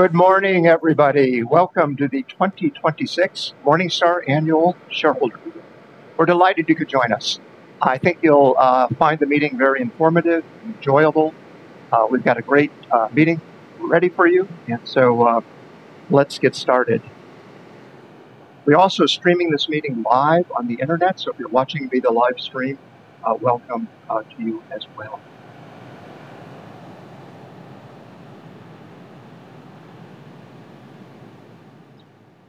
Good morning, everybody. Welcome to the 2026 Morningstar Annual Shareholder Meeting. We're delighted you could join us. I think you'll find the meeting very informative and enjoyable. We've got a great meeting ready for you. Let's get started. We're also streaming this meeting live on the internet, so if you're watching via the live stream, welcome to you as well.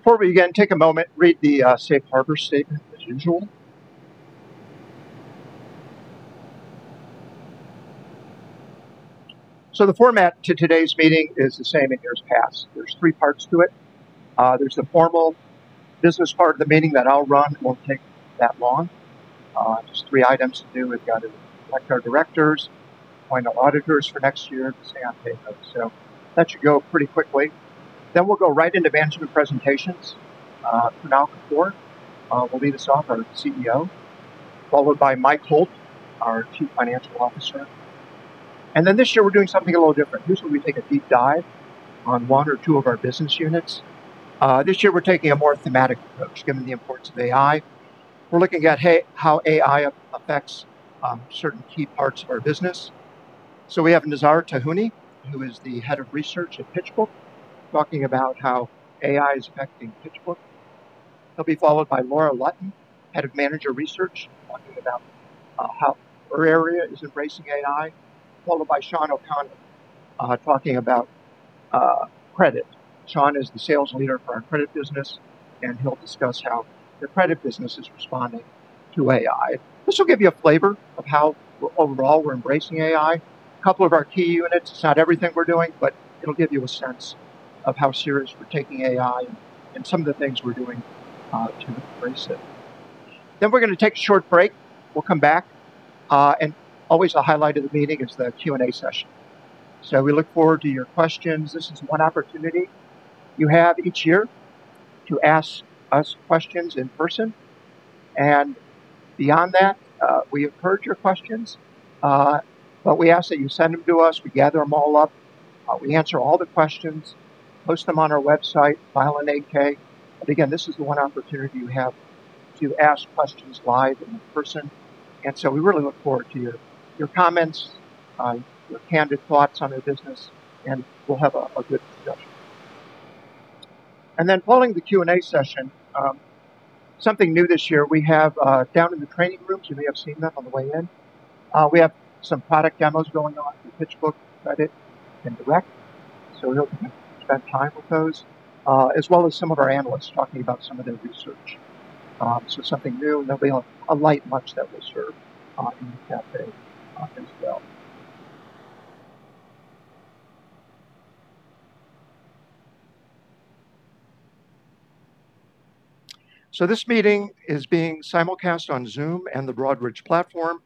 Before we begin, take a moment and read the safe harbor statement as usual. The format to today's meeting is the same in years past. There's three parts to it. There's the formal business part of the meeting that I'll run. It won't take that long. Just three items to do. We've got to elect our directors, appoint our auditors for next year, the same thing though. That should go pretty quickly. We'll go right into management presentations. Kunal Kapoor will lead us off, our CEO, followed by Mike Holt, our Chief Financial Officer. This year we're doing something a little different. Usually we take a deep dive on one or two of our business units. This year we're taking a more thematic approach, given the importance of AI. We're looking at how AI affects certain key parts of our business. We have Nizar Tarhuni, who is the Head of Research at PitchBook, talking about how AI is affecting PitchBook. He'll be followed by Laura Lutton, Head of Manager Research, talking about how her area is embracing AI, followed by Sean O'Connor, talking about credit. Sean is the sales leader for our credit business, and he'll discuss how the credit business is responding to AI. This will give you a flavor of how overall we're embracing AI. A couple of our key units. It's not everything we're doing, it'll give you a sense of how serious we're taking AI and some of the things we're doing to embrace it. We're gonna take a short break. We'll come back. Always a highlight of the meeting is the Q&A session. We look forward to your questions. This is one opportunity you have each year to ask us questions in person. Beyond that, we encourage your questions, but we ask that you send them to us, we gather them all up, we answer all the questions, post them on our website, file an 8-K. Again, this is the one opportunity you have to ask questions live and in person. We really look forward to your comments, your candid thoughts on the business, and we'll have a good discussion. Following the Q&A session, something new this year, we have down in the training rooms, you may have seen them on the way in, we have some product demos going on for PitchBook, Morningstar Credit and Morningstar Direct. We hope you can spend time with those, as well as some of our analysts talking about some of their research. Something new. There'll be a light lunch that we'll serve in the cafe as well. This meeting is being simulcast on Zoom and the Broadridge platform,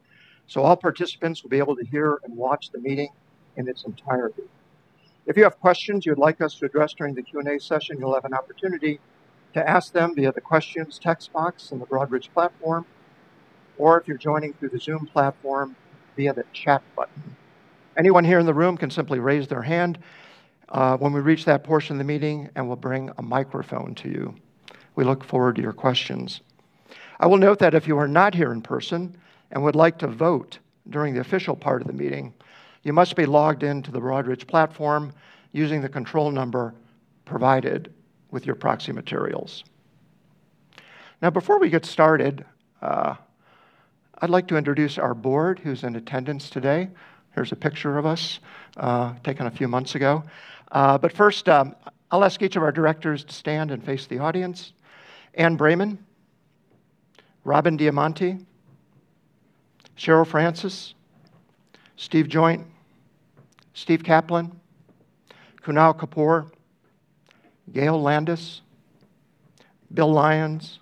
so all participants will be able to hear and watch the meeting in its entirety. If you have questions you'd like us to address during the Q&A session, you'll have an opportunity to ask them via the Questions text box in the Broadridge platform, or if you're joining through the Zoom platform, via the Chat button. Anyone here in the room can simply raise their hand when we reach that portion of the meeting, and we'll bring a microphone to you. We look forward to your questions. I will note that if you are not here in person and would like to vote during the official part of the meeting, you must be logged into the Broadridge platform using the control number provided with your proxy materials. Now, before we get started, I'd like to introduce our board who's in attendance today. Here's a picture of us, taken a few months ago. First, I'll ask each of our directors to stand and face the audience. Anne Bramman, Robin Diamonte, Cheryl Francis, Stephen Joynt, Steve Kaplan, Kunal Kapoor, Gail Landis, Bill Lyons,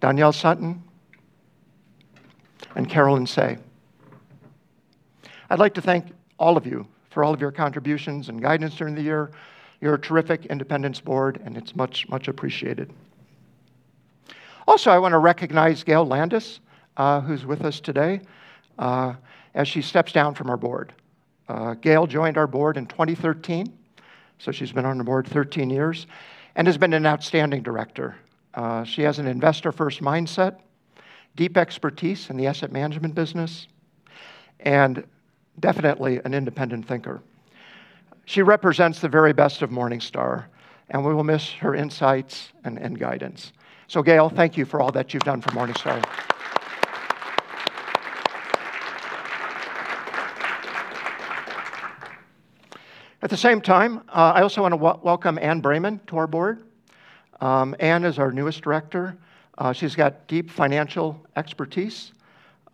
Doniel Sutton, and Caroline Tsay. I'd like to thank all of you for all of your contributions and guidance during the year. You're a terrific independence board, and it's much appreciated. I also want to recognize Gail Landis, who's with us today, as she steps down from our board. Gail joined our board in 2013, so she's been on the board 13 years, and has been an outstanding director. She has an investor-first mindset, deep expertise in the asset management business, and definitely an independent thinker. She represents the very best of Morningstar, and we will miss her insights and guidance. So Gail, thank you for all that you've done for Morningstar. At the same time, I also want to welcome Anne Bramman to our Board. Anne is our newest Director. She's got deep financial expertise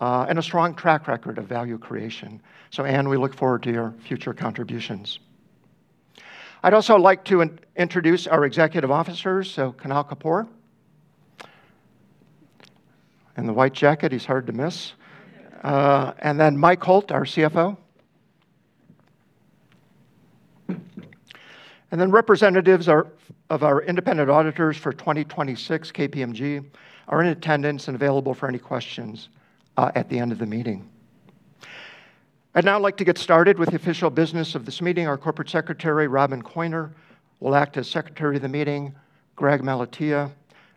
and a strong track record of value creation. Anne, we look forward to your future contributions. I'd also like to introduce our Executive Officers, Kunal Kapoor. In the white jacket, he's hard to miss. Mike Holt, our CFO. Representatives of our independent auditors for 2026, KPMG, are in attendance and available for any questions at the end of the meeting. I'd now like to get started with the official business of this meeting. Our Corporate Secretary, Robyn Koyner, will act as secretary of the meeting. Greg Malatia,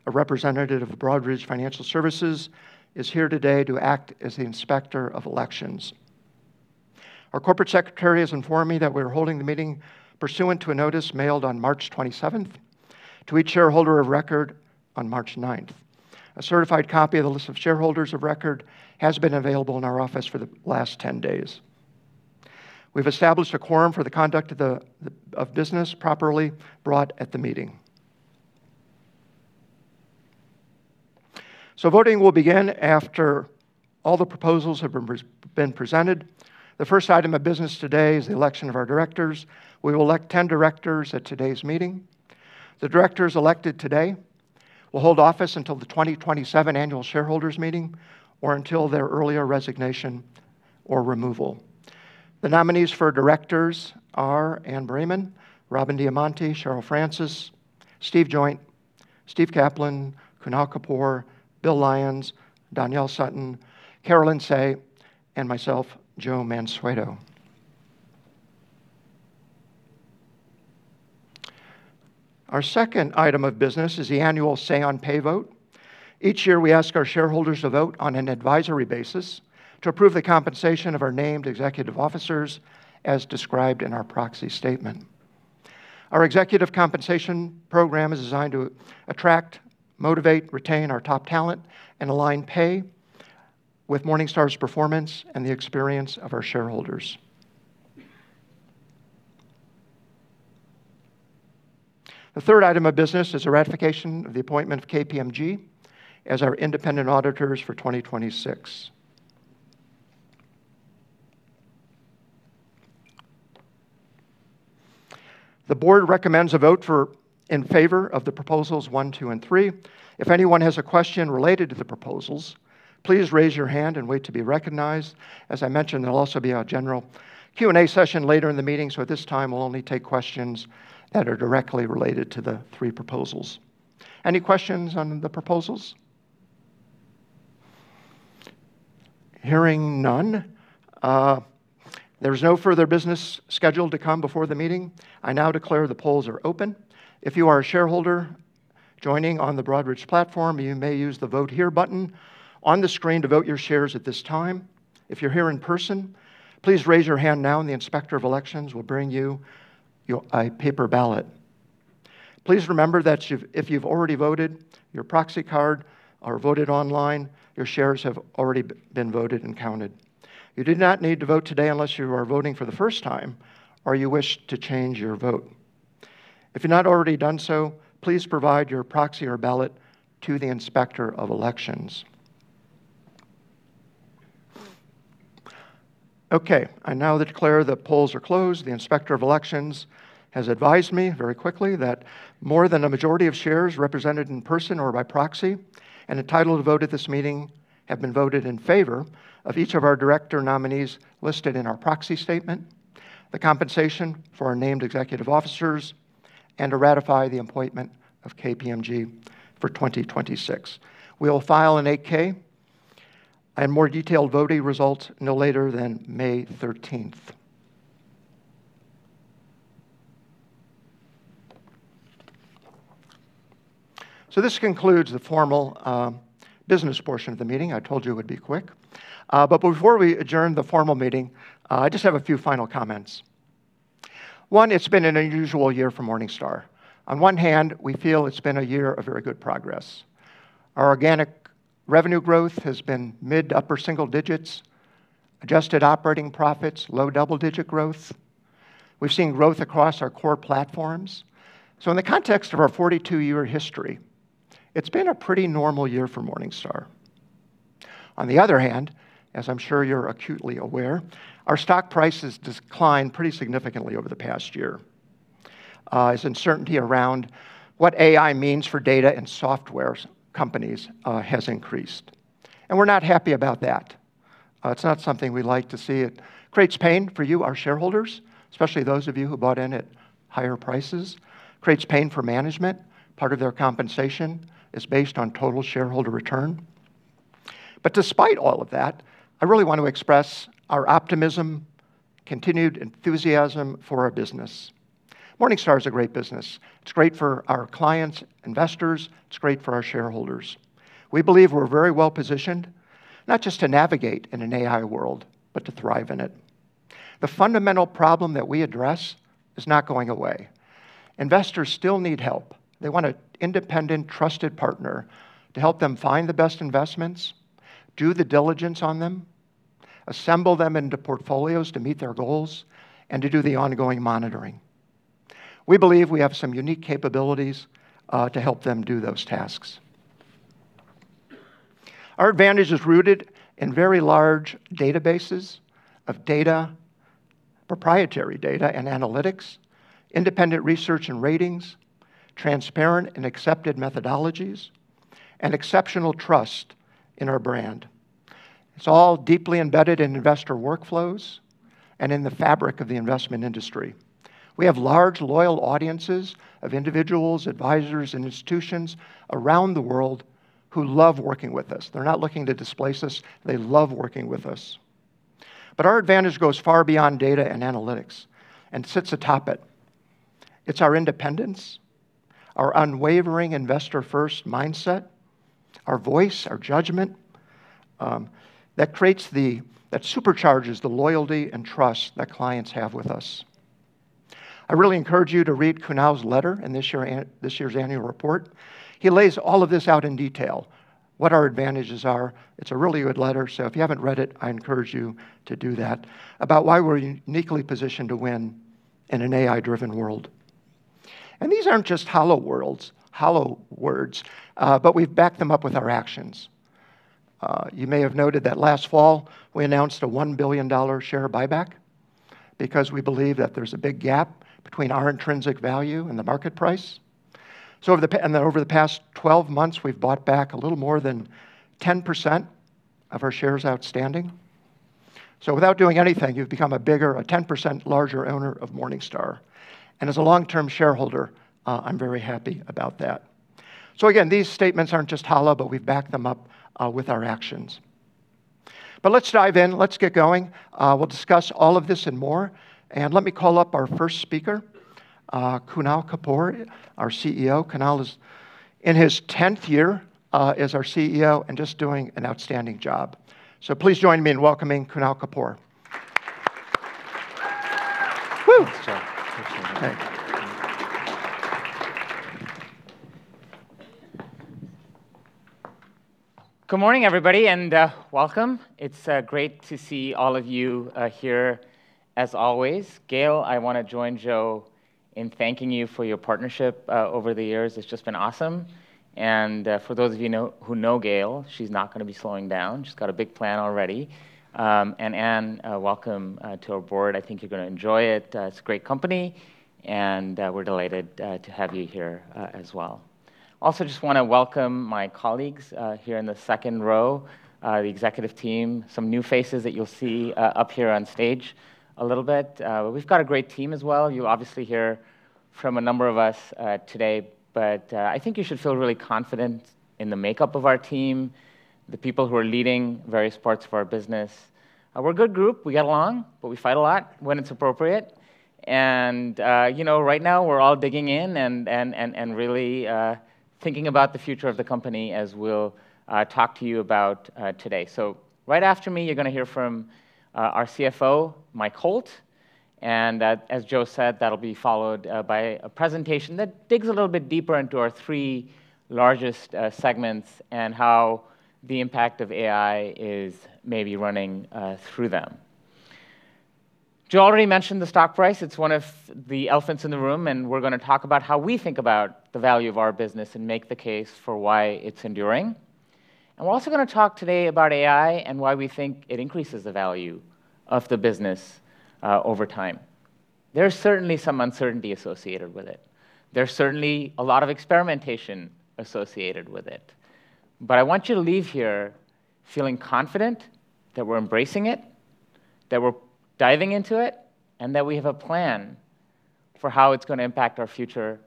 a representative of Broadridge Financial Solutions, is here today to act as the Inspector of Elections. Our corporate secretary has informed me that we're holding the meeting pursuant to a notice mailed on March 27th to each shareholder of record on March 9th. A certified copy of the list of shareholders of record has been available in our office for the last 10 days. We've established a quorum for the conduct of the of business properly brought at the meeting. Voting will begin after all the proposals have been presented. The first item of business today is the election of our directors. We will elect 10 directors at today's meeting. The directors elected today will hold office until the 2027 annual shareholders meeting or until their earlier resignation or removal. The nominees for directors are Anne Bramman, Robin Diamonte, Cheryl Francis, Stephen Joynt, Steve Kaplan, Kunal Kapoor, Bill Lyons, Doniel Sutton, Caroline Tsay, and myself, Joe Mansueto. Our second item of business is the annual say on pay vote. Each year we ask our shareholders to vote on an advisory basis to approve the compensation of our named executive officers as described in our proxy statement. Our executive compensation program is designed to attract, motivate, retain our top talent, and align pay with Morningstar's performance and the experience of our shareholders. The third item of business is the ratification of the appointment of KPMG as our independent auditors for 2026. The board recommends a vote for, in favor of the proposals one, two, and three. If anyone has a question related to the proposals, please raise your hand and wait to be recognized. As I mentioned, there'll also be a general Q&A session later in the meeting, so at this time we'll only take questions that are directly related to the three proposals. Any questions on the proposals? Hearing none, there's no further business scheduled to come before the meeting. I now declare the polls are open. If you are a shareholder joining on the Broadridge platform, you may use the Vote Here button on the screen to vote your shares at this time. If you're here in person, please raise your hand now and the Inspector of Elections will bring you a paper ballot. Please remember that you've, if you've already voted your proxy card or voted online, your shares have already been voted and counted. You do not need to vote today unless you are voting for the first time or you wish to change your vote. If you've not already done so, please provide your proxy or ballot to the Inspector of Elections. Okay, I now declare the polls are closed. The Inspector of Elections has advised me very quickly that more than a majority of shares represented in person or by proxy and entitled to vote at this meeting have been voted in favor of each of our director nominees listed in our proxy statement, the compensation for our named executive officers, and to ratify the appointment of KPMG for 2026. We will file an 8-K and more detailed voting results no later than May 13th. This concludes the formal business portion of the meeting. I told you it would be quick. Before we adjourn the formal meeting, I just have a few final comments. One, it's been an unusual year for Morningstar. On one hand, we feel it's been a year of very good progress. Our organic revenue growth has been mid to upper single digits, adjusted operating profits, low double-digit growth. We've seen growth across our core platforms. In the context of our 42-year history, it's been a pretty normal year for Morningstar. On the other hand, as I'm sure you're acutely aware, our stock price has declined pretty significantly over the past year. As uncertainty around what AI means for data and software companies has increased. We're not happy about that. It's not something we like to see. It creates pain for you, our shareholders, especially those of you who bought in at higher prices. Creates pain for management. Part of their compensation is based on total shareholder return. Despite all of that, I really want to express our optimism, continued enthusiasm for our business. Morningstar is a great business. It's great for our clients, investors. It's great for our shareholders. We believe we're very well-positioned not just to navigate in an AI world, but to thrive in it. The fundamental problem that we address is not going away. Investors still need help. They want a independent trusted partner to help them find the best investments, do the diligence on them, assemble them into portfolios to meet their goals, and to do the ongoing monitoring. We believe we have some unique capabilities to help them do those tasks. Our advantage is rooted in very large databases of data, proprietary data and analytics, independent research and ratings. Transparent and accepted methodologies and exceptional trust in our brand. It's all deeply embedded in investor workflows and in the fabric of the investment industry. We have large, loyal audiences of individuals, advisors, and institutions around the world who love working with us. They're not looking to displace us. They love working with us. Our advantage goes far beyond data and analytics, and sits atop it. It's our independence, our unwavering investor-first mindset, our voice, our judgment, that supercharges the loyalty and trust that clients have with us. I really encourage you to read Kunal's letter in this year's annual report. He lays all of this out in detail, what our advantages are. It's a really good letter, so if you haven't read it, I encourage you to do that, about why we're uniquely positioned to win in an AI-driven world. These aren't just hollow words, but we've backed them up with our actions. You may have noted that last fall we announced a $1 billion share buyback because we believe that there's a big gap between our intrinsic value and the market price. Then over the past 12 months, we've bought back a little more than 10% of our shares outstanding. Without doing anything, you've become a bigger, a 10% larger owner of Morningstar. As a long-term shareholder, I'm very happy about that. Again, these statements aren't just hollow, but we've backed them up with our actions. Let's dive in. Let's get going. We'll discuss all of this and more, and let me call up our first speaker, Kunal Kapoor, our CEO. Kunal is in his 10th year as our CEO and just doing an outstanding job. Please join me in welcoming Kunal Kapoor. Woo! Thanks, Joe. Appreciate it. Thank you. Good morning, everybody, welcome. It's great to see all of you here as always. Gail, I wanna join Joe in thanking you for your partnership over the years. It's just been awesome. For those of you who know Gail, she's not gonna be slowing down. She's got a big plan already. Anne, welcome to our board. I think you're gonna enjoy it. It's a great company, and we're delighted to have you here as well. Also just wanna welcome my colleagues here in the second row, the executive team, some new faces that you'll see up here on stage a little bit. We've got a great team as well. You'll obviously hear from a number of us today. I think you should feel really confident in the makeup of our team, the people who are leading various parts of our business. We're a good group. We get along. We fight a lot when it's appropriate. You know, right now we're all digging in and really thinking about the future of the company as we'll talk to you about today. Right after me, you're gonna hear from our CFO, Mike Holt. That, as Joe said, that'll be followed by a presentation that digs a little bit deeper into our three largest segments and how the impact of AI is maybe running through them. Joe already mentioned the stock price. It's one of the elephants in the room. We're gonna talk about how we think about the value of our business and make the case for why it's enduring. We're also gonna talk today about AI and why we think it increases the value of the business over time. There's certainly some uncertainty associated with it. There's certainly a lot of experimentation associated with it. I want you to leave here feeling confident that we're embracing it, that we're diving into it, and that we have a plan for how it's gonna impact our future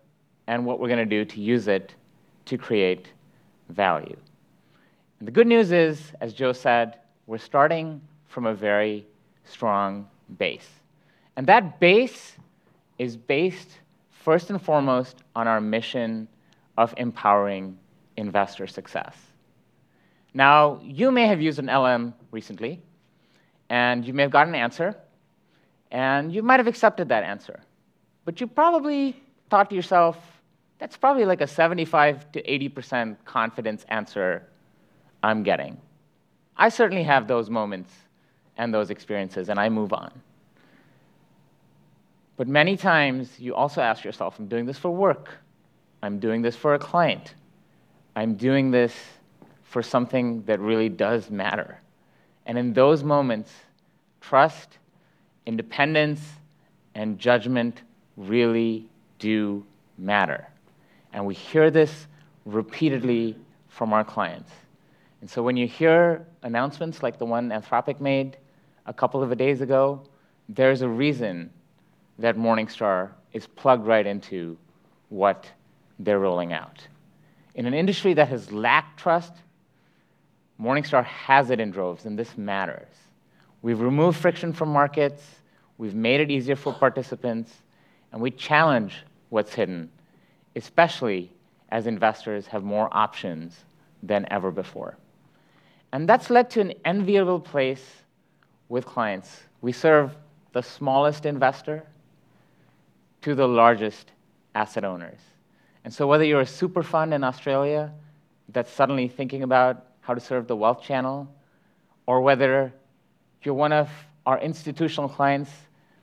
and what we're gonna do to use it to create value. The good news is, as Joe said, we're starting from a very strong base, and that base is based first and foremost on our mission of empowering investor success. You may have used an LLM recently, and you may have gotten an answer, and you might have accepted that answer. You probably thought to yourself, "That's probably like a 75%-80% confidence answer I'm getting." I certainly have those moments and those experiences, and I move on. Many times you also ask yourself, "I'm doing this for work. I'm doing this for a client. I'm doing this for something that really does matter." In those moments, trust, independence, and judgment really do matter. We hear this repeatedly from our clients. When you hear announcements like the one Anthropic made a couple of days ago, there's a reason that Morningstar is plugged right into what they're rolling out. In an industry that has lacked trust, Morningstar has it in droves, and this matters. We've removed friction from markets, we've made it easier for participants, and we challenge what's hidden, especially as investors have more options than ever before. That's led to an enviable place with clients. We serve the smallest investor to the largest asset owners. Whether you're a super fund in Australia that's suddenly thinking about how to serve the wealth channel or whether you're one of our institutional clients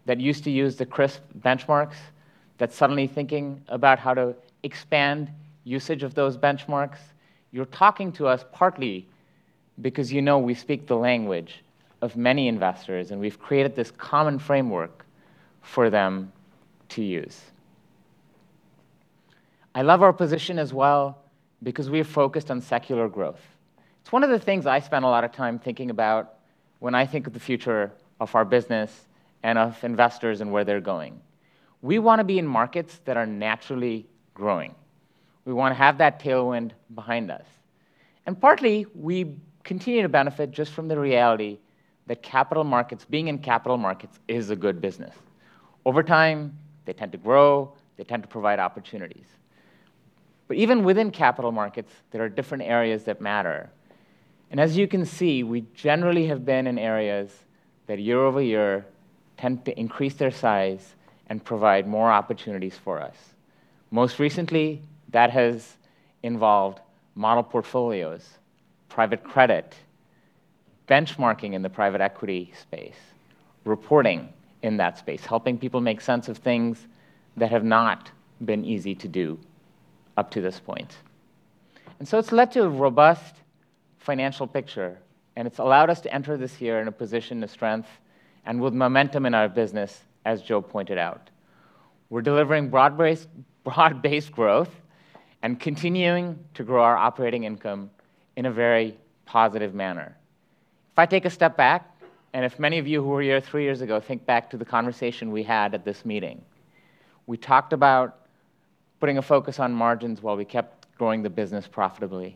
that used to use the CRSP benchmarks that's suddenly thinking about how to expand usage of those benchmarks, you're talking to us partly because you know we speak the language of many investors, and we've created this common framework for them to use. I love our position as well because we are focused on secular growth. It's one of the things I spend a lot of time thinking about when I think of the future of our business and of investors and where they're going. We wanna be in markets that are naturally growing. We wanna have that tailwind behind us. Partly, we continue to benefit just from the reality that capital markets, being in capital markets is a good business. Over time, they tend to grow, they tend to provide opportunities. But even within capital markets, there are different areas that matter. As you can see, we generally have been in areas that year-over-year tend to increase their size and provide more opportunities for us. Most recently, that has involved model portfolios, private credit, benchmarking in the private equity space, reporting in that space, helping people make sense of things that have not been easy to do up to this point. It's led to a robust financial picture, and it's allowed us to enter this year in a position of strength and with momentum in our business, as Joe pointed out. We're delivering broad-based growth and continuing to grow our operating income in a very positive manner. If I take a step back, and if many of you who were here three years ago think back to the conversation we had at this meeting, we talked about putting a focus on margins while we kept growing the business profitably.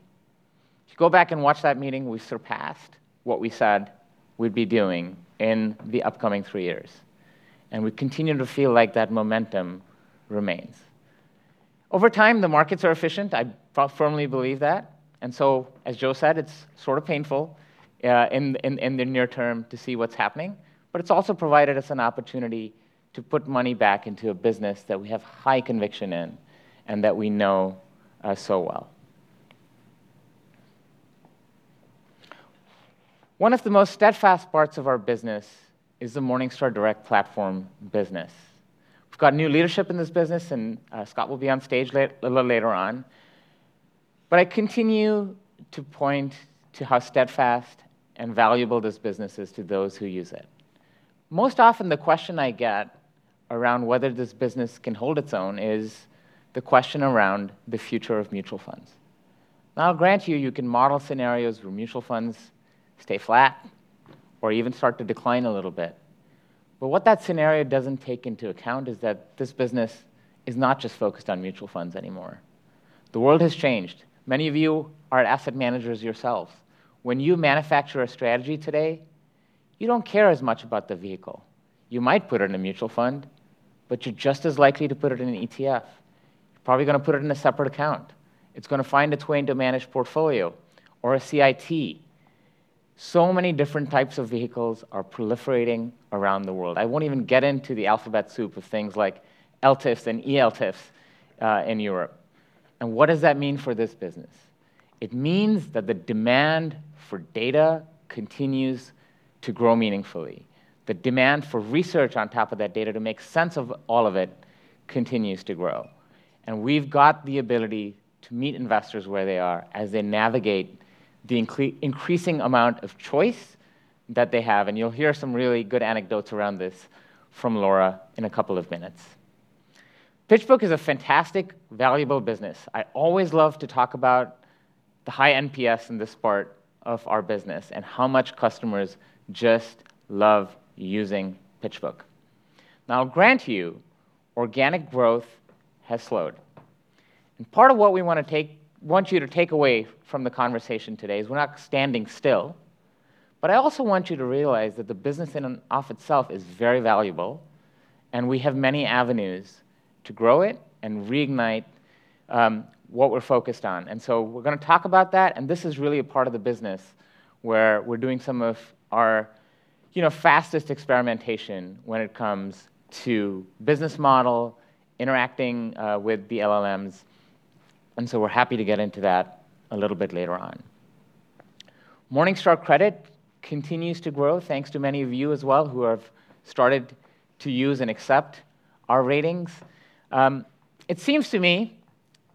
If you go back and watch that meeting, we surpassed what we said we'd be doing in the upcoming three years, and we continue to feel like that momentum remains. Over time, the markets are efficient. I firmly believe that. As Joe said, it's sort of painful in the near term to see what's happening, but it's also provided us an opportunity to put money back into a business that we have high conviction in and that we know so well. One of the most steadfast parts of our business is the Morningstar Direct platform business. We've got new leadership in this business, and Scott will be on stage a little later on. I continue to point to how steadfast and valuable this business is to those who use it. Most often, the question I get around whether this business can hold its own is the question around the future of mutual funds. I'll grant you can model scenarios where mutual funds stay flat or even start to decline a little bit, but what that scenario doesn't take into account is that this business is not just focused on mutual funds anymore. The world has changed. Many of you are asset managers yourself. When you manufacture a strategy today, you don't care as much about the vehicle. You might put it in a mutual fund, but you're just as likely to put it in an ETF. Probably gonna put it in a separate account. It's gonna find its way into a managed portfolio or a CIT. Many different types of vehicles are proliferating around the world. I won't even get into the alphabet soup of things like LTIFs and ELTIFs in Europe. What does that mean for this business? It means that the demand for data continues to grow meaningfully. The demand for research on top of that data to make sense of all of it continues to grow. We've got the ability to meet investors where they are as they navigate the increasing amount of choice that they have, and you'll hear some really good anecdotes around this from Laura in a couple of minutes. PitchBook is a fantastic, valuable business. I always love to talk about the high NPS in this part of our business and how much customers just love using PitchBook. Now, I'll grant you, organic growth has slowed. Part of what we want you to take away from the conversation today is we're not standing still, but I also want you to realize that the business in and of itself is very valuable, and we have many avenues to grow it and reignite what we're focused on. We're gonna talk about that, and this is really a part of the business where we're doing some of our, you know, fastest experimentation when it comes to business model, interacting with the LLMs, we're happy to get into that a little bit later on. Morningstar Credit continues to grow thanks to many of you as well who have started to use and accept our ratings. It seems to me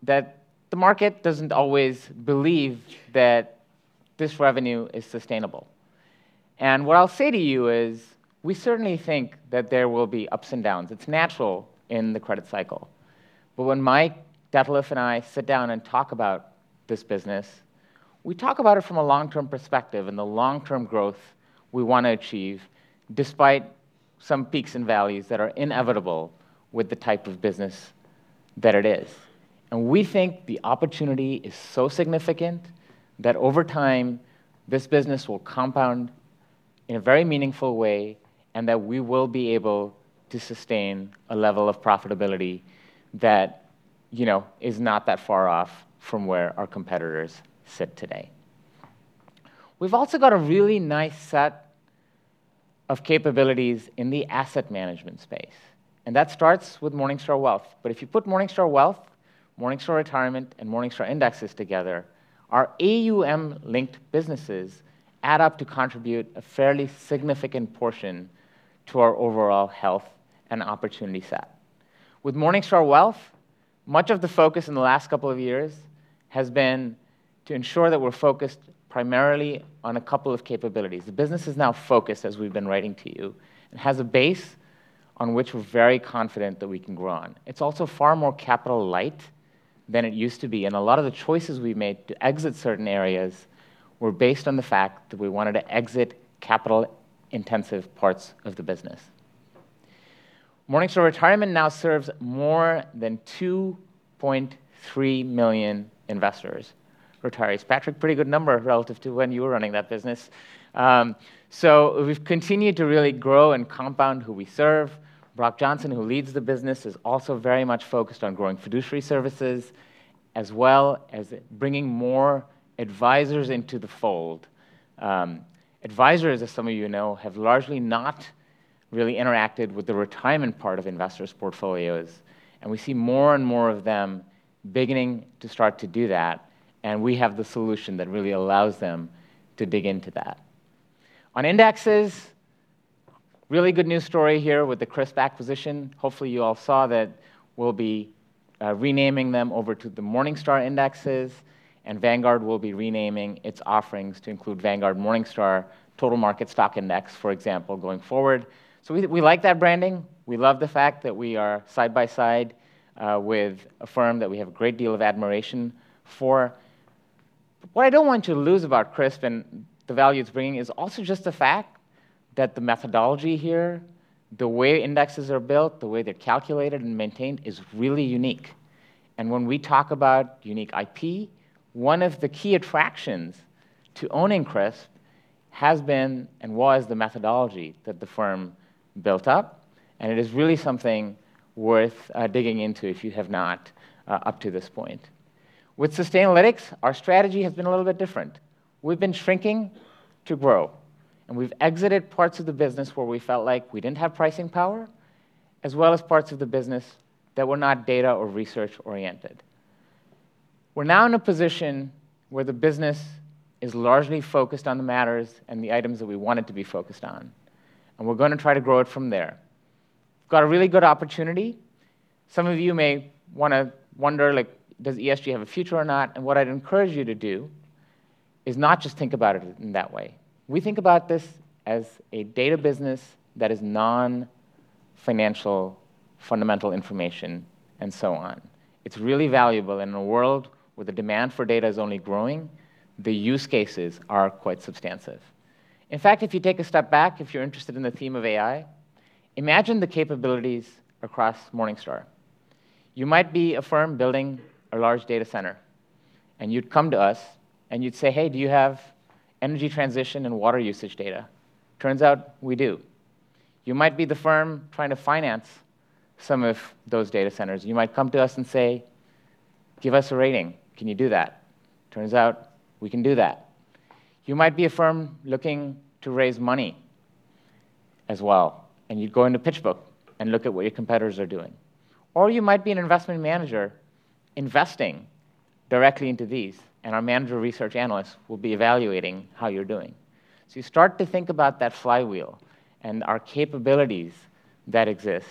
that the market doesn't always believe that this revenue is sustainable. What I'll say to you is we certainly think that there will be ups and downs. It's natural in the credit cycle. When Mike, Detlef and I sit down and talk about this business, we talk about it from a long-term perspective and the long-term growth we wanna achieve despite some peaks and valleys that are inevitable with the type of business that it is. We think the opportunity is so significant that over time this business will compound in a very meaningful way and that we will be able to sustain a level of profitability that, you know, is not that far off from where our competitors sit today. We've also got a really nice set of capabilities in the asset management space, and that starts with Morningstar Wealth. If you put Morningstar Wealth, Morningstar Retirement, and Morningstar Indexes together, our AUM-linked businesses add up to contribute a fairly significant portion to our overall health and opportunity set. With Morningstar Wealth, much of the focus in the last couple of years has been to ensure that we're focused primarily on a couple of capabilities. The business is now focused, as we've been writing to you. It has a base on which we're very confident that we can grow on. It's also far more capital light than it used to be, and a lot of the choices we've made to exit certain areas were based on the fact that we wanted to exit capital-intensive parts of the business. Morningstar Retirement now serves more than 2.3 million investors, retirees. Patrick, pretty good number relative to when you were running that business. We've continued to really grow and compound who we serve. Brock Johnson, who leads the business, is also very much focused on growing fiduciary services, as well as bringing more advisors into the fold. Advisors, as some of you know, have largely not really interacted with the retirement part of investors' portfolios, and we see more and more of them beginning to start to do that, and we have the solution that really allows them to dig into that. On indexes, really good news story here with the CRSP acquisition. Hopefully you all saw that we'll be renaming them over to the Morningstar Indexes, and Vanguard will be renaming its offerings to include Vanguard Morningstar Total Market Stock Index, for example, going forward. We, we like that branding. We love the fact that we are side by side with a firm that we have a great deal of admiration for. What I don't want to lose about CRSP and the value it's bringing is also just the fact that the methodology here, the way indexes are built, the way they're calculated and maintained, is really unique. When we talk about unique IP, one of the key attractions to owning CRSP has been and was the methodology that the firm built up, and it is really something worth digging into if you have not up to this point. With Sustainalytics, our strategy has been a little bit different. We've been shrinking to grow, and we've exited parts of the business where we felt like we didn't have pricing power, as well as parts of the business that were not data or research oriented. We're now in a position where the business is largely focused on the matters and the items that we want it to be focused on, and we're gonna try to grow it from there. Got a really good opportunity. Some of you may wanna wonder, like, does ESG have a future or not? What I'd encourage you to do is not just think about it in that way. We think about this as a data business that is non-financial fundamental information and so on. It's really valuable. In a world where the demand for data is only growing, the use cases are quite substantive. In fact, if you take a step back, if you're interested in the theme of AI, imagine the capabilities across Morningstar. You might be a firm building a large data center, and you'd come to us and you'd say, "Hey, do you have energy transition and water usage data?" Turns out we do. You might be the firm trying to finance some of those data centers. You might come to us and say, "Give us a rating. Can you do that?" Turns out we can do that. You might be a firm looking to raise money as well, and you'd go into PitchBook and look at what your competitors are doing. You might be an investment manager investing directly into these, and our manager research analysts will be evaluating how you're doing. You start to think about that flywheel and our capabilities that exist,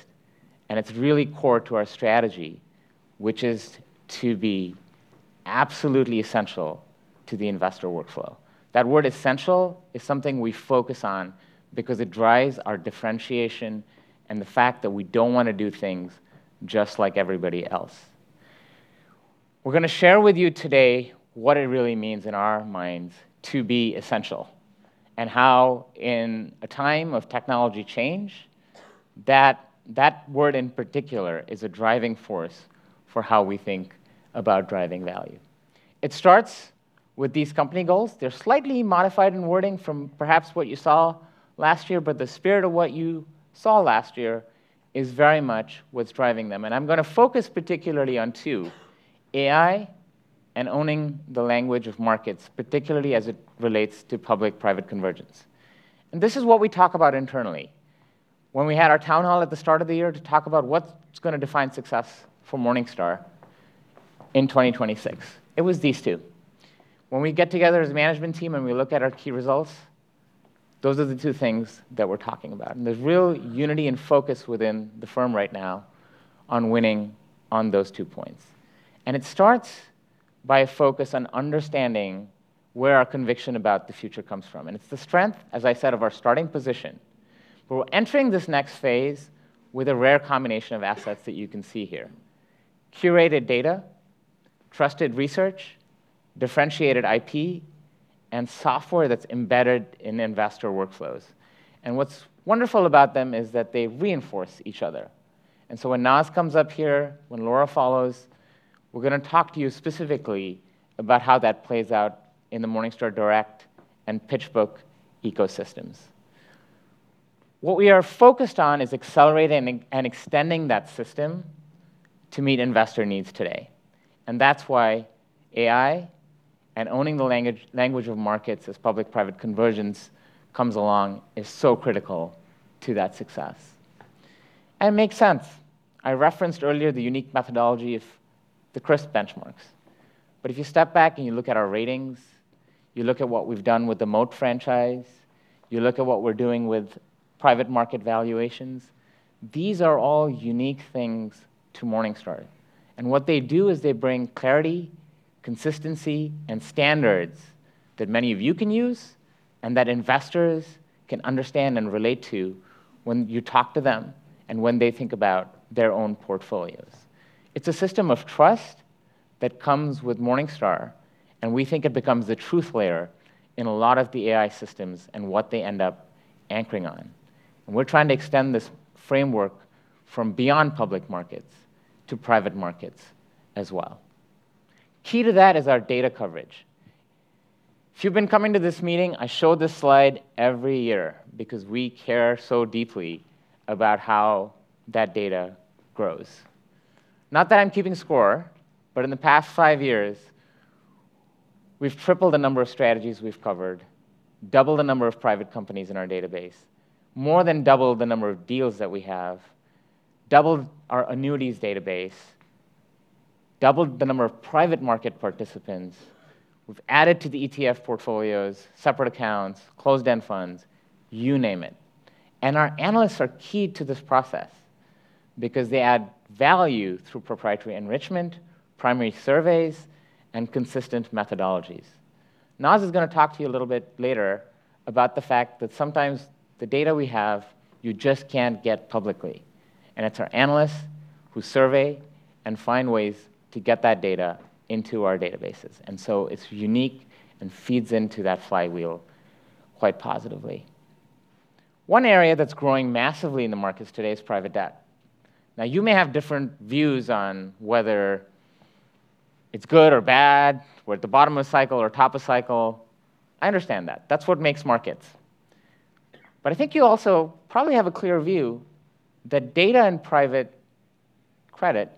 and it's really core to our strategy, which is to be absolutely essential to the investor workflow. That word essential is something we focus on because it drives our differentiation and the fact that we don't wanna do things just like everybody else. We're gonna share with you today what it really means in our minds to be essential and how, in a time of technology change, that word in particular is a driving force for how we think about driving value. It starts with these company goals. They're slightly modified in wording from perhaps what you saw last year, but the spirit of what you saw last year is very much what's driving them, and I'm gonna focus particularly on two, AI and owning the language of markets, particularly as it relates to public-private convergence. This is what we talk about internally. When we had our town hall at the start of the year to talk about what's gonna define success for Morningstar in 2026, it was these two. When we get together as a management team and we look at our key results, those are the two things that we're talking about, and there's real unity and focus within the firm right now on winning on those two points. It starts by a focus on understanding where our conviction about the future comes from, and it's the strength, as I said, of our starting position. We're entering this next phase with a rare combination of assets that you can see here. Curated data, trusted research, differentiated IP, and software that's embedded in investor workflows. What's wonderful about them is that they reinforce each other. When Naz comes up here, when Laura follows, we're gonna talk to you specifically about how that plays out in the Morningstar Direct and PitchBook ecosystems. What we are focused on is accelerating and extending that system to meet investor needs today, and that's why AI and owning the language of markets as public-private convergence comes along is so critical to that success. It makes sense. I referenced earlier the unique methodology of the CRSP benchmarks. If you step back and you look at our ratings, you look at what we've done with the Moat franchise, you look at what we're doing with private market valuations, these are all unique things to Morningstar. What they do is they bring clarity, consistency, and standards that many of you can use and that investors can understand and relate to when you talk to them and when they think about their own portfolios. It's a system of trust that comes with Morningstar, and we think it becomes the truth layer in a lot of the AI systems and what they end up anchoring on. We're trying to extend this framework from beyond public markets to private markets as well. Key to that is our data coverage. If you've been coming to this meeting, I show this slide every year because we care so deeply about how that data grows. Not that I'm keeping score, in the past five years, we've tripled the number of strategies we've covered, doubled the number of private companies in our database, more than doubled the number of deals that we have, doubled our annuities database, doubled the number of private market participants. We've added to the ETF portfolios, separate accounts, closed-end funds, you name it. Our analysts are key to this process because they add value through proprietary enrichment, primary surveys, and consistent methodologies. Naz is going to talk to you a little bit later about the fact that sometimes the data we have you just can't get publicly, and it's our analysts who survey and find ways to get that data into our databases. It's unique and feeds into that flywheel quite positively. One area that's growing massively in the market today is private debt. Now, you may have different views on whether it's good or bad, we're at the bottom of the cycle or top of cycle. I understand that. That's what makes markets. I think you also probably have a clear view that data in private credit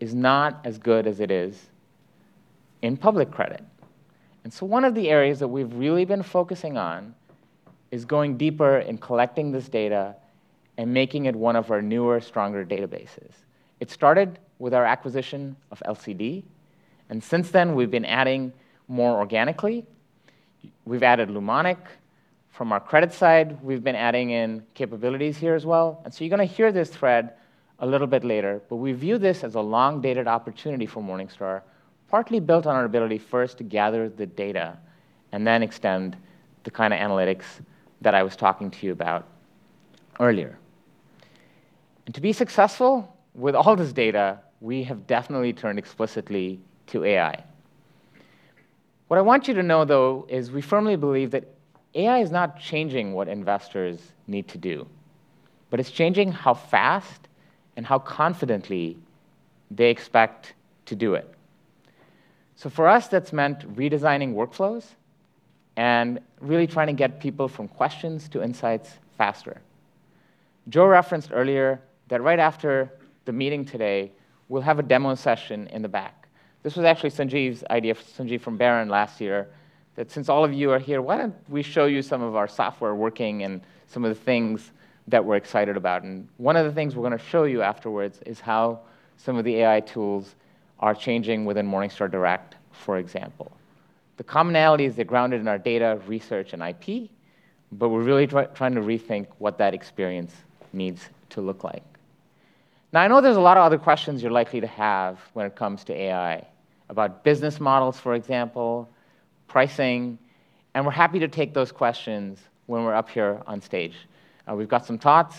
is not as good as it is in public credit. One of the areas that we've really been focusing on is going deeper in collecting this data and making it one of our newer, stronger databases. It started with our acquisition of LCD, and since then we've been adding more organically. We've added Lumonic. From our credit side, we've been adding in capabilities here as well. You're going to hear this thread a little bit later, but we view this as a long-dated opportunity for Morningstar, partly built on our ability first to gather the data and then extend the kind of analytics that I was talking to you about earlier. To be successful with all this data, we have definitely turned explicitly to AI. What I want you to know though is we firmly believe that AI is not changing what investors need to do, but it's changing how fast and how confidently they expect to do it. For us, that's meant redesigning workflows and really trying to get people from questions to insights faster. Joe referenced earlier that right after the meeting today, we'll have a demo session in the back. This was actually Sanjeev's idea, Sanjeev from Baron last year, that since all of you are here, why don't we show you some of our software working and some of the things that we're excited about? One of the things we're gonna show you afterwards is how some of the AI tools are changing within Morningstar Direct, for example. The commonality is they're grounded in our data, research, and IP, but we're really trying to rethink what that experience needs to look like. Now, I know there's a lot of other questions you're likely to have when it comes to AI, about business models, for example, pricing, and we're happy to take those questions when we're up here on stage. We've got some thoughts.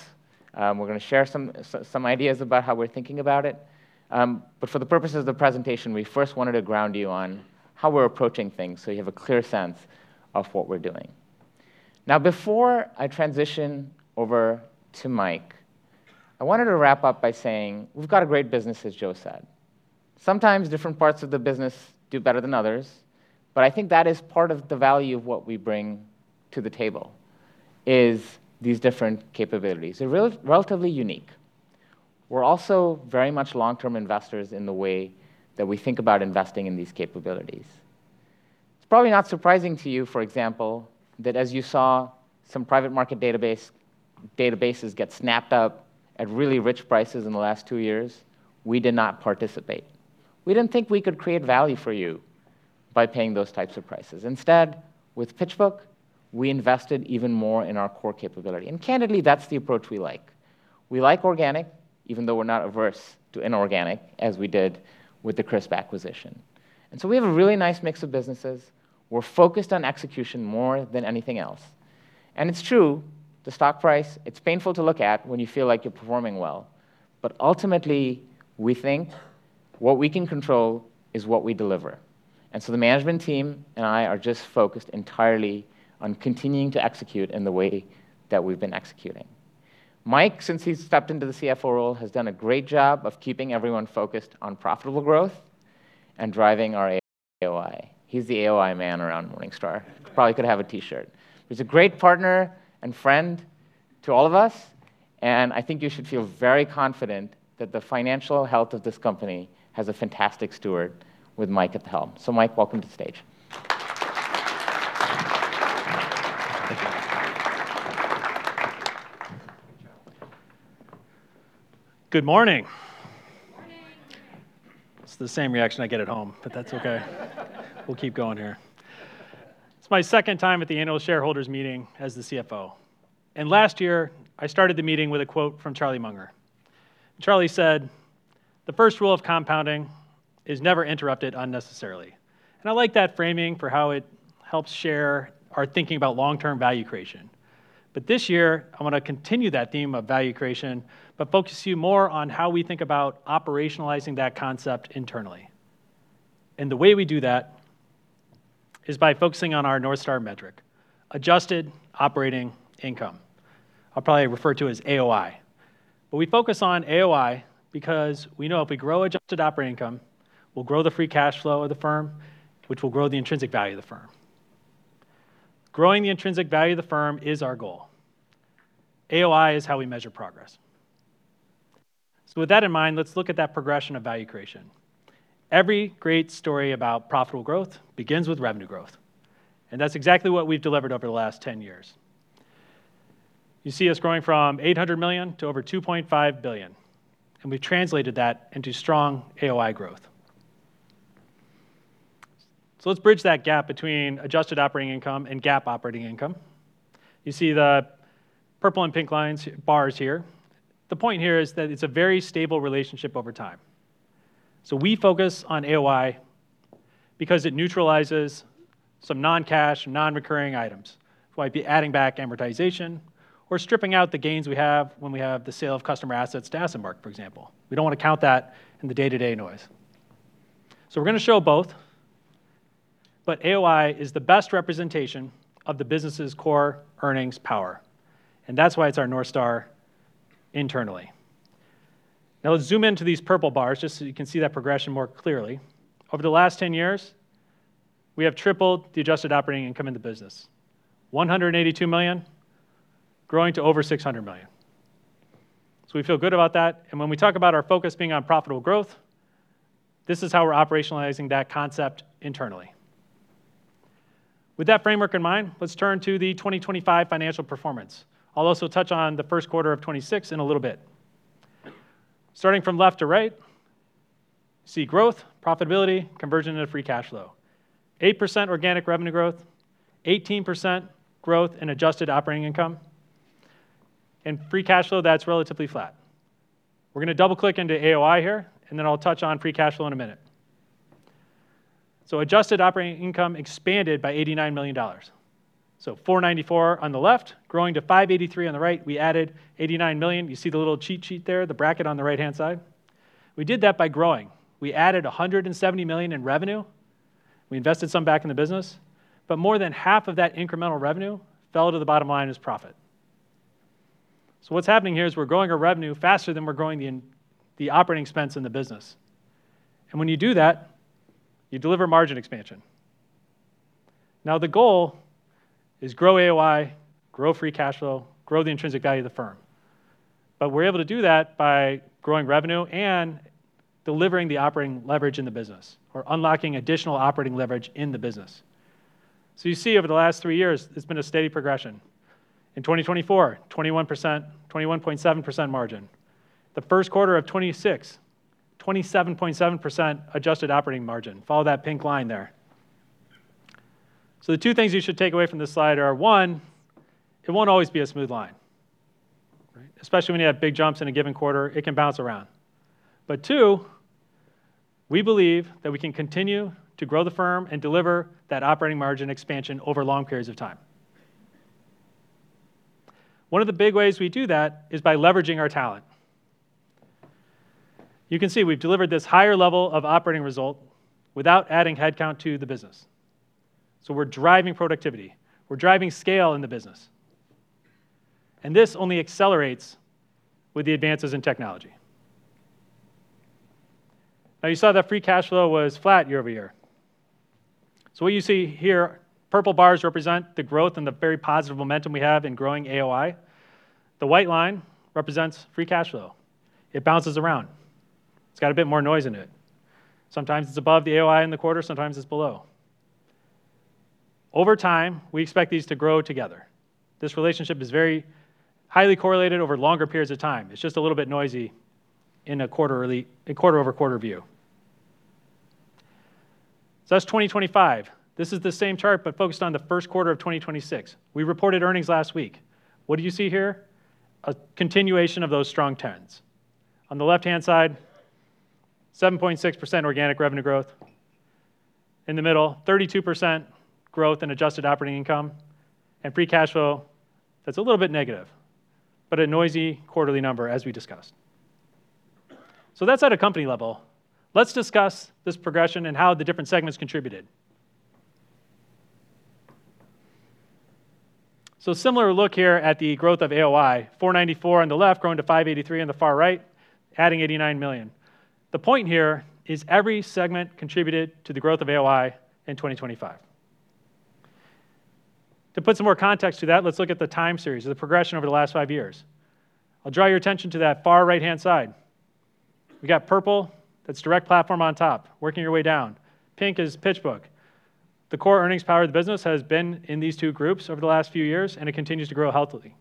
We're gonna share some ideas about how we're thinking about it. For the purposes of the presentation, we first wanted to ground you on how we're approaching things so you have a clear sense of what we're doing. Before I transition over to Mike, I wanted to wrap up by saying we've got a great business, as Joe said. Sometimes different parts of the business do better than others, I think that is part of the value of what we bring to the table, is these different capabilities. They're relatively unique. We're also very much long-term investors in the way that we think about investing in these capabilities. It's probably not surprising to you, for example, that as you saw some private market databases get snapped up at really rich prices in the last two years, we did not participate. We didn't think we could create value for you by paying those types of prices. Instead, with PitchBook, we invested even more in our core capability, candidly, that's the approach we like. We like organic, even though we're not averse to inorganic, as we did with the CRSP acquisition. We have a really nice mix of businesses. We're focused on execution more than anything else. It's true, the stock price, it's painful to look at when you feel like you're performing well, but ultimately, we think what we can control is what we deliver. The management team and I are just focused entirely on continuing to execute in the way that we've been executing. Mike, since he's stepped into the CFO role, has done a great job of keeping everyone focused on profitable growth and driving our AOI. He's the AOI man around Morningstar. Probably could have a T-shirt. He's a great partner and friend to all of us, and I think you should feel very confident that the financial health of this company has a fantastic steward with Mike at the helm. Mike, welcome to the stage Good morning. It's the same reaction I get at home, but that's okay. We'll keep going here. It's my second time at the annual shareholders' meeting as the CFO, and last year I started the meeting with a quote from Charlie Munger. Charlie said, "The first rule of compounding is never interrupt it unnecessarily." I like that framing for how it helps share our thinking about long-term value creation. This year I wanna continue that theme of value creation, but focus you more on how we think about operationalizing that concept internally. The way we do that is by focusing on our North Star metric, adjusted operating income. I'll probably refer to it as AOI. We focus on AOI because we know if we grow adjusted operating income, we'll grow the free cash flow of the firm, which will grow the intrinsic value of the firm. Growing the intrinsic value of the firm is our goal. AOI is how we measure progress. With that in mind, let's look at that progression of value creation. Every great story about profitable growth begins with revenue growth, and that's exactly what we've delivered over the last 10 years. You see us growing from $800 million to over $2.5 billion, and we've translated that into strong AOI growth. Let's bridge that gap between adjusted operating income and GAAP operating income. You see the purple and pink lines, bars here. The point here is that it's a very stable relationship over time. We focus on AOI because it neutralizes some non-cash, non-recurring items. It'd be adding back amortization or stripping out the gains we have when we have the sale of customer assets to AssetMark, for example. We don't wanna count that in the day-to-day noise. We're gonna show both, but AOI is the best representation of the business's core earnings power, and that's why it's our North Star internally. Now let's zoom into these purple bars just so you can see that progression more clearly. Over the last 10 years, we have tripled the adjusted operating income in the business. $182 million growing to over $600 million. We feel good about that, and when we talk about our focus being on profitable growth, this is how we're operationalizing that concept internally. With that framework in mind, let's turn to the 2025 financial performance. I'll also touch on the first quarter of 2026 in a little bit. Starting from left to right, you see growth, profitability, conversion into free cash flow. 8% organic revenue growth, 18% growth in adjusted operating income, and free cash flow, that's relatively flat. We're gonna double-click into AOI here, and then I'll touch on free cash flow in a minute. Adjusted operating income expanded by $89 million. $494 on the left growing to $583 on the right. We added $89 million. You see the little cheat sheet there, the bracket on the right-hand side. We did that by growing. We added $170 million in revenue. We invested some back in the business, but more than half of that incremental revenue fell to the bottom line as profit. What's happening here is we're growing our revenue faster than we're growing the operating expense in the business. When you do that, you deliver margin expansion. Now, the goal is grow AOI, grow free cash flow, grow the intrinsic value of the firm. We're able to do that by growing revenue and delivering the operating leverage in the business or unlocking additional operating leverage in the business. You see over the last three years, it's been a steady progression. In 2024, 21%, 21.7% margin. The first quarter of 2026, 27.7% adjusted operating margin. Follow that pink line there. The two things you should take away from this slide are, one, it won't always be a smooth line. Right. Especially when you have big jumps in a given quarter, it can bounce around. Two, we believe that we can continue to grow the firm and deliver that operating margin expansion over long periods of time. One of the big ways we do that is by leveraging our talent. You can see we've delivered this higher level of operating result without adding headcount to the business. We're driving productivity. We're driving scale in the business. This only accelerates with the advances in technology. Now, you saw that free cash flow was flat year-over-year. What you see here, purple bars represent the growth and the very positive momentum we have in growing AOI. The white line represents free cash flow. It bounces around. It's got a bit more noise in it. Sometimes it's above the AOI in the quarter, sometimes it's below. Over time, we expect these to grow together. This relationship is very highly correlated over longer periods of time. It's just a little bit noisy in a quarterly, a quarter-over-quarter view. That's 2025. This is the same chart but focused on the first quarter of 2026. We reported earnings last week. What do you see here? A continuation of those strong trends. On the left-hand side, 7.6% organic revenue growth. In the middle, 32% growth in adjusted operating income. Free cash flow, that's a little bit negative, but a noisy quarterly number as we discussed. That's at a company level. Let's discuss this progression and how the different segments contributed. A similar look here at the growth of AOI. 494 on the left growing to 583 on the far right, adding $89 million. The point here is every segment contributed to the growth of AOI in 2025. To put some more context to that, let's look at the time series of the progression over the last five years. I'll draw your attention to that far right-hand side. We got purple, that's Direct Platform on top, working your way down. Pink is PitchBook. The core earnings power of the business has been in these two groups over the last few years, and it continues to grow healthily.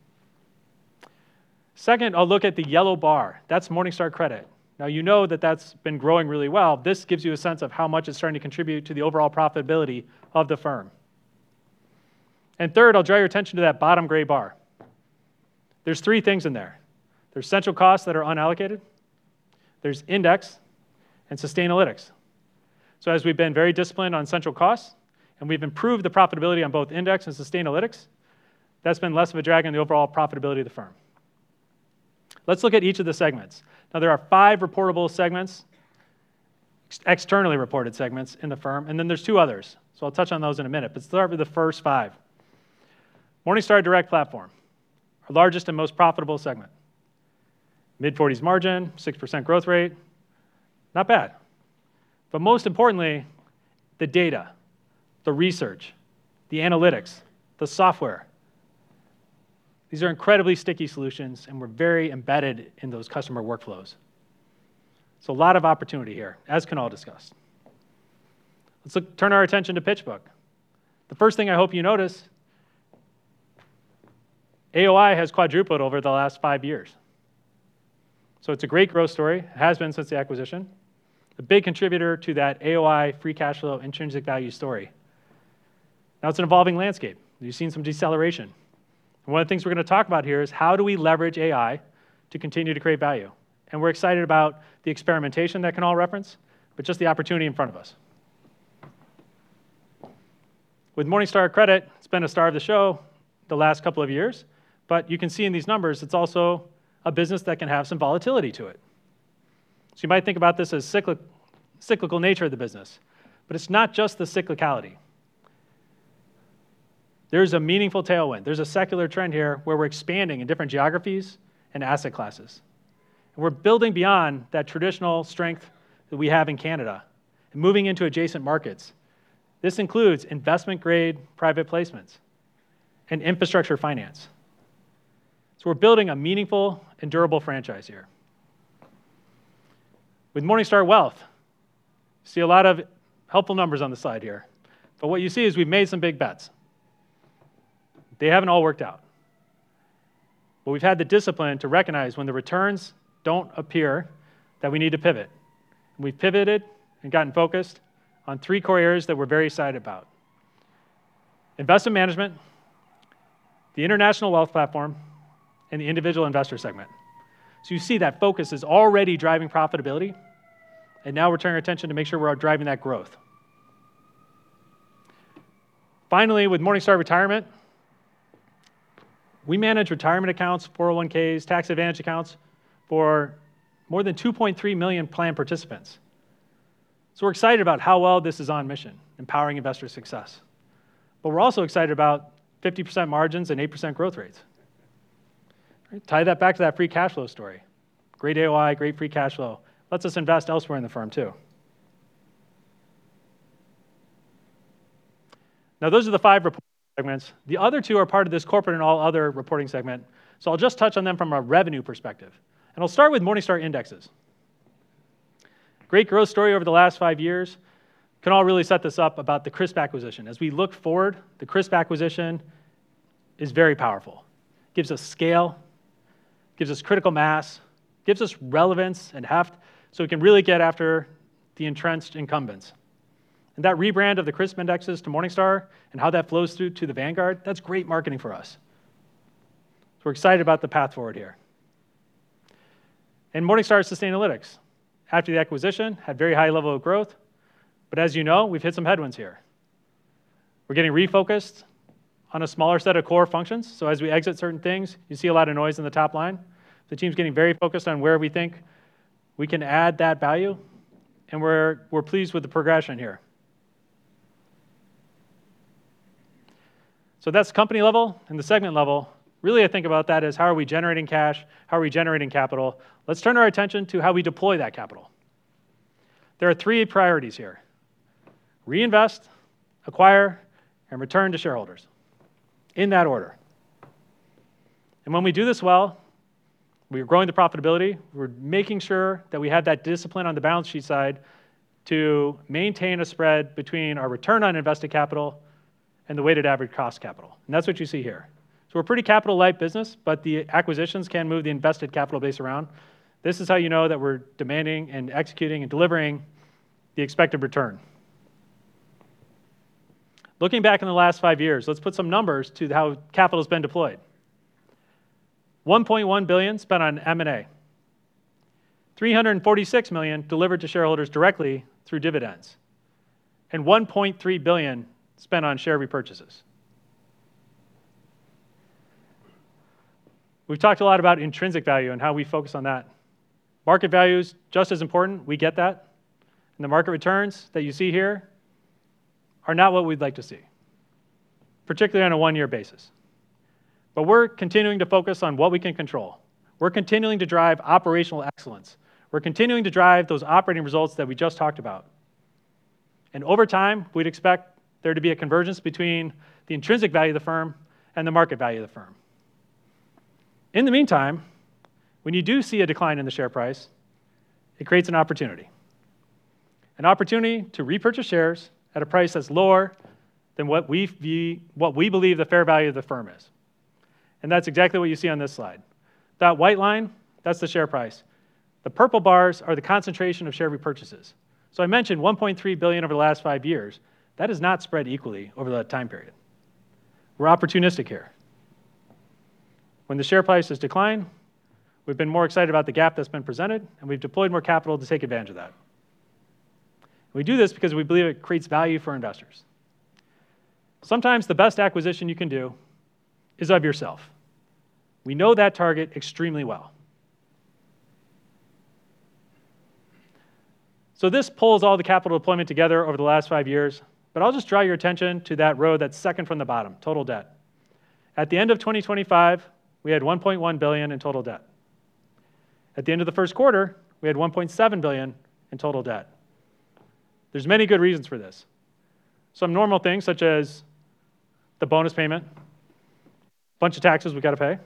Second, I'll look at the yellow bar. That's Morningstar Credit. Now, you know that that's been growing really well. This gives you a sense of how much it's starting to contribute to the overall profitability of the firm. Third, I'll draw your attention to that bottom gray bar. There's three things in there. There's central costs that are unallocated, there's index, and Sustainalytics. As we've been very disciplined on central costs, and we've improved the profitability on both index and Sustainalytics, that's been less of a drag on the overall profitability of the firm. Let's look at each of the segments. There are five reportable segments, externally reported segments in the firm, and then there's two others. I'll touch on those in a minute, but let's start with the first five. Morningstar Direct Platform, our largest and most profitable segment. Mid-40s margin, 6% growth rate. Not bad. Most importantly, the data, the research, the analytics, the software, these are incredibly sticky solutions, and we're very embedded in those customer workflows. A lot of opportunity here, as Kunal Kapoor discussed. Let's turn our attention to PitchBook. The first thing I hope you notice, AOI has quadrupled over the last five years. It's a great growth story, has been since the acquisition. A big contributor to that AOI free cash flow intrinsic value story. It's an evolving landscape. You've seen some deceleration. One of the things we're going to talk about here is how do we leverage AI to continue to create value? We're excited about the experimentation that Kunal referenced, but just the opportunity in front of us. With Morningstar Credit, it's been the star of the show the last couple of years, but you can see in these numbers, it's also a business that can have some volatility to it. You might think about this as cyclical nature of the business, but it's not just the cyclicality. There's a meaningful tailwind. There's a secular trend here where we're expanding in different geographies and asset classes. We're building beyond that traditional strength that we have in Canada and moving into adjacent markets. This includes investment-grade private placements and infrastructure finance. We're building a meaningful and durable franchise here. With Morningstar Wealth, you see a lot of helpful numbers on the slide here. What you see is we've made some big bets. They haven't all worked out. We've had the discipline to recognize when the returns don't appear that we need to pivot. We've pivoted and gotten focused on three core areas that we're very excited about: investment management, the international wealth platform, and the individual investor segment. You see that focus is already driving profitability, and now we're turning our attention to make sure we're driving that growth. Finally, with Morningstar Retirement, we manage retirement accounts, 401(k)s, tax advantage accounts for more than 2.3 million plan participants. We're excited about how well this is on mission, empowering investor success. We're also excited about 50% margins and 8% growth rates. Tie that back to that free cash flow story. Great AOI, great free cash flow. Lets us invest elsewhere in the firm too. Now those are the five report segments. The other two are part of this corporate and all other reporting segment, so I'll just touch on them from a revenue perspective. I'll start with Morningstar Indexes. Great growth story over the last five years. Kunal really set this up about the CRSP acquisition. As we look forward, the CRSP acquisition is very powerful. Gives us scale, gives us critical mass, gives us relevance and heft, so we can really get after the entrenched incumbents. That rebrand of the CRSP indexes to Morningstar and how that flows through to the Vanguard, that's great marketing for us. We're excited about the path forward here. Morningstar Sustainalytics, after the acquisition, had very high level of growth. As you know, we've hit some headwinds here. We're getting refocused on a smaller set of core functions. As we exit certain things, you see a lot of noise in the top line. The team's getting very focused on where we think we can add that value, and we're pleased with the progression here. That's company level and the segment level. Really I think about that as how are we generating cash? How are we generating capital? Let's turn our attention to how we deploy that capital. There are three priorities here: reinvest, acquire, and return to shareholders, in that order. When we do this well, we are growing the profitability, we're making sure that we have that discipline on the balance sheet side to maintain a spread between our return on invested capital and the weighted average cost capital. That's what you see here. We're a pretty capital-light business, but the acquisitions can move the invested capital base around. This is how you know that we're demanding and executing and delivering the expected return. Looking back in the last five years, let's put some numbers to how capital's been deployed. $1.1 billion spent on M&A. $346 million delivered to shareholders directly through dividends. $1.3 billion spent on share repurchases. We've talked a lot about intrinsic value and how we focus on that. Market value is just as important. We get that. The market returns that you see here are not what we'd like to see, particularly on a one-year basis. We're continuing to focus on what we can control. We're continuing to drive operational excellence. We're continuing to drive those operating results that we just talked about. Over time, we'd expect there to be a convergence between the intrinsic value of the firm and the market value of the firm. In the meantime, when you do see a decline in the share price, it creates an opportunity, an opportunity to repurchase shares at a price that's lower than what we believe the fair value of the firm is. That's exactly what you see on this slide. That white line, that's the share price. The purple bars are the concentration of share repurchases. I mentioned $1.3 billion over the last five years. That is not spread equally over that time period. We're opportunistic here. When the share prices decline, we've been more excited about the gap that's been presented, and we've deployed more capital to take advantage of that. We do this because we believe it creates value for investors. Sometimes the best acquisition you can do is of yourself. We know that target extremely well. This pulls all the capital deployment together over the last five years, but I'll just draw your attention to that row that's second from the bottom, total debt. At the end of 2025, we had $1.1 billion in total debt. At the end of the first quarter, we had $1.7 billion in total debt. There's many good reasons for this. Some normal things such as the bonus payment, bunch of taxes we've got to pay,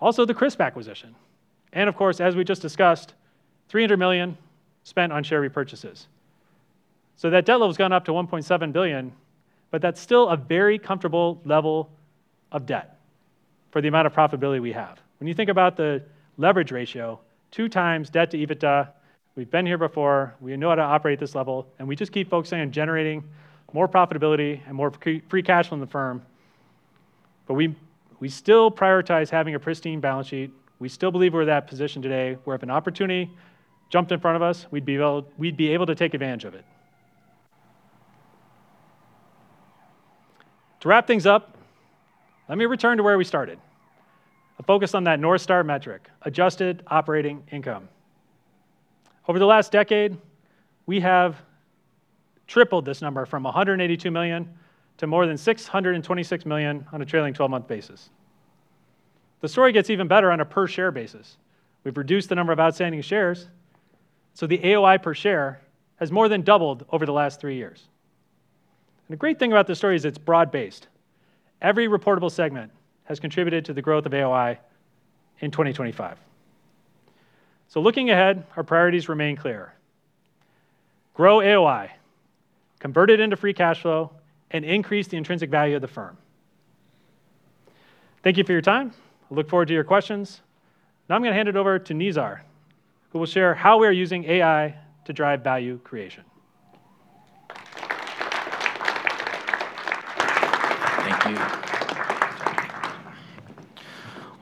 also the CRSP acquisition, and of course, as we just discussed, $300 million spent on share repurchases. That debt load's gone up to $1.7 billion, but that's still a very comfortable level of debt for the amount of profitability we have. When you think about the leverage ratio, 2x debt to EBITDA, we've been here before, we know how to operate at this level, and we just keep focusing on generating more profitability and more free cash flow in the firm. We still prioritize having a pristine balance sheet. We still believe we're in that position today where if an opportunity jumped in front of us, we'd be able to take advantage of it. To wrap things up, let me return to where we started. A focus on that North Star metric, adjusted operating income. Over the last decade, we have tripled this number from $182 million to more than $626 million on a trailing 12-month basis. The story gets even better on a per share basis. We've reduced the number of outstanding shares, so the AOI per share has more than doubled over the last three years. The great thing about this story is it's broad-based. Every reportable segment has contributed to the growth of AOI in 2025. Looking ahead, our priorities remain clear. Grow AOI, convert it into free cash flow, and increase the intrinsic value of the firm. Thank you for your time. I look forward to your questions. I'm gonna hand it over to Nizar, who will share how we are using AI to drive value creation. Thank you.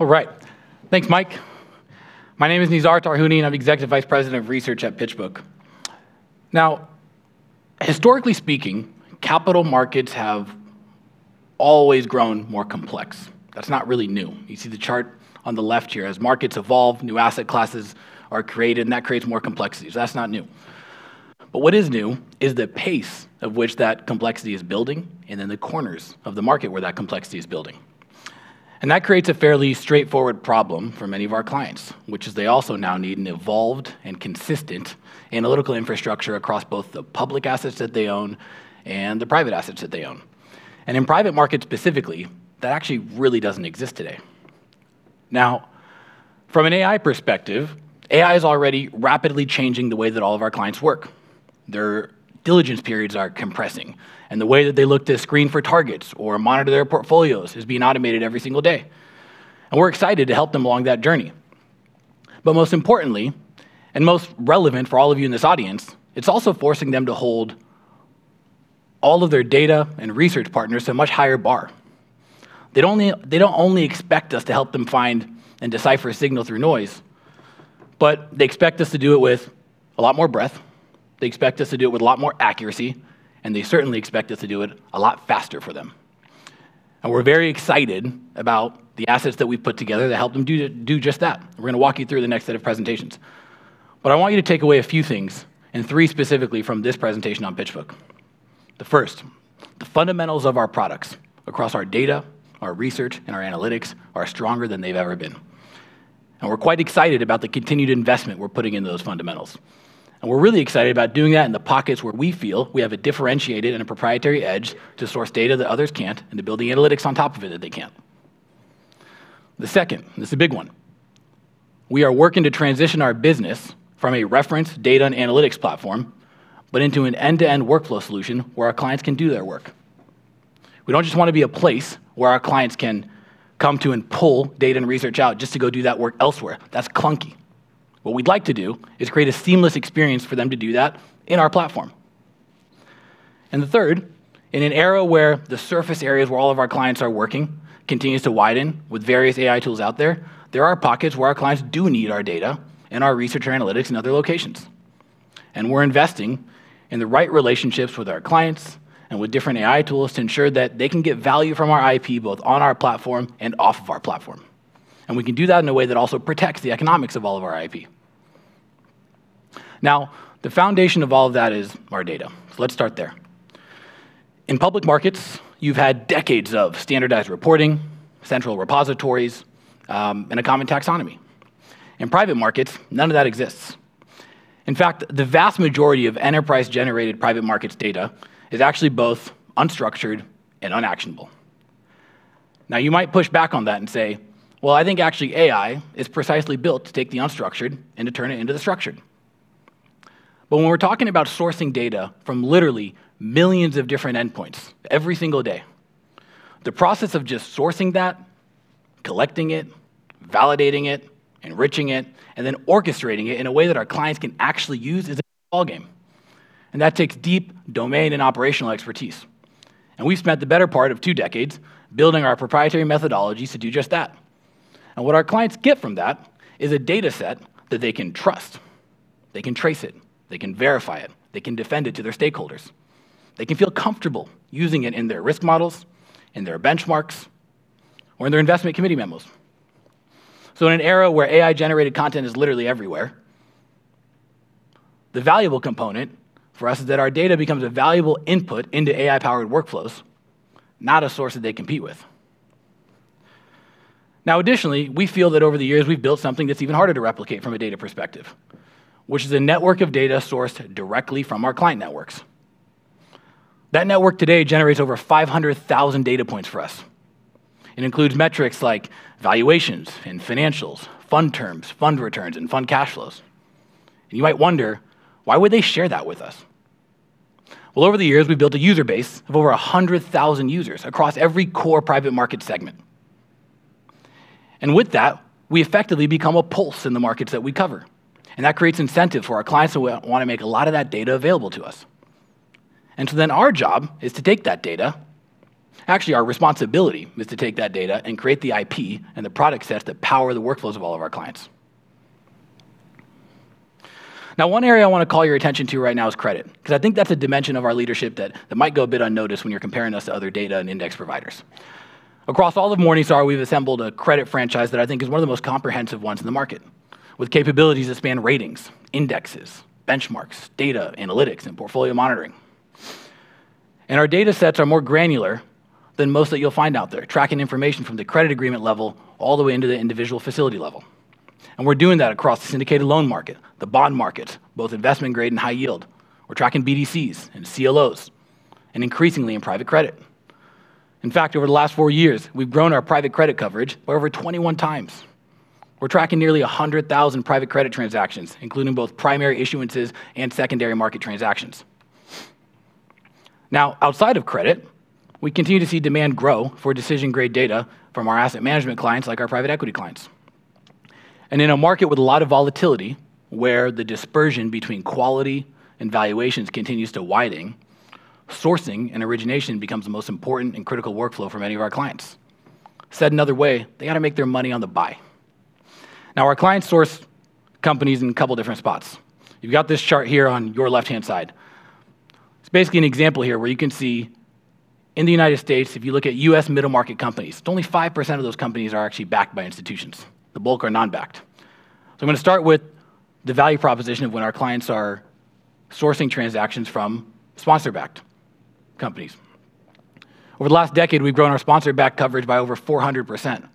All right. Thanks, Mike. My name is Nizar Tarhuni, and I'm Executive Vice President of Research at PitchBook. Historically speaking, capital markets have always grown more complex. That's not really new. You see the chart on the left here. As markets evolve, new asset classes are created, and that creates more complexity. That's not new. What is new is the pace of which that complexity is building and then the corners of the market where that complexity is building. That creates a fairly straightforward problem for many of our clients, which is they also now need an evolved and consistent analytical infrastructure across both the public assets that they own and the private assets that they own. In private markets specifically, that actually really doesn't exist today. From an AI perspective, AI is already rapidly changing the way that all of our clients work. Their diligence periods are compressing, and the way that they look to screen for targets or monitor their portfolios is being automated every single day, and we're excited to help them along that journey. Most importantly, and most relevant for all of you in this audience, it's also forcing them to hold all of their data and research partners to a much higher bar. They don't only expect us to help them find and decipher signal through noise, but they expect us to do it with a lot more breadth, they expect us to do it with a lot more accuracy, and they certainly expect us to do it a lot faster for them. We're very excited about the assets that we've put together to help them do just that, and we're gonna walk you through the next set of presentations. I want you to take away a few things, and three specifically from this presentation on PitchBook. The first, the fundamentals of our products across our data, our research, and our analytics are stronger than they've ever been, and we're quite excited about the continued investment we're putting into those fundamentals. We're really excited about doing that in the pockets where we feel we have a differentiated and a proprietary edge to source data that others can't and to build the analytics on top of it that they can't. The second, this is a big one, we are working to transition our business from a reference data and analytics platform, but into an end-to-end workflow solution where our clients can do their work. We don't just wanna be a place where our clients can come to and pull data and research out just to go do that work elsewhere. That's clunky. What we'd like to do is create a seamless experience for them to do that in our platform. The third, in an era where the surface areas where all of our clients are working continues to widen with various AI tools out there are pockets where our clients do need our data and our research or analytics in other locations. We're investing in the right relationships with our clients and with different AI tools to ensure that they can get value from our IP both on our platform and off of our platform. We can do that in a way that also protects the economics of all of our IP. Now, the foundation of all of that is our data. Let's start there. In public markets, you've had decades of standardized reporting, central repositories, and a common taxonomy. In private markets, none of that exists. In fact, the vast majority of enterprise-generated private markets data is actually both unstructured and unactionable. Now you might push back on that and say, "Well, I think actually AI is precisely built to take the unstructured and to turn it into the structured." When we're talking about sourcing data from literally millions of different endpoints every single day, the process of just sourcing that, collecting it, validating it, enriching it, and then orchestrating it in a way that our clients can actually use is a ball game, and that takes deep domain and operational expertise. We've spent the better part of two decades building our proprietary methodologies to do just that. What our clients get from that is a data set that they can trust. They can trace it. They can verify it. They can defend it to their stakeholders. They can feel comfortable using it in their risk models, in their benchmarks, or in their investment committee memos. In an era where AI-generated content is literally everywhere, the valuable component for us is that our data becomes a valuable input into AI-powered workflows, not a source that they compete with. Additionally, we feel that over the years we've built something that's even harder to replicate from a data perspective, which is a network of data sourced directly from our client networks. That network today generates over 500,000 data points for us, and includes metrics like valuations and financials, fund terms, fund returns, and fund cash flows. You might wonder, why would they share that with us? Over the years we've built a user base of over 100,000 users across every core private market segment. With that, we effectively become a pulse in the markets that we cover. That creates incentive for our clients who wanna make a lot of that data available to us. Our job is to take that data, actually our responsibility is to take that data and create the IP and the product sets that power the workflows of all of our clients. One area I wanna call your attention to right now is credit, because I think that's a dimension of our leadership that might go a bit unnoticed when you're comparing us to other data and index providers. Across all of Morningstar, we've assembled a credit franchise that I think is one of the most comprehensive ones in the market, with capabilities that span ratings, indexes, benchmarks, data analytics, and portfolio monitoring. Our data sets are more granular than most that you'll find out there, tracking information from the credit agreement level all the way into the individual facility level, and we're doing that across the syndicated loan market, the bond market, both investment grade and high yield. We're tracking BDCs and CLOs, and increasingly in private credit. In fact, over the last four years, we've grown our private credit coverage by over 21 times. We're tracking nearly 100,000 private credit transactions, including both primary issuances and secondary market transactions. Now, outside of credit, we continue to see demand grow for decision-grade data from our asset management clients like our private equity clients. In a market with a lot of volatility, where the dispersion between quality and valuations continues to widening, sourcing and origination becomes the most important and critical workflow for many of our clients. Said another way, they gotta make their money on the buy. Now our clients source companies in a couple different spots. You've got this chart here on your left-hand side. It's basically an example here where you can see in the U.S., if you look at U.S. middle market companies, only 5% of those companies are actually backed by institutions. The bulk are non-backed. I'm gonna start with the value proposition of when our clients are sourcing transactions from sponsor-backed companies. Over the last decade, we've grown our sponsor-backed coverage by over 400%.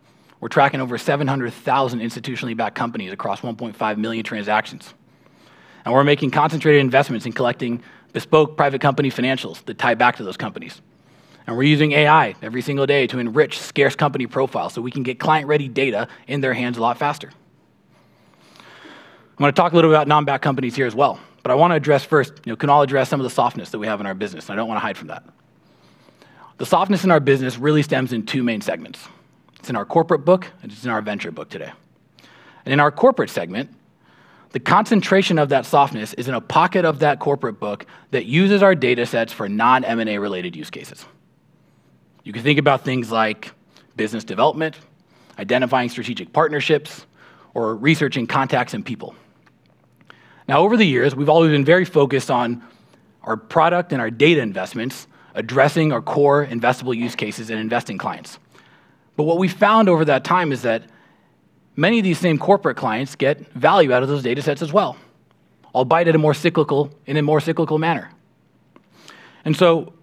We're tracking over 700,000 institutionally-backed companies across 1.5 million transactions. We're making concentrated investments in collecting bespoke private company financials that tie back to those companies. We're using AI every single day to enrich scarce company profiles, so we can get client-ready data in their hands a lot faster. I'm gonna talk a little about non-backed companies here as well, I wanna address first, you know, some of the softness that we have in our business. I don't wanna hide from that. The softness in our business really stems in two main segments. It's in our corporate book, and it's in our venture book today. In our corporate segment, the concentration of that softness is in a pocket of that corporate book that uses our data sets for non-M&A-related use cases. You can think about things like business development, identifying strategic partnerships, or researching contacts and people. Over the years, we've always been very focused on our product and our data investments addressing our core investable use cases and investing clients. What we've found over that time is that many of these same corporate clients get value out of those data sets as well, albeit in a more cyclical manner.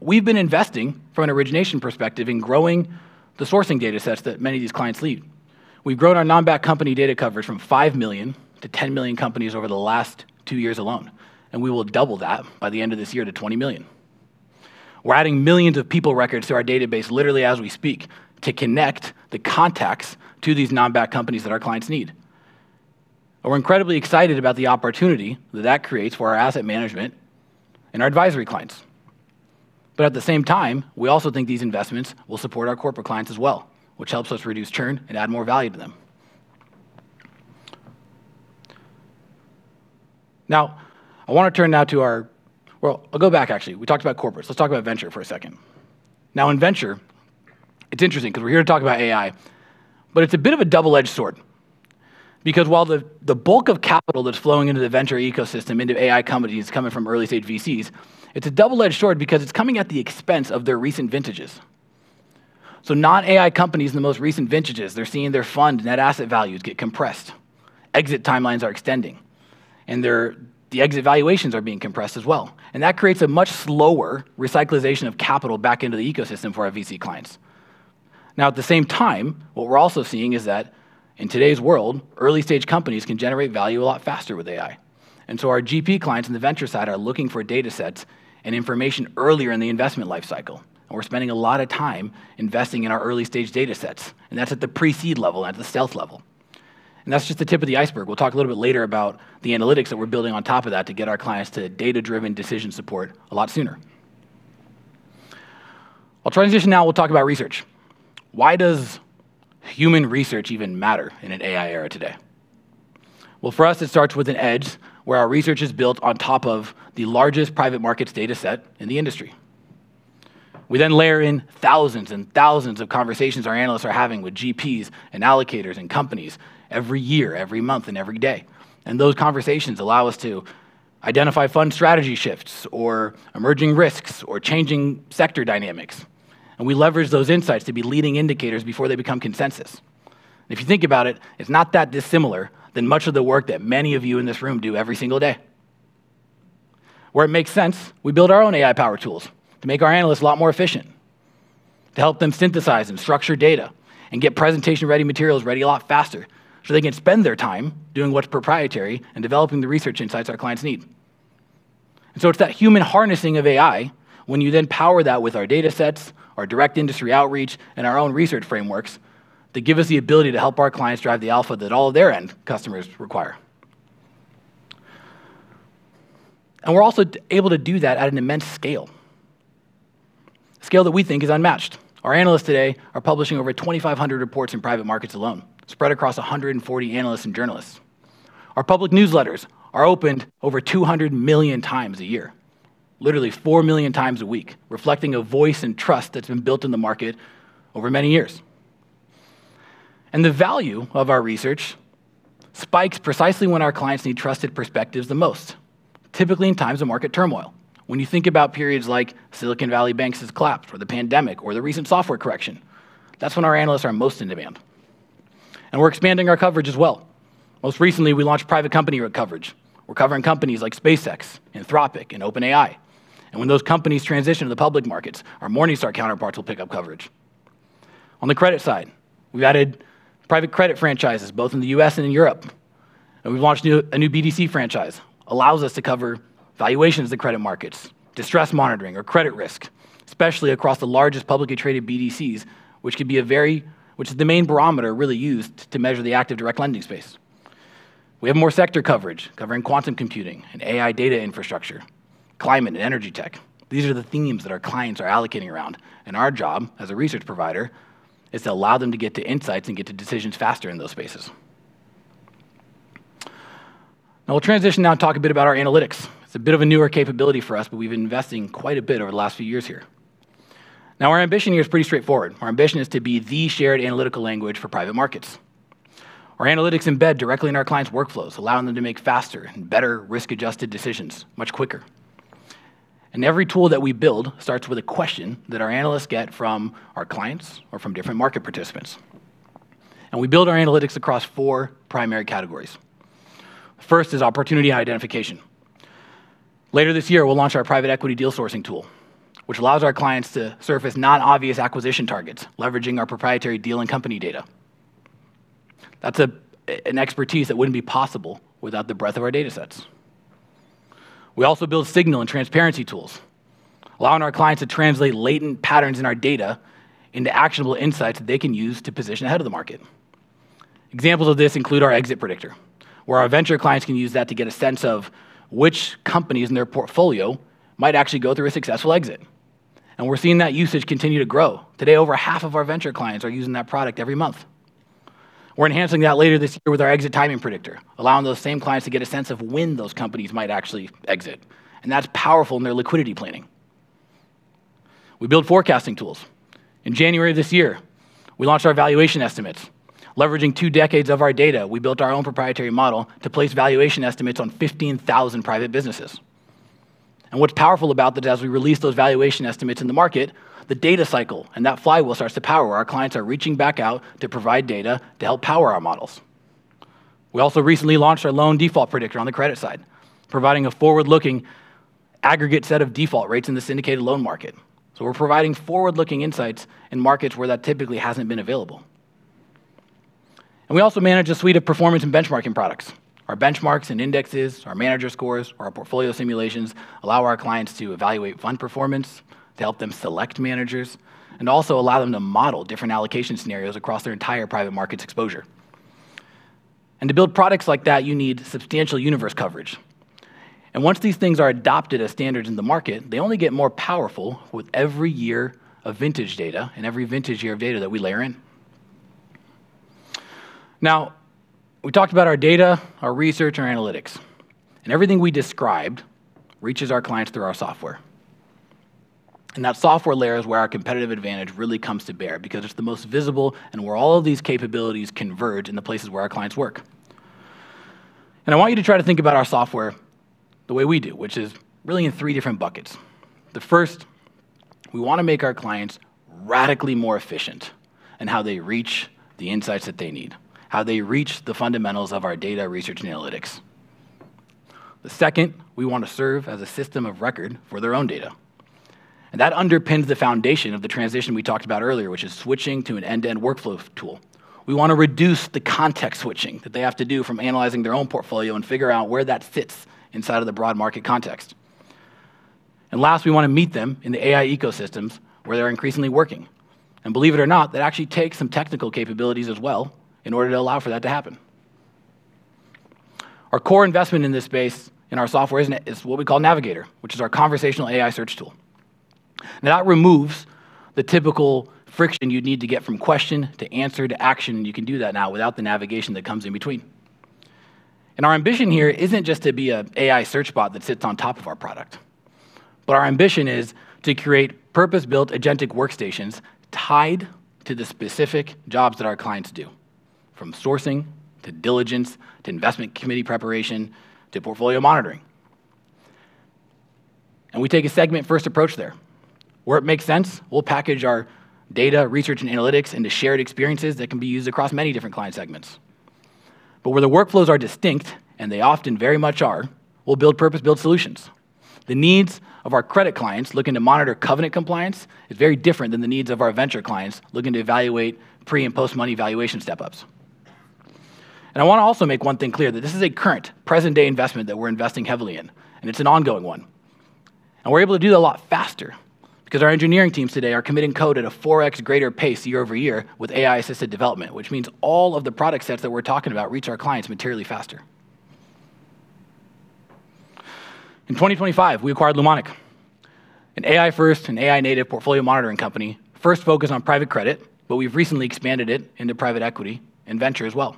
We've been investing from an origination perspective in growing the sourcing data sets that many of these clients need. We've grown our non-backed company data coverage from 5 million-10 million companies over the last two years alone, and we will double that by the end of this year to 20 million. We're adding millions of people records to our database literally as we speak to connect the contacts to these non-backed companies that our clients need. We're incredibly excited about the opportunity that that creates for our asset management and our advisory clients. At the same time, we also think these investments will support our corporate clients as well, which helps us reduce churn and add more value to them. Now, I wanna turn now to Well, I'll go back, actually. We talked about corporates. Let's talk about venture for a second. In venture, it's interesting because we're here to talk about AI, it's a bit of a double-edged sword because while the bulk of capital that's flowing into the venture ecosystem into AI companies coming from early-stage VCs, it's a double-edged sword because it's coming at the expense of their recent vintages. Non-AI companies in the most recent vintages, they're seeing their fund net asset values get compressed. Exit timelines are extending, the exit valuations are being compressed as well. That creates a much slower recyclization of capital back into the ecosystem for our VC clients. At the same time, what we're also seeing is that in today's world, early-stage companies can generate value a lot faster with AI. Our GP clients in the venture side are looking for datasets and information earlier in the investment life cycle, and we're spending a lot of time investing in our early-stage datasets, and that's at the pre-seed level and at the stealth level. That's just the tip of the iceberg. We'll talk a little bit later about the analytics that we're building on top of that to get our clients to data-driven decision support a lot sooner. I'll transition now. We'll talk about research. Why does human research even matter in an AI era today? Well, for us, it starts with an edge where our research is built on top of the largest private markets dataset in the industry. We then layer in thousands and thousands of conversations our analysts are having with GPs and allocators and companies every year, every month, and every day. Those conversations allow us to identify fund strategy shifts or emerging risks or changing sector dynamics, and we leverage those insights to be leading indicators before they become consensus. If you think about it's not that dissimilar than much of the work that many of you in this room do every single day. Where it makes sense, we build our own AI-powered tools to make our analysts a lot more efficient, to help them synthesize and structure data, and get presentation-ready materials ready a lot faster so they can spend their time doing what's proprietary and developing the research insights our clients need. It's that human harnessing of AI when you then power that with our datasets, our direct industry outreach, and our own research frameworks that give us the ability to help our clients drive the alpha that all their end customers require. We're also able to do that at an immense scale, a scale that we think is unmatched. Our analysts today are publishing over 2,500 reports in private markets alone, spread across 140 analysts and journalists. Our public newsletters are opened over 200 million times a year, literally 4 million times a week, reflecting a voice and trust that's been built in the market over many years. The value of our research spikes precisely when our clients need trusted perspectives the most, typically in times of market turmoil. When you think about periods like Silicon Valley Bank's collapse or the pandemic or the recent software correction, that's when our analysts are most in demand. We're expanding our coverage as well. Most recently, we launched private company coverage. We're covering companies like SpaceX, Anthropic, and OpenAI. When those companies transition to the public markets, our Morningstar counterparts will pick up coverage. On the credit side, we've added private credit franchises both in the U.S. and in Europe, we've launched a new BDC franchise. Allows us to cover valuations of the credit markets, distress monitoring or credit risk, especially across the largest publicly traded BDCs, which is the main barometer really used to measure the active direct lending space. We have more sector coverage, covering quantum computing and AI data infrastructure, climate and energy tech. These are the themes that our clients are allocating around, our job as a research provider is to allow them to get to insights and get to decisions faster in those spaces. We'll transition now and talk a bit about our analytics. It's a bit of a newer capability for us, but we've been investing quite a bit over the last few years here. Our ambition here is pretty straightforward. Our ambition is to be the shared analytical language for private markets. Our analytics embed directly in our clients' workflows, allowing them to make faster and better risk-adjusted decisions much quicker. Every tool that we build starts with a question that our analysts get from our clients or from different market participants. We build our analytics across four primary categories. First is opportunity identification. Later this year, we'll launch our private equity deal sourcing tool, which allows our clients to surface non-obvious acquisition targets, leveraging our proprietary deal and company data. That's an expertise that wouldn't be possible without the breadth of our datasets. We also build signal and transparency tools, allowing our clients to translate latent patterns in our data into actionable insights that they can use to position ahead of the market. Examples of this include our VC Exit Predictor, where our venture clients can use that to get a sense of which companies in their portfolio might actually go through a successful exit. We're seeing that usage continue to grow. Today, over half of our venture clients are using that product every month. We're enhancing that later this year with our exit timing predictor, allowing those same clients to get a sense of when those companies might actually exit, and that's powerful in their liquidity planning. We build forecasting tools. In January of this year, we launched our valuation estimates. Leveraging two decades of our data, we built our own proprietary model to place valuation estimates on 15,000 private businesses. What's powerful about that is as we release those valuation estimates in the market, the data cycle and that flywheel starts to power where our clients are reaching back out to provide data to help power our models. We also recently launched our loan default predictor on the credit side, providing a forward-looking aggregate set of default rates in the syndicated loan market. We're providing forward-looking insights in markets where that typically hasn't been available. We also manage a suite of performance and benchmarking products. Our benchmarks and indexes, our manager scores, or our portfolio simulations allow our clients to evaluate fund performance, to help them select managers, and also allow them to model different allocation scenarios across their entire private markets exposure. To build products like that, you need substantial universe coverage. Once these things are adopted as standards in the market, they only get more powerful with every year of vintage data and every vintage year of data that we layer in. Now, we talked about our data, our research, our analytics, and everything we described reaches our clients through our software. That software layer is where our competitive advantage really comes to bear because it's the most visible and where all of these capabilities converge in the places where our clients work. I want you to try to think about our software the way we do, which is really in three different buckets. The first, we wanna make our clients radically more efficient in how they reach the insights that they need, how they reach the fundamentals of our data research and analytics. The second, we want to serve as a system of record for their own data, that underpins the foundation of the transition we talked about earlier, which is switching to an end-to-end workflow tool. We wanna reduce the context switching that they have to do from analyzing their own portfolio and figure out where that fits inside of the broad market context. Last, we wanna meet them in the AI ecosystems where they're increasingly working. Believe it or not, that actually takes some technical capabilities as well in order to allow for that to happen. Our core investment in this space in our software is what we call Navigator, which is our conversational AI search tool. Now, that removes the typical friction you'd need to get from question to answer to action. You can do that now without the navigation that comes in between. Our ambition here isn't just to be a AI search bot that sits on top of our product, but our ambition is to create purpose-built agentic workstations tied to the specific jobs that our clients do, from sourcing to diligence to investment committee preparation to portfolio monitoring. We take a segment first approach there. Where it makes sense, we'll package our data research and analytics into shared experiences that can be used across many different client segments. Where the workflows are distinct, and they often very much are, we'll build purpose-built solutions. The needs of our credit clients looking to monitor covenant compliance is very different than the needs of our venture clients looking to evaluate pre and post money valuation step-ups. I wanna also make one thing clear, that this is a current present day investment that we're investing heavily in, and it's an ongoing one. We're able to do that a lot faster because our engineering teams today are committing code at a 4x greater pace year-over-year with AI-assisted development, which means all of the product sets that we're talking about reach our clients materially faster. In 2025, we acquired Lumonic, an AI-first and AI-native portfolio monitoring company, first focused on private credit, but we've recently expanded it into private equity and venture as well.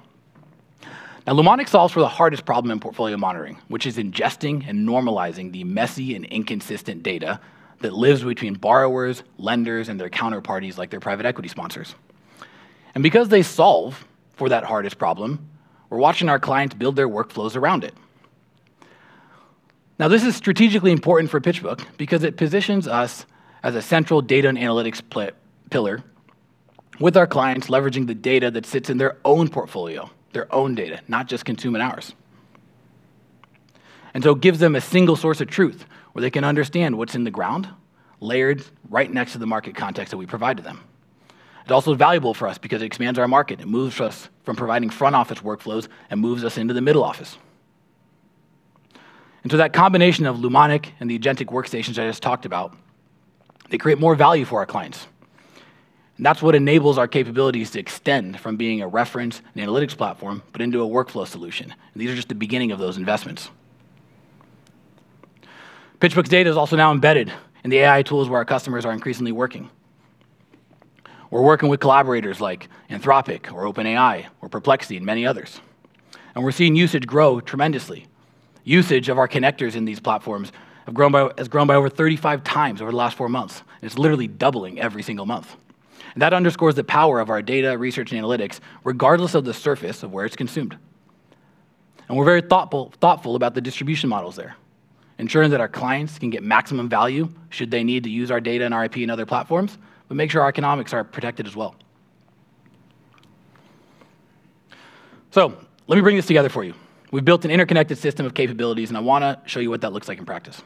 Lumonic solves for the hardest problem in portfolio monitoring, which is ingesting and normalizing the messy and inconsistent data that lives between borrowers, lenders, and their counterparties, like their private equity sponsors. Because they solve for that hardest problem, we're watching our clients build their workflows around it. This is strategically important for PitchBook because it positions us as a central data and analytics pillar with our clients leveraging the data that sits in their own portfolio, their own data, not just consuming ours. It gives them a single source of truth where they can understand what's in the ground, layered right next to the market context that we provide to them. It's also valuable for us because it expands our market. It moves us from providing front office workflows and moves us into the middle office. That combination of Lumonic and the agentic workstations I just talked about, they create more value for our clients, and that's what enables our capabilities to extend from being a reference and analytics platform, but into a workflow solution. These are just the beginning of those investments. PitchBook's data is also now embedded in the AI tools where our customers are increasingly working. We're working with collaborators like Anthropic or OpenAI or Perplexity and many others. We're seeing usage grow tremendously. Usage of our connectors in these platforms has grown by over 35 times over the last four months. It's literally doubling every single month. That underscores the power of our data research and analytics, regardless of the surface of where it's consumed. We're very thoughtful about the distribution models there, ensuring that our clients can get maximum value should they need to use our data and our IP in other platforms. Make sure our economics are protected as well. Let me bring this together for you. We've built an interconnected system of capabilities. I wanna show you what that looks like in practice.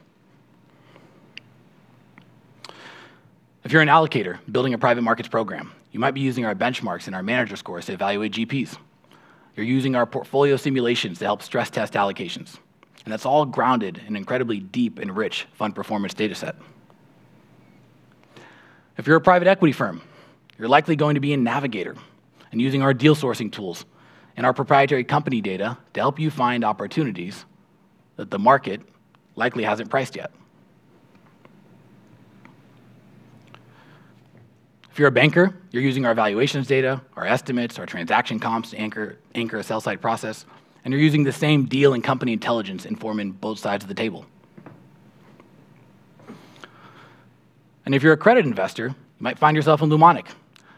If you're an allocator building a private markets program, you might be using our benchmarks and our manager scores to evaluate GPs. You're using our portfolio simulations to help stress test allocations, and that's all grounded in incredibly deep and rich fund performance data set. If you're a private equity firm, you're likely going to be in Navigator and using our deal sourcing tools and our proprietary company data to help you find opportunities that the market likely hasn't priced yet. If you're a banker, you're using our valuations data, our estimates, our transaction comps to anchor a sell side process, and you're using the same deal and company intelligence informing both sides of the table. If you're a credit investor, you might find yourself in Lumonic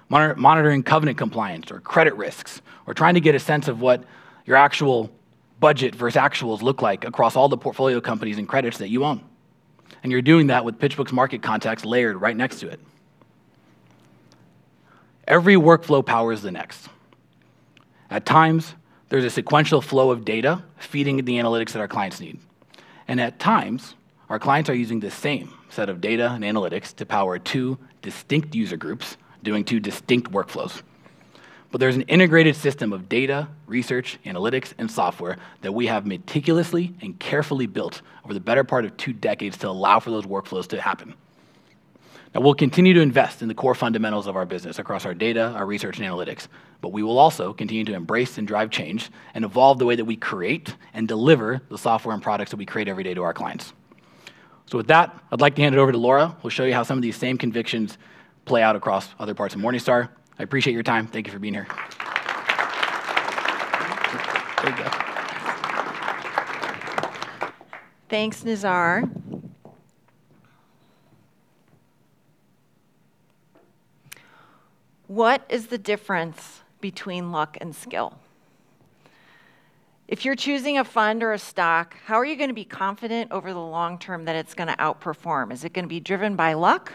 monitoring covenant compliance or credit risks, or trying to get a sense of what your actual budget versus actuals look like across all the portfolio companies and credits that you own. You're doing that with PitchBook's market context layered right next to it. Every workflow powers the next. At times, there's a sequential flow of data feeding the analytics that our clients need. At times, our clients are using the same set of data and analytics to power two distinct user groups doing two distinct workflows. There's an integrated system of data, research, analytics, and software that we have meticulously and carefully built over the better part of two decades to allow for those workflows to happen. We'll continue to invest in the core fundamentals of our business across our data, our research and analytics, but we will also continue to embrace and drive change and evolve the way that we create and deliver the software and products that we create every day to our clients. With that, I'd like to hand it over to Laura, who will show you how some of these same convictions play out across other parts of Morningstar. I appreciate your time. Thank you for being here. There you go. Thanks, Nizar. What is the difference between luck and skill? If you're choosing a fund or a stock, how are you gonna be confident over the long term that it's gonna outperform? Is it gonna be driven by luck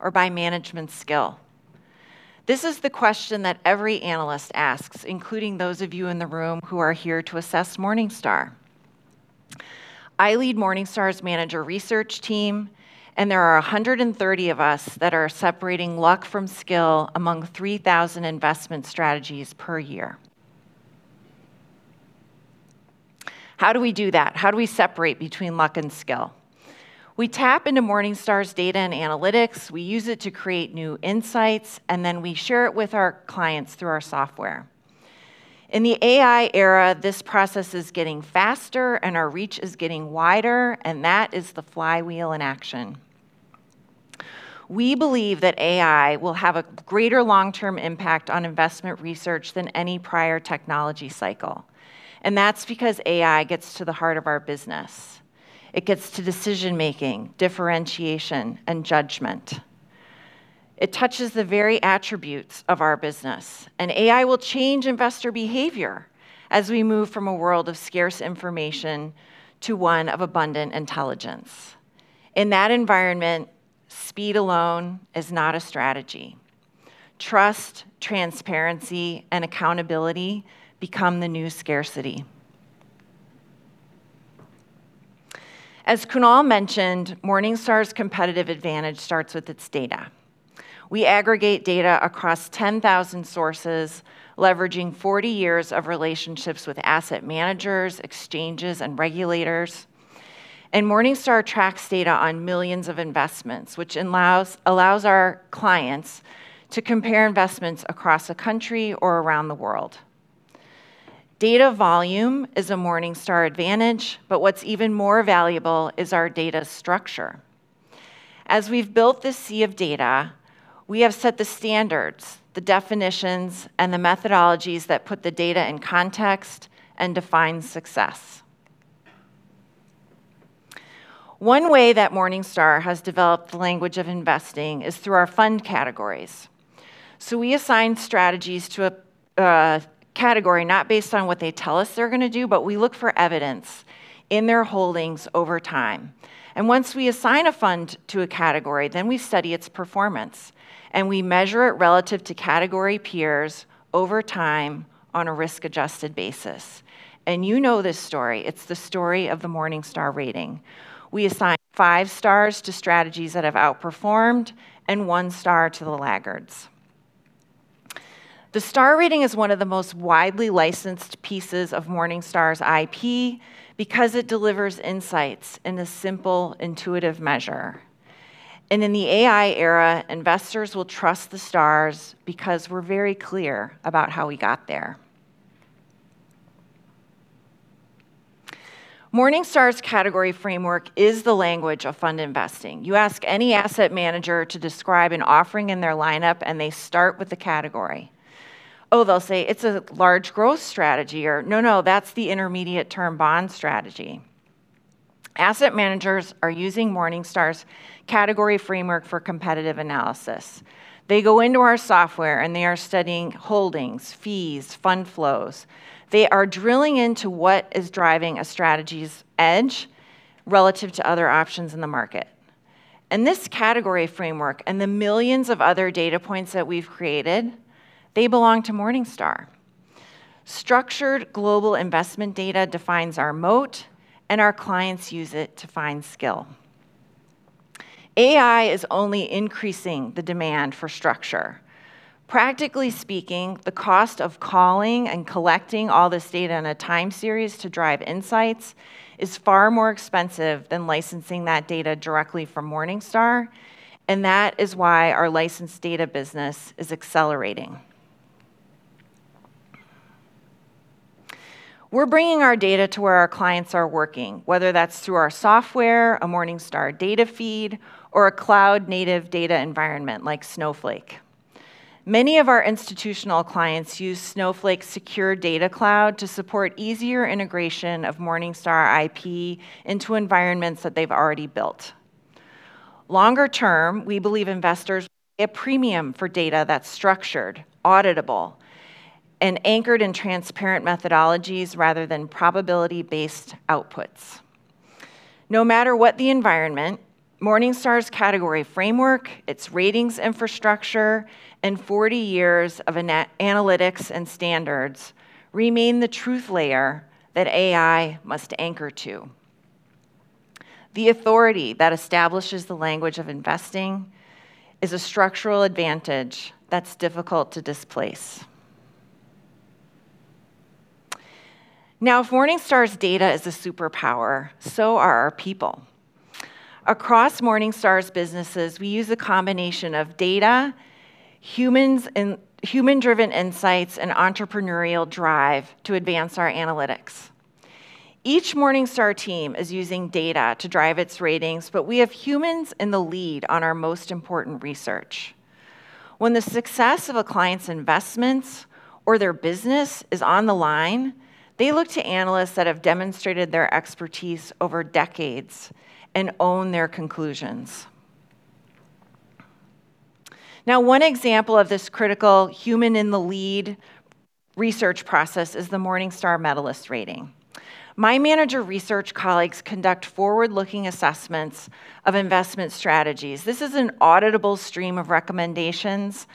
or by management skill? This is the question that every analyst asks, including those of you in the room who are here to assess Morningstar. I lead Morningstar's manager research team, and there are 130 of us that are separating luck from skill among 3,000 investment strategies per year. How do we do that? How do we separate between luck and skill? We tap into Morningstar's data and analytics, we use it to create new insights, and then we share it with our clients through our software. In the AI era, this process is getting faster and our reach is getting wider, and that is the flywheel in action. We believe that AI will have a greater long-term impact on investment research than any prior technology cycle. That's because AI gets to the heart of our business. It gets to decision-making, differentiation, and judgment. It touches the very attributes of our business. AI will change investor behavior as we move from a world of scarce information to one of abundant intelligence. In that environment, speed alone is not a strategy. Trust, transparency, and accountability become the new scarcity. As Kunal mentioned, Morningstar's competitive advantage starts with its data. We aggregate data across 10,000 sources, leveraging 40 years of relationships with asset managers, exchanges, and regulators. Morningstar tracks data on millions of investments, which allows our clients to compare investments across a country or around the world. Data volume is a Morningstar advantage. What's even more valuable is our data structure. As we've built this sea of data, we have set the standards, the definitions, and the methodologies that put the data in context and define success. One way that Morningstar has develop the language of investing is through our fund categories. We assign strategies to a category not based on what they tell us they're going to do, but we look for evidence in their holdings over time. Once we assign a fund to a category, then we study its performance, and we measure it relative to category peers over time on a risk-adjusted basis. You know this story. It's the story of the Morningstar Rating. We assign five stars to strategies that have outperformed and one star to the laggards. The star rating is one of the most widely licensed pieces of Morningstar's IP because it delivers insights in a simple, intuitive measure. In the AI era, investors will trust the stars because we're very clear about how we got there. Morningstar's category framework is the language of fund investing. You ask any asset manager to describe an offering in their lineup, and they start with the category. "Oh," they'll say, "It's a large growth strategy," or, "No, no, that's the intermediate term bond strategy." Asset managers are using Morningstar's category framework for competitive analysis. They go into our software, and they are studying holdings, fees, fund flows. They are drilling into what is driving a strategy's edge relative to other options in the market. This category framework and the millions of other data points that we've created, they belong to Morningstar. Structured global investment data defines our moat, and our clients use it to find skill. AI is only increasing the demand for structure. Practically speaking, the cost of calling and collecting all this data in a time series to drive insights is far more expensive than licensing that data directly from Morningstar, and that is why our licensed data business is accelerating. We're bringing our data to where our clients are working, whether that's through our software, a Morningstar data feed, or a cloud-native data environment like Snowflake. Many of our institutional clients use Snowflake's secure data cloud to support easier integration of Morningstar IP into environments that they've already built. Longer term, we believe investors a premium for data that's structured, auditable, and anchored in transparent methodologies rather than probability-based outputs. No matter what the environment, Morningstar's category framework, its ratings infrastructure, and 40 years of analytics and standards remain the truth layer that AI must anchor to. The authority that establishes the language of investing is a structural advantage that's difficult to displace. If Morningstar's data is a superpower, so are our people. Across Morningstar's businesses, we use a combination of data, human-driven insights, and entrepreneurial drive to advance our analytics. Each Morningstar team is using data to drive its ratings, but we have humans in the lead on our most important research. When the success of a client's investments or their business is on the line, they look to analysts that have demonstrated their expertise over decades and own their conclusions. One example of this critical human-in-the-lead research process is the Morningstar Medalist Rating. My manager research colleagues conduct forward-looking assessments of investment strategies. This is an auditable stream of recommendations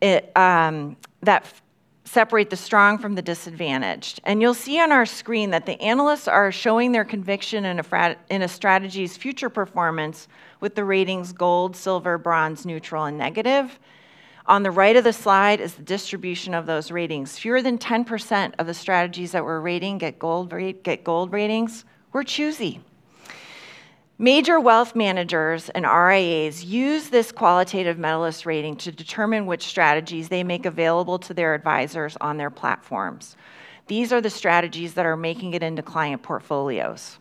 that separate the strong from the disadvantaged. You'll see on our screen that the analysts are showing their conviction in a strategy's future performance with the ratings gold, silver, bronze, neutral, and negative. On the right of the slide is the distribution of those ratings. Fewer than 10% of the strategies that we're rating get gold ratings. We're choosy. Major wealth managers and RIAs use this qualitative Morningstar Medalist Rating to determine which strategies they make available to their advisors on their platforms. These are the strategies that are making it into client portfolios.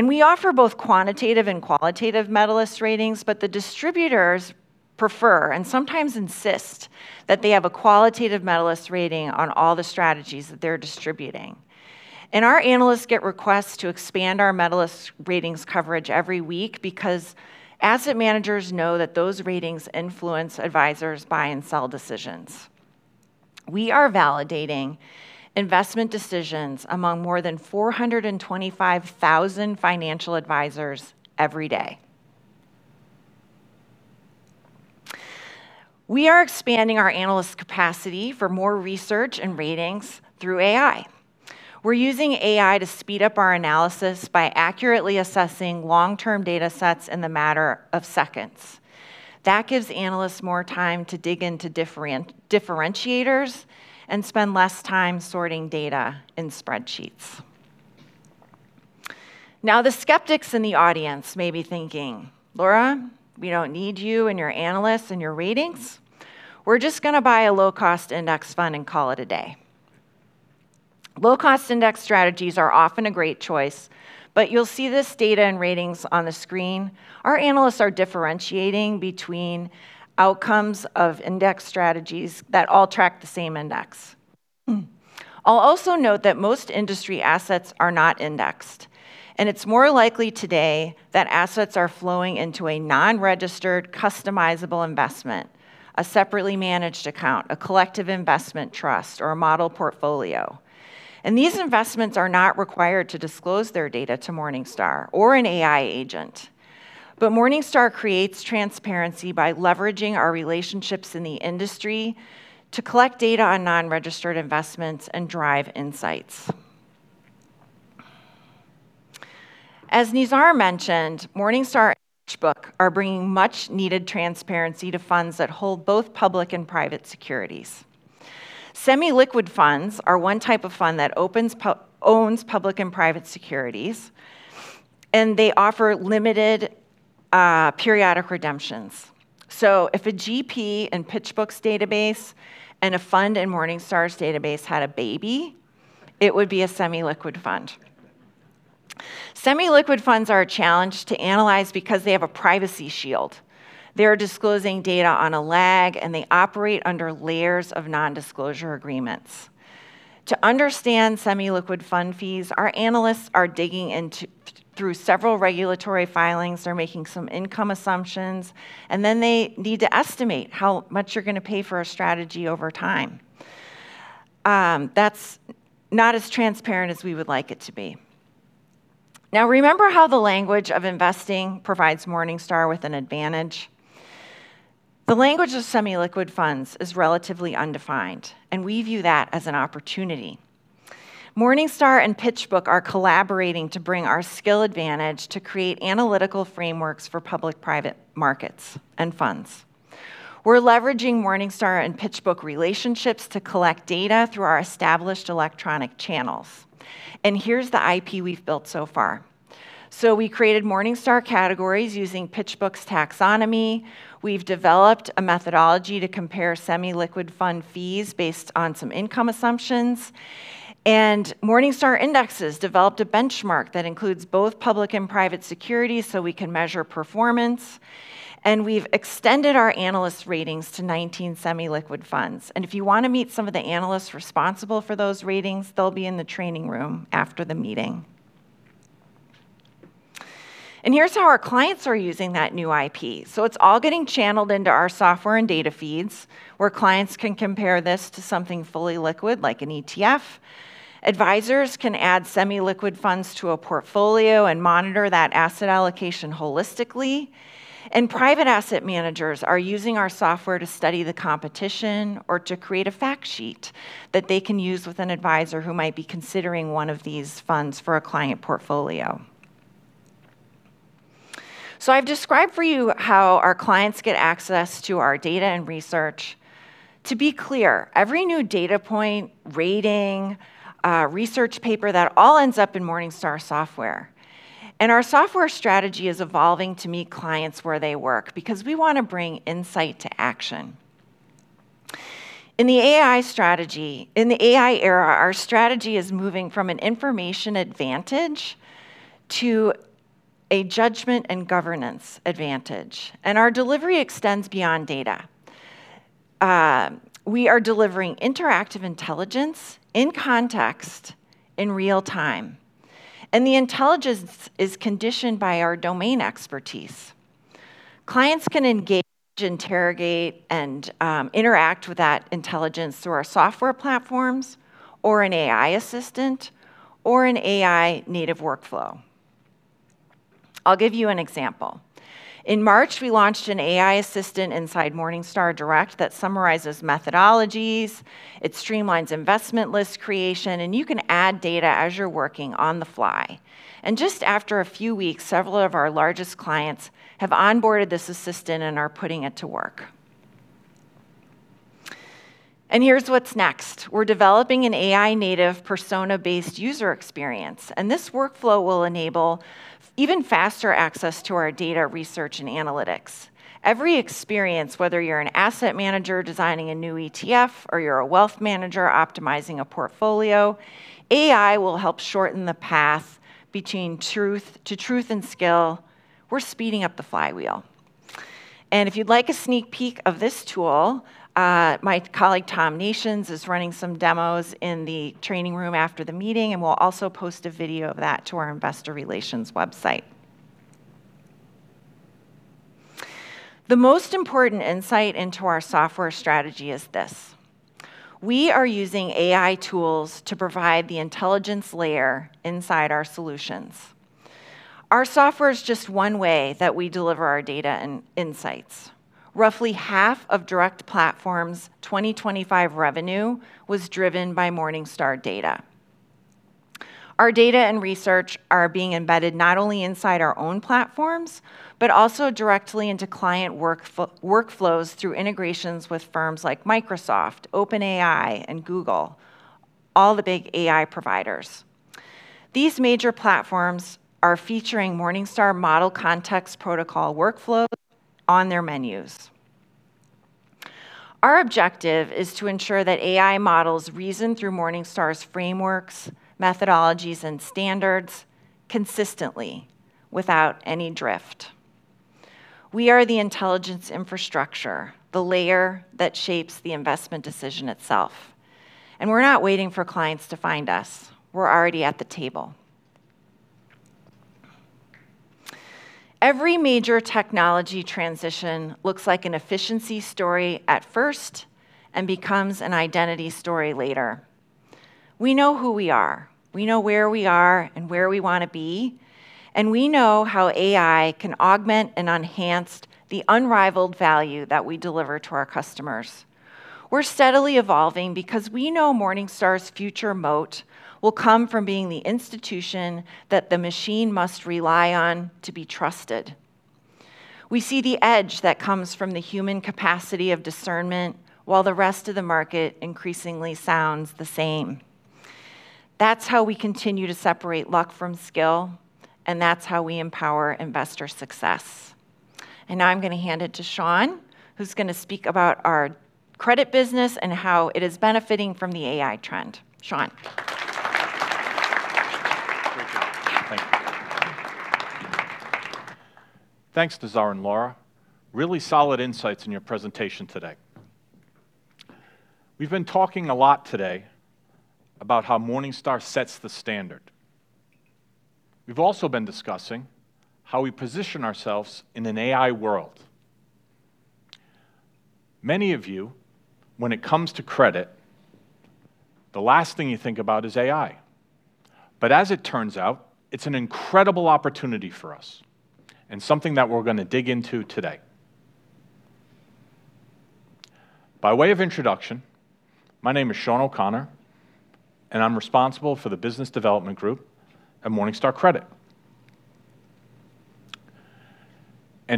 We offer both quantitative and qualitative Morningstar Medalist Ratings, but the distributors prefer and sometimes insist that they have a qualitative Morningstar Medalist Rating on all the strategies that they're distributing. Our analysts get requests to expand our Morningstar Medalist Ratings coverage every week because asset managers know that those ratings influence advisors' buy and sell decisions. We are validating investment decisions among more than 425,000 financial advisors every day. We are expanding our analyst capacity for more research and ratings through AI. We're using AI to speed up our analysis by accurately assessing long-term data sets in the matter of seconds. That gives analysts more time to dig into differentiators and spend less time sorting data in spreadsheets. Now, the skeptics in the audience may be thinking, "Laura, we don't need you and your analysts and your ratings. We're just gonna buy a low-cost index fund and call it a day." Low-cost index strategies are often a great choice, but you'll see this data and ratings on the screen. Our analysts are differentiating between outcomes of index strategies that all track the same index. I'll also note that most industry assets are not indexed, and it's more likely today that assets are flowing into a non-registered customizable investment, a separately managed account, a collective investment trust, or a model portfolio. These investments are not required to disclose their data to Morningstar or an AI agent. Morningstar creates transparency by leveraging our relationships in the industry to collect data on non-registered investments and drive insights. As Nizar mentioned, Morningstar and PitchBook are bringing much-needed transparency to funds that hold both public and private securities. Semi-liquid funds are one type of fund that owns public and private securities, and they offer limited periodic redemptions. If a GP in PitchBook's database and a fund in Morningstar's database had a baby, it would be a semi-liquid fund. Semi-liquid funds are a challenge to analyze because they have a privacy shield. They are disclosing data on a lag, and they operate under layers of non-disclosure agreements. To understand semi-liquid fund fees, our analysts are digging through several regulatory filings. Then they need to estimate how much you're gonna pay for a strategy over time. That's not as transparent as we would like it to be. Now, remember how the language of investing provides Morningstar with an advantage? The language of semi-liquid funds is relatively undefined, and we view that as an opportunity. Morningstar and PitchBook are collaborating to bring our skill advantage to create analytical frameworks for public-private markets and funds. We're leveraging Morningstar and PitchBook relationships to collect data through our established electronic channels. Here's the IP we've built so far. We created Morningstar categories using PitchBook's taxonomy. We've developed a methodology to compare semi-liquid fund fees based on some income assumptions. Morningstar Indexes developed a benchmark that includes both public and private securities so we can measure performance. We've extended our analyst ratings to 19 semi-liquid funds. If you wanna meet some of the analysts responsible for those ratings, they'll be in the training room after the meeting. Here's how our clients are using that new IP. It's all getting channeled into our software and data feeds, where clients can compare this to something fully liquid, like an ETF. Advisors can add semi-liquid funds to a portfolio and monitor that asset allocation holistically. Private asset managers are using our software to study the competition or to create a fact sheet that they can use with an advisor who might be considering one of these funds for a client portfolio. I've described for you how our clients get access to our data and research. To be clear, every new data point, rating, research paper, that all ends up in Morningstar software. Our software strategy is evolving to meet clients where they work because we want to bring insight to action. In the AI era, our strategy is moving from an information advantage to a judgment and governance advantage, and our delivery extends beyond data. We are delivering interactive intelligence in context in real time. The intelligence is conditioned by our domain expertise. Clients can engage, interrogate, and interact with that intelligence through our software platforms, or an AI assistant, or an AI native workflow. I'll give you an example. In March, we launched an AI assistant inside Morningstar Direct that summarizes methodologies, it streamlines investment list creation, and you can add data as you're working on the fly. Just after a few weeks, several of our largest clients have onboarded this assistant and are putting it to work. Here's what's next. We're developing an AI-native persona-based user experience, and this workflow will enable even faster access to our data research and analytics. Every experience, whether you're an asset manager designing a new ETF or you're a wealth manager optimizing a portfolio, AI will help shorten the path between truth to truth and skill. We're speeding up the flywheel. If you'd like a sneak peek of this tool, my colleague Tom Nations is running some demos in the training room after the meeting, and we'll also post a video of that to our investor relations website. The most important insight into our software strategy is this. We are using AI tools to provide the intelligence layer inside our solutions. Our software is just one way that we deliver our data and insights. Roughly half of Direct Platform's 2025 revenue was driven by Morningstar Data. Our data and research are being embedded not only inside our own platforms, but also directly into client workflows through integrations with firms like Microsoft, OpenAI, and Google, all the big AI providers. These major platforms are featuring Morningstar Model Context Protocol workflows on their menus. Our objective is to ensure that AI models reason through Morningstar's frameworks, methodologies, and standards consistently without any drift. We are the intelligence infrastructure, the layer that shapes the investment decision itself. We're not waiting for clients to find us, we're already at the table. Every major technology transition looks like an efficiency story at first and becomes an identity story later. We know who we are, we know where we are and where we wanna be, and we know how AI can augment and enhance the unrivaled value that we deliver to our customers. We're steadily evolving because we know Morningstar's future moat will come from being the institution that the machine must rely on to be trusted. We see the edge that comes from the human capacity of discernment while the rest of the market increasingly sounds the same. That's how we continue to separate luck from skill, and that's how we empower investor success. Now I'm gonna hand it to Sean, who's gonna speak about our credit business and how it is benefiting from the AI trend. Sean? Thank you. Thanks to Nizar and Laura. Really solid insights in your presentation today. We've been talking a lot today about how Morningstar sets the standard. We've also been discussing how we position ourselves in an AI world. Many of you, when it comes to credit, the last thing you think about is AI. As it turns out, it's an incredible opportunity for us, and something that we're gonna dig into today. By way of introduction, my name is Sean O'Connor, and I'm responsible for the business development group at Morningstar Credit.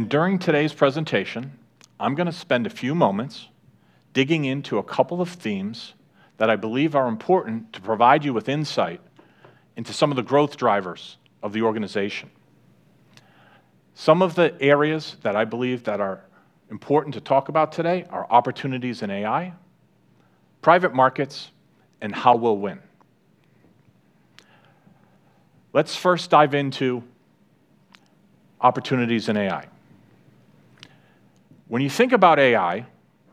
During today's presentation, I'm gonna spend a few moments digging into a couple of themes that I believe are important to provide you with insight into some of the growth drivers of the organization. Some of the areas that I believe that are important to talk about today are opportunities in AI, private markets, and how we'll win. Let's first dive into opportunities in AI. When you think about AI,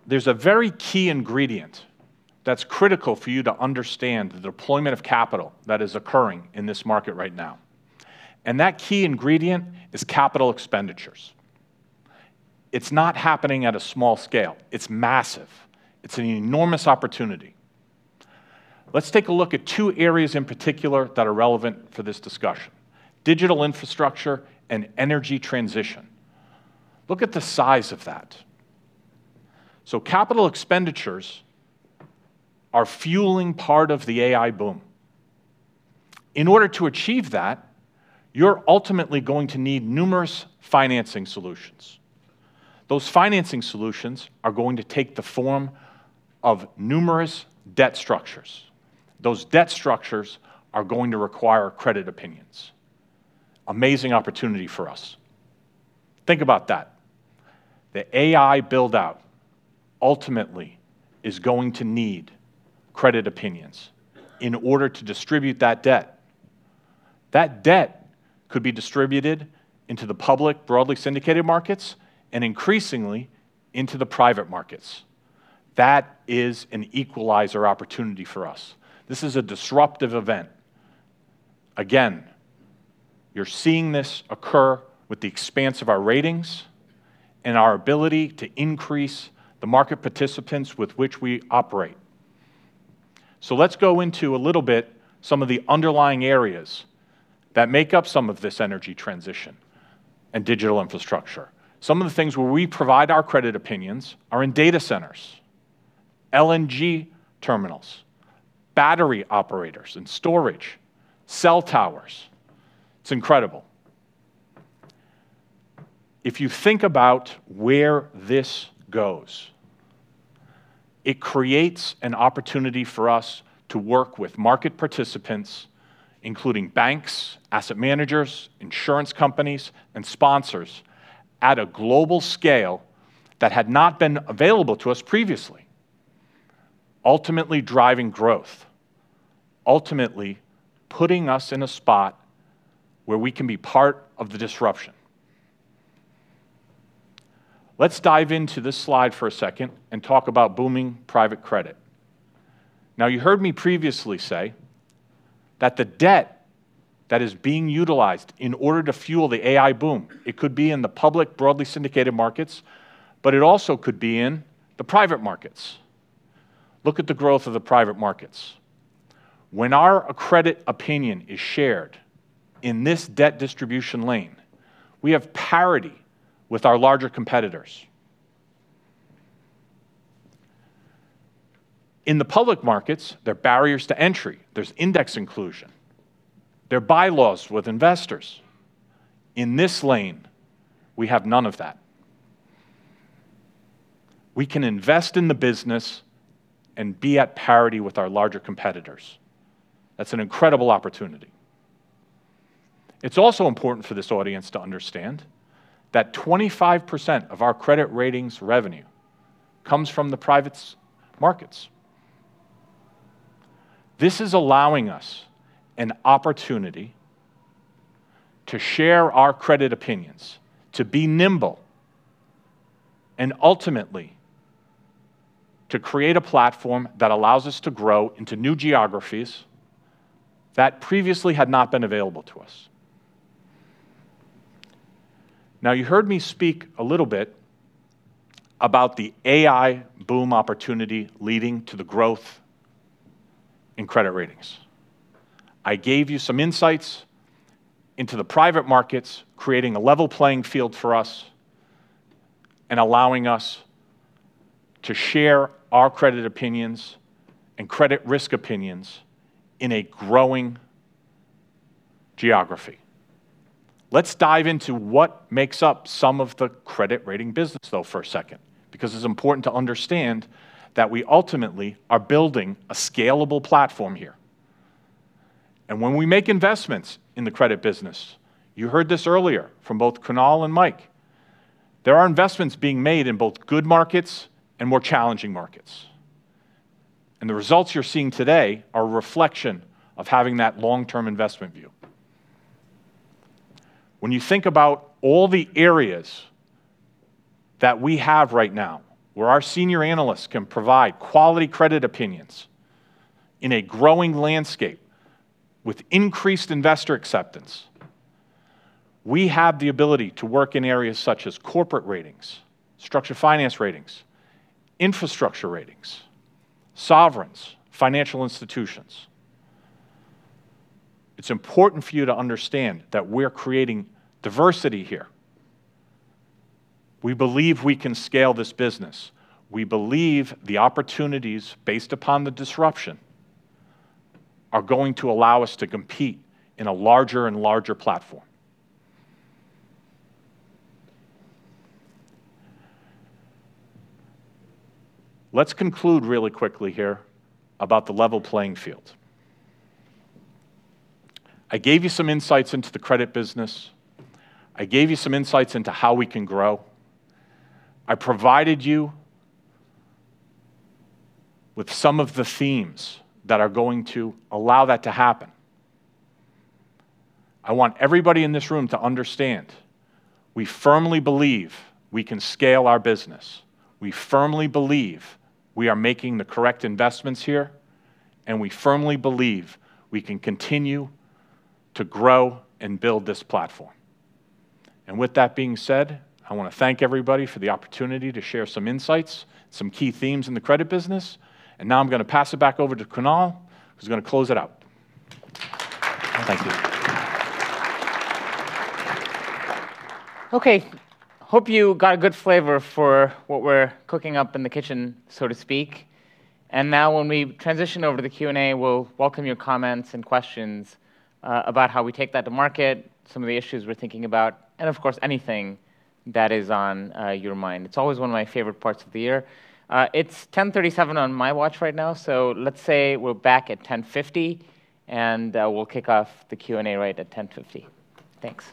there's a very key ingredient that's critical for you to understand the deployment of capital that is occurring in this market right now. That key ingredient is capital expenditures. It's not happening at a small scale. It's massive. It's an enormous opportunity. Let's take a look at two areas in particular that are relevant for this discussion, digital infrastructure and energy transition. Look at the size of that. Capital expenditures are fueling part of the AI boom. In order to achieve that, you're ultimately going to need numerous financing solutions. Those financing solutions are going to take the form of numerous debt structures. Those debt structures are going to require credit opinions. Amazing opportunity for us. Think about that. The AI build-out ultimately is going to need credit opinions in order to distribute that debt. That debt could be distributed into the public broadly syndicated markets and increasingly into the private markets. That is an equalizer opportunity for us. This is a disruptive event. Again, you're seeing this occur with the expanse of our ratings and our ability to increase the market participants with which we operate. Let's go into a little bit some of the underlying areas that make up some of this energy transition and digital infrastructure. Some of the things where we provide our credit opinions are in data centers, LNG terminals, battery operators and storage, cell towers. It's incredible. If you think about where this goes, it creates an opportunity for us to work with market participants, including banks, asset managers, insurance companies, and sponsors at a global scale that had not been available to us previously, ultimately driving growth, ultimately putting us in a spot where we can be part of the disruption. Let's dive into this slide for a second and talk about booming private credit. You heard me previously say that the debt that is being utilized in order to fuel the AI boom, it could be in the public broadly syndicated markets, but it also could be in the private markets. Look at the growth of the private markets. When our credit opinion is shared in this debt distribution lane, we have parity with our larger competitors. In the public markets, there are barriers to entry. There's index inclusion. There are bylaws with investors. In this lane, we have none of that. We can invest in the business and be at parity with our larger competitors. That's an incredible opportunity. It's also important for this audience to understand that 25% of our credit ratings revenue comes from the private markets. This is allowing us an opportunity to share our credit opinions, to be nimble, and ultimately, to create a platform that allows us to grow into new geographies that previously had not been available to us. Now, you heard me speak a little bit about the AI boom opportunity leading to the growth in credit ratings. I gave you some insights into the private markets, creating a level playing field for us and allowing us to share our credit opinions and credit risk opinions in a growing geography. Let's dive into what makes up some of the credit rating business, though, for a second, because it is important to understand that we ultimately are building a scalable platform here. When we make investments in the credit business, you heard this earlier from both Kunal and Mike, there are investments being made in both good markets and more challenging markets. The results you are seeing today are a reflection of having that long-term investment view. When you think about all the areas that we have right now where our senior analysts can provide quality credit opinions in a growing landscape with increased investor acceptance, we have the ability to work in areas such as corporate ratings, structured finance ratings, infrastructure ratings, sovereigns, financial institutions. It is important for you to understand that we are creating diversity here. We believe we can scale this business. We believe the opportunities based upon the disruption are going to allow us to compete in a larger and larger platform. Let's conclude really quickly here about the level playing field. I gave you some insights into the credit business. I gave you some insights into how we can grow. I provided you with some of the themes that are going to allow that to happen. I want everybody in this room to understand we firmly believe we can scale our business. We firmly believe we are making the correct investments here, and we firmly believe we can continue to grow and build this platform. With that being said, I wanna thank everybody for the opportunity to share some insights, some key themes in the credit business. Now I'm gonna pass it back over to Kunal, who's gonna close it out. Thank you. Okay. Hope you got a good flavor for what we're cooking up in the kitchen, so to speak. Now when we transition over to the Q&A, we'll welcome your comments and questions about how we take that to market, some of the issues we're thinking about, and of course, anything that is on your mind. It's always one of my favorite parts of the year. It's 10:37 on my watch right now, so let's say we're back at 10:50, and we'll kick off the Q&A right at 10:50. Thanks.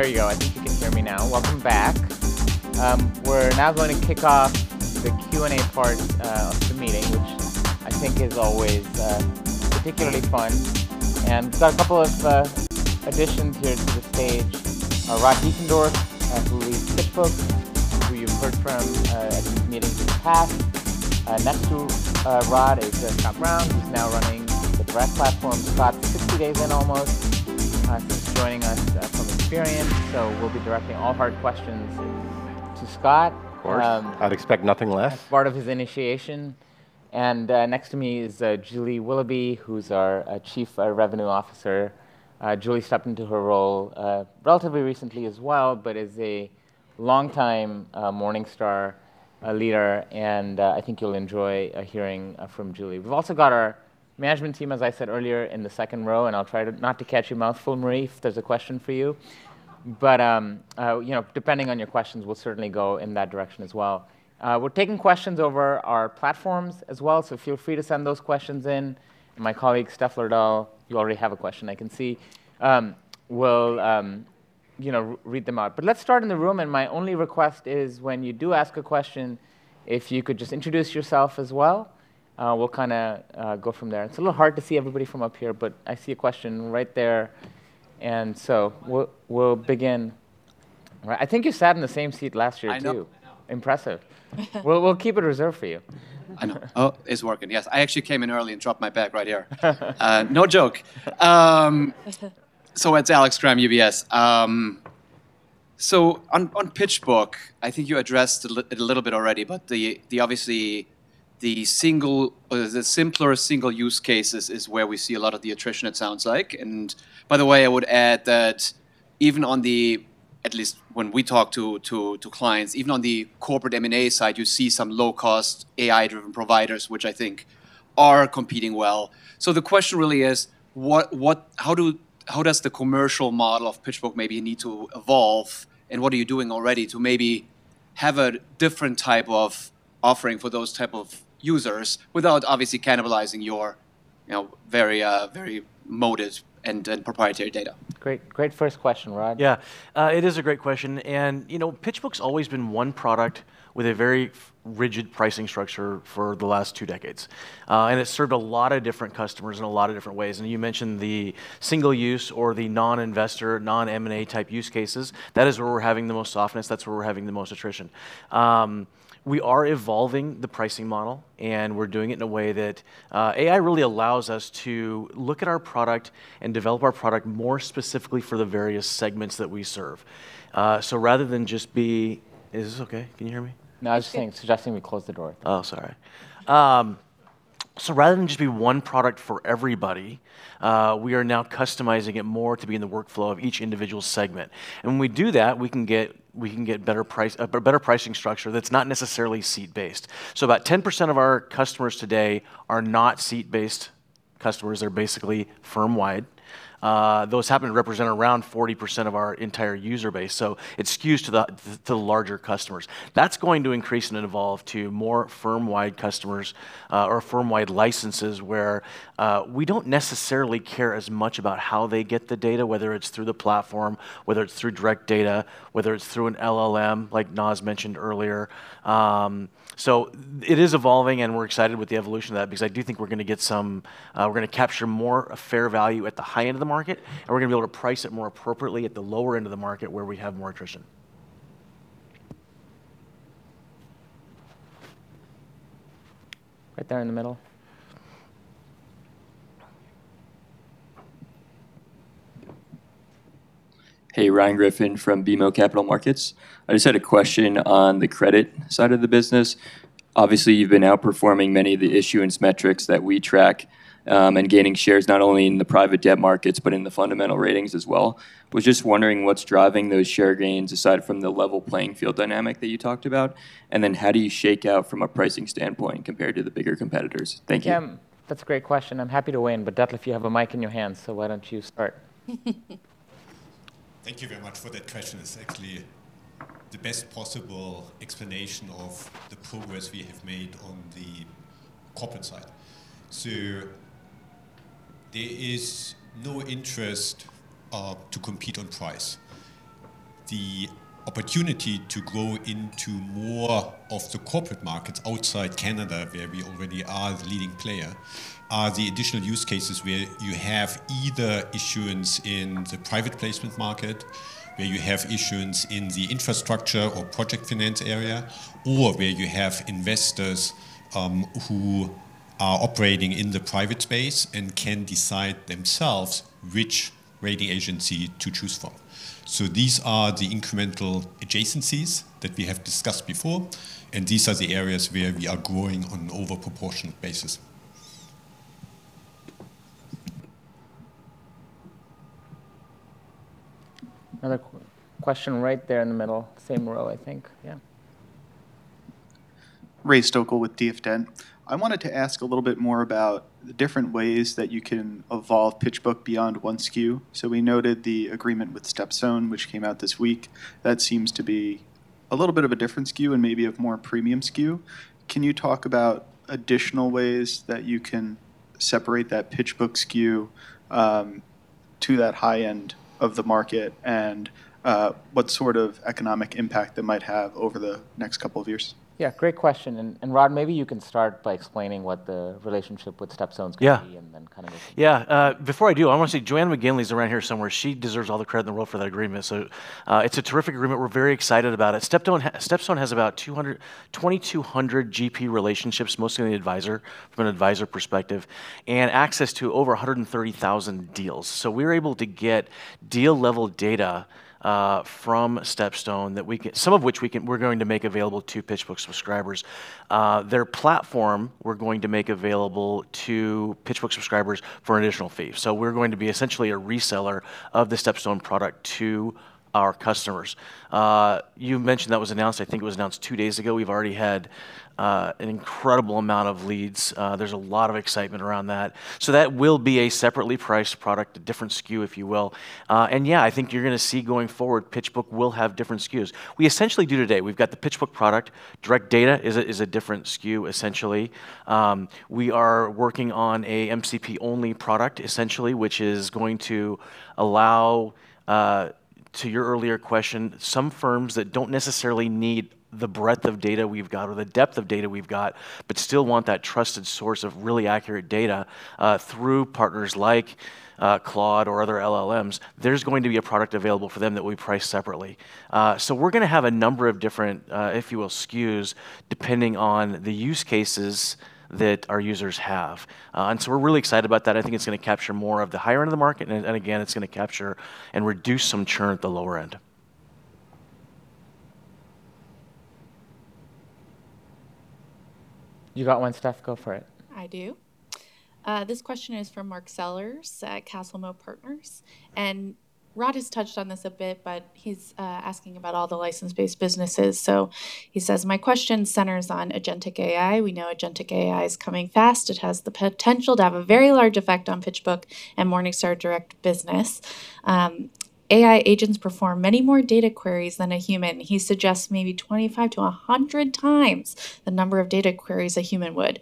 There you go. I think you can hear me now. Welcome back. We're now going to kick off the Q&A part of the meeting, which I think is always particularly fun. We've got a couple of additions here to the stage. Rod Diefendorf, who leads PitchBook, who you've heard from at these meetings in the past. Next to Rod is Scott Brown, who's now running the Direct Platform. Scott's 60 days in almost. He's joining us from Experian, so we'll be directing all hard questions to Scott. Of course. I'd expect nothing less. As part of his initiation. Next to me is Julie Willoughby, who's our Chief Revenue Officer. Julie stepped into her role relatively recently as well, but is a longtime Morningstar leader, and I think you'll enjoy hearing from Julie. We've also got our management team, as I said earlier, in the second row, and I'll try to not to catch you mouthful, Marie, if there's a question for you. You know, depending on your questions, we'll certainly go in that direction as well. We're taking questions over our platforms as well, so feel free to send those questions in. My colleague, Steph Lerdall, you already have a question I can see, will, you know, read them out. Let's start in the room, and my only request is when you do ask a question, if you could just introduce yourself as well, we'll kinda go from there. It's a little hard to see everybody from up here, but I see a question right there, and so we'll begin. Right. I think you sat in the same seat last year too. I know, I know. Impressive. We'll keep it reserved for you. I know. Oh, it's working. Yes. I actually came in early and dropped my bag right here. No joke. It's Alex Kramm, UBS. On PitchBook, I think you addressed a little bit already, but the obviously the single or the simpler single use cases is where we see a lot of the attrition it sounds like. By the way, I would add that even on the, at least when we talk to clients, even on the corporate M&A side, you see some low-cost AI-driven providers, which I think are competing well. The question really is what, how does the commercial model of PitchBook maybe need to evolve, and what are you doing already to maybe have a different type of offering for those type of users without obviously cannibalizing your, you know, very moated and proprietary data? Great. Great first question. Rod? Yeah. It is a great question. You know, PitchBook's always been one product with a very rigid pricing structure for the last two decades. It's served a lot of different customers in a lot of different ways. You mentioned the single use or the non-investor, non-M&A type use cases. That is where we're having the most softness. That's where we're having the most attrition. We are evolving the pricing model, we're doing it in a way that AI really allows us to look at our product and develop our product more specifically for the various segments that we serve. Rather than just be Is this okay? Can you hear me? No, I was saying. Yeah Suggesting we close the door. Sorry. Rather than just be one product for everybody, we are now customizing it more to be in the workflow of each individual segment. When we do that, we can get better price, a better pricing structure that's not necessarily seat-based. About 10% of our customers today are not seat-based customers. They're basically firm-wide. Those happen to represent around 40% of our entire user base, so it skews to the larger customers. That's going to increase and evolve to more firm-wide customers, or firm-wide licenses where we don't necessarily care as much about how they get the data, whether it's through the platform, whether it's through direct data, whether it's through an LLM like Nas mentioned earlier. It is evolving, and we're excited with the evolution of that because I do think we're gonna get some, we're gonna capture more fair value at the high end of the market, and we're gonna be able to price it more appropriately at the lower end of the market where we have more attrition. Right there in the middle. Hey, Ryan Griffin from BMO Capital Markets. I just had a question on the credit side of the business. Obviously, you've been outperforming many of the issuance metrics that we track and gaining shares not only in the private debt markets but in the fundamental ratings as well. Was just wondering what's driving those share gains aside from the level playing field dynamic that you talked about, and then how do you shake out from a pricing standpoint compared to the bigger competitors? Thank you. Hey, Ryan. That's a great question. I'm happy to weigh in, but Detlef, you have a mic in your hand, so why don't you start? Thank you very much for that question. It's actually the best possible explanation of the progress we have made on the corporate side. There is no interest to compete on price. The opportunity to grow into more of the corporate markets outside Canada, where we already are the leading player, are the additional use cases where you have either issuance in the private placement market, where you have issuance in the infrastructure or project finance area, or where you have investors who are operating in the private space and can decide themselves which rating agency to choose from. These are the incremental adjacencies that we have discussed before, and these are the areas where we are growing on an overproportionate basis. Another question right there in the middle. Same row, I think. Yeah. Ray Stoeckle with DF Dent. I wanted to ask a little bit more about the different ways that you can evolve PitchBook beyond 1 SKU. We noted the agreement with StepStone, which came out this week. That seems to be a little bit of a different SKU and maybe a more premium SKU. Can you talk about additional ways that you can separate that PitchBook SKU to that high end of the market and what sort of economic impact that might have over the next couple of years? Yeah, great question. Rod, maybe you can start by explaining what the relationship with StepStone's? Yeah Going to be and then. Yeah. Before I do, I want to say Joanna McGinley's around here somewhere. She deserves all the credit in the world for that agreement. It's a terrific agreement. We're very excited about it. StepStone has about 2,200 GP relationships, mostly on the advisor, from an advisor perspective, and access to over 130,000 deals. We're able to get deal-level data from StepStone that we're going to make available to PitchBook subscribers. Their platform we're going to make available to PitchBook subscribers for an additional fee. We're going to be essentially a reseller of the StepStone product to our customers. You mentioned that was announced, I think it was announced two days ago. We've already had an incredible amount of leads. There's a lot of excitement around that. That will be a separately priced product, a different SKU, if you will. Yeah, I think you're going to see going forward PitchBook will have different SKUs. We essentially do today. We've got the PitchBook product. Direct Data is a different SKU essentially. We are working on a MCP-only product essentially, which is going to allow, to your earlier question, some firms that don't necessarily need the breadth of data we've got or the depth of data we've got but still want that trusted source of really accurate data, through partners like Claude or other LLMs, there's going to be a product available for them that we price separately. We're going to have a number of different, if you will, SKUs depending on the use cases that our users have. We're really excited about that. I think it's gonna capture more of the higher end of the market and again, it's gonna capture and reduce some churn at the lower end. You got one, Steph? Go for it. I do. This question is from Mark Sellers at CastleMoore Partners. Rod has touched on this a bit, but he's asking about all the license-based businesses. He says, "My question centers on agentic AI. We know agentic AI is coming fast. It has the potential to have a very large effect on PitchBook and Morningstar Direct business. AI agents perform many more data queries than a human." He suggests maybe 25 to 100 times the number of data queries a human would.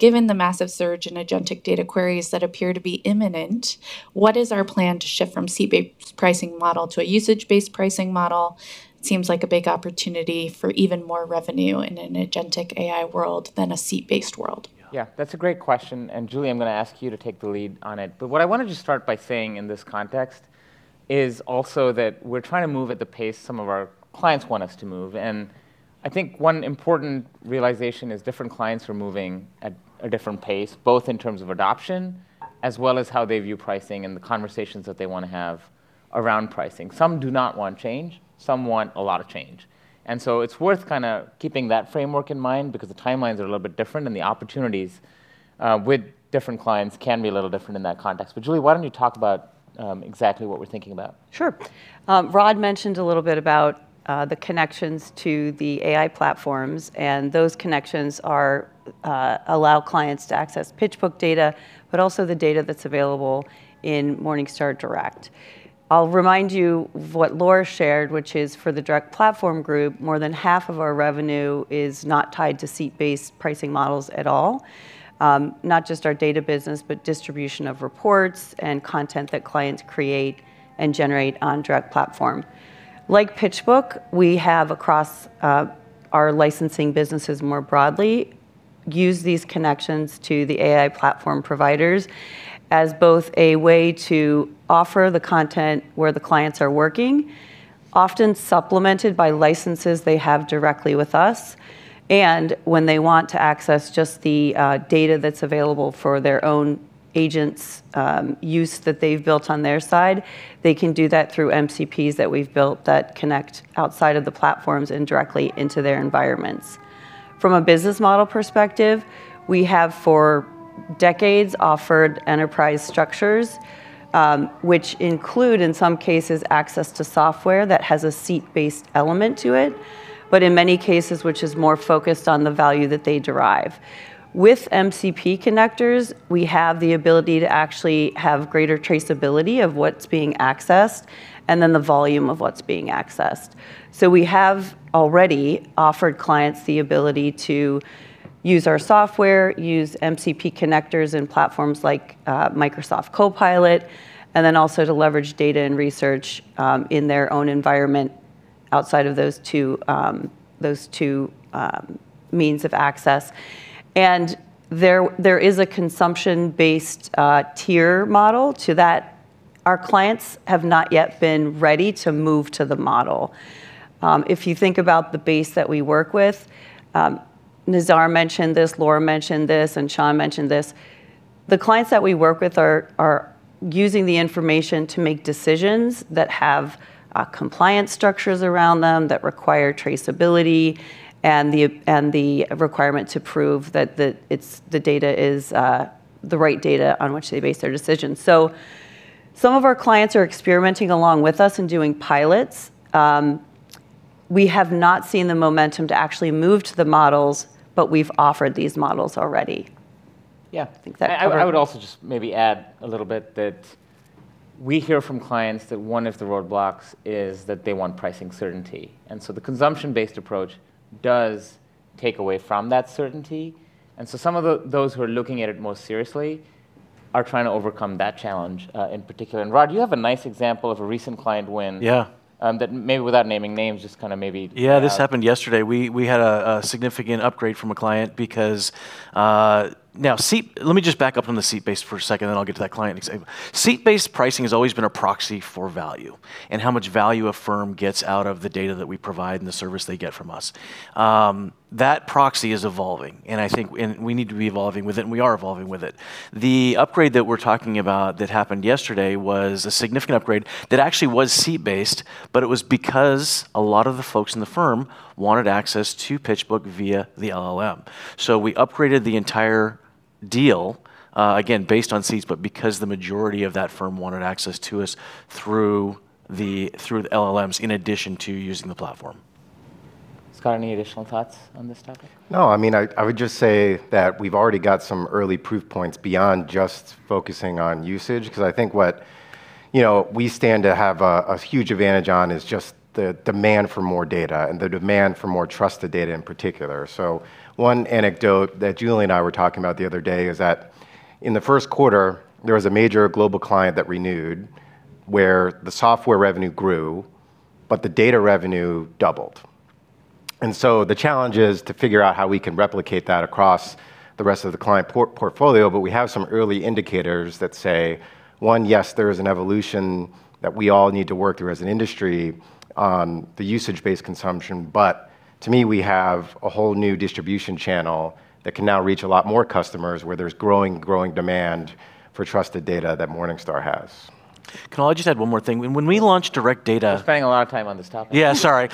"Given the massive surge in agentic data queries that appear to be imminent, what is our plan to shift from seat-based pricing model to a usage-based pricing model? Seems like a big opportunity for even more revenue in an agentic AI world than a seat-based world. Yeah, that's a great question, and Julie, I'm going to ask you to take the lead on it. What I wanted to start by saying in this context is also that we're trying to move at the pace some of our clients want us to move. I think one important realization is different clients are moving at a different pace, both in terms of adoption as well as how they view pricing and the conversations that they wanna have around pricing. Some do not want change, some want a lot of change. So it's worth kinda keeping that framework in mind because the timelines are a little bit different, and the opportunities with different clients can be a little different in that context. Julie, why don't you talk about exactly what we're thinking about? Sure. Rod mentioned a little bit about the connections to the AI platforms. Those connections allow clients to access PitchBook data, but also the data that's available in Morningstar Direct. I'll remind you what Laura shared, which is for the Direct Platform Group, more than half of our revenue is not tied to seat-based pricing models at all. Not just our data business, but distribution of reports and content that clients create and generate on Direct Platform. Like PitchBook, we have across our licensing businesses more broadly, use these connections to the AI platform providers as both a way to offer the content where the clients are working. Often supplemented by licenses they have directly with us. When they want to access just the data that's available for their own agents' use that they've built on their side, they can do that through MCPs that we've built that connect outside of the platforms and directly into their environments. From a business model perspective, we have for decades offered enterprise structures, which include, in some cases, access to software that has a seat-based element to it, but in many cases which is more focused on the value that they derive. With MCP connectors, we have the ability to actually have greater traceability of what's being accessed and then the volume of what's being accessed. We have already offered clients the ability to use our software, use MCP connectors and platforms like Microsoft Copilot, and then also to leverage data and research in their own environment outside of those two, those two means of access. There is a consumption-based tier model to that. Our clients have not yet been ready to move to the model. If you think about the base that we work with, Nizar mentioned this, Laura mentioned this, and Sean mentioned this. The clients that we work with are using the information to make decisions that have compliance structures around them that require traceability and the requirement to prove that the data is the right data on which they base their decisions. Some of our clients are experimenting along with us and doing pilots. We have not seen the momentum to actually move to the models, but we've offered these models already. Yeah. I think that covers- I would also just maybe add a little bit that we hear from clients that one of the roadblocks is that they want pricing certainty. The consumption-based approach does take away from that certainty. Those who are looking at it most seriously are trying to overcome that challenge in particular. Rod, you have a nice example of a recent client win. Yeah That maybe without naming names, just kinda maybe read out. Yeah, this happened yesterday. We had a significant upgrade from a client because. Let me just back up on the seat-based for a second, then I'll get to that client. Seat-based pricing has always been a proxy for value and how much value a firm gets out of the data that we provide and the service they get from us. That proxy is evolving, and I think, and we need to be evolving with it, and we are evolving with it. The upgrade that we're talking about that happened yesterday was a significant upgrade that actually was seat-based, but it was because a lot of the folks in the firm wanted access to PitchBook via the LLM. We upgraded the entire deal, again, based on seats, but because the majority of that firm wanted access to us through the LLMs in addition to using the platform. Scott, any additional thoughts on this topic? No. I mean, I would just say that we've already got some early proof points beyond just focusing on usage. 'Cause I think what, you know, we stand to have a huge advantage on is just the demand for more data and the demand for more trusted data in particular. One anecdote that Julie and I were talking about the other day is that in the first quarter, there was a major global client that renewed, where the software revenue grew, but the data revenue doubled. The challenge is to figure out how we can replicate that across the rest of the client portfolio, but we have some early indicators that say, one, yes, there is an evolution that we all need to work through as an industry on the usage-based consumption. To me, we have a whole new distribution channel that can now reach a lot more customers where there's growing demand for trusted data that Morningstar has. Can I just add one more thing? When we launched direct data. We're spending a lot of time on this topic. Yeah, sorry.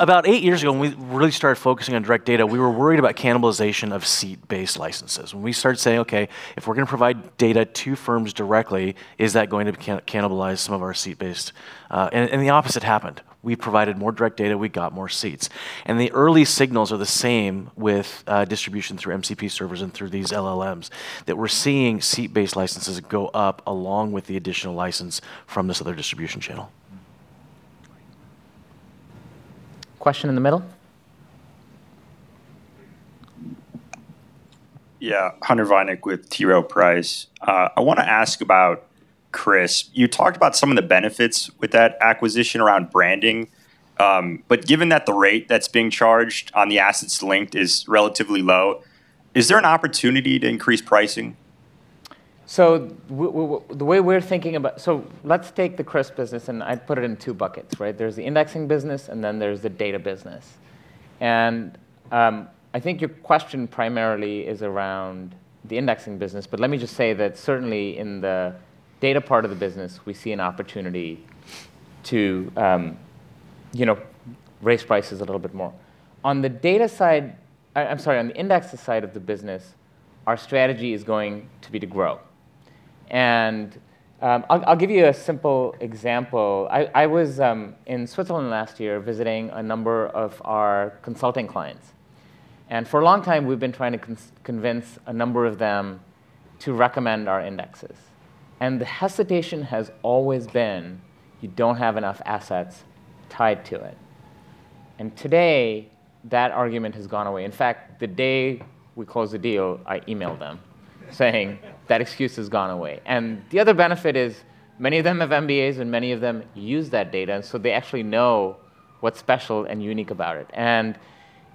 About eight years ago, when we really started focusing on direct data, we were worried about cannibalization of seat-based licenses. When we started saying, "Okay, if we're gonna provide data to firms directly, is that going to cannibalize some of our seat-based" The opposite happened. We provided more direct data, we got more seats. The early signals are the same with distribution through MCP servers and through these LLMs, that we're seeing seat-based licenses go up along with the additional license from this other distribution channel. Question in the middle. Yeah. Hunter Vinik with T. Rowe Price. I wanna ask about CRSP. You talked about some of the benefits with that acquisition around branding. Given that the rate that's being charged on the assets linked is relatively low, is there an opportunity to increase pricing? Let's take the CRSP business, and I'd put it in two buckets, right? There's the indexing business, and then there's the data business. I think your question primarily is around the indexing business. Let me just say that certainly in the data part of the business, we see an opportunity to, you know, raise prices a little bit more. On the indexes side of the business, our strategy is going to be to grow. I'll give you a simple example. I was in Switzerland last year visiting a number of our consulting clients, and for a long time we've been trying to convince a number of them to recommend our indexes. The hesitation has always been you don't have enough assets tied to it. Today that argument has gone away. In fact, the day we closed the deal, I emailed them saying that excuse has gone away. The other benefit is many of them have MBAs, and many of them use that data, so they actually know what's special and unique about it.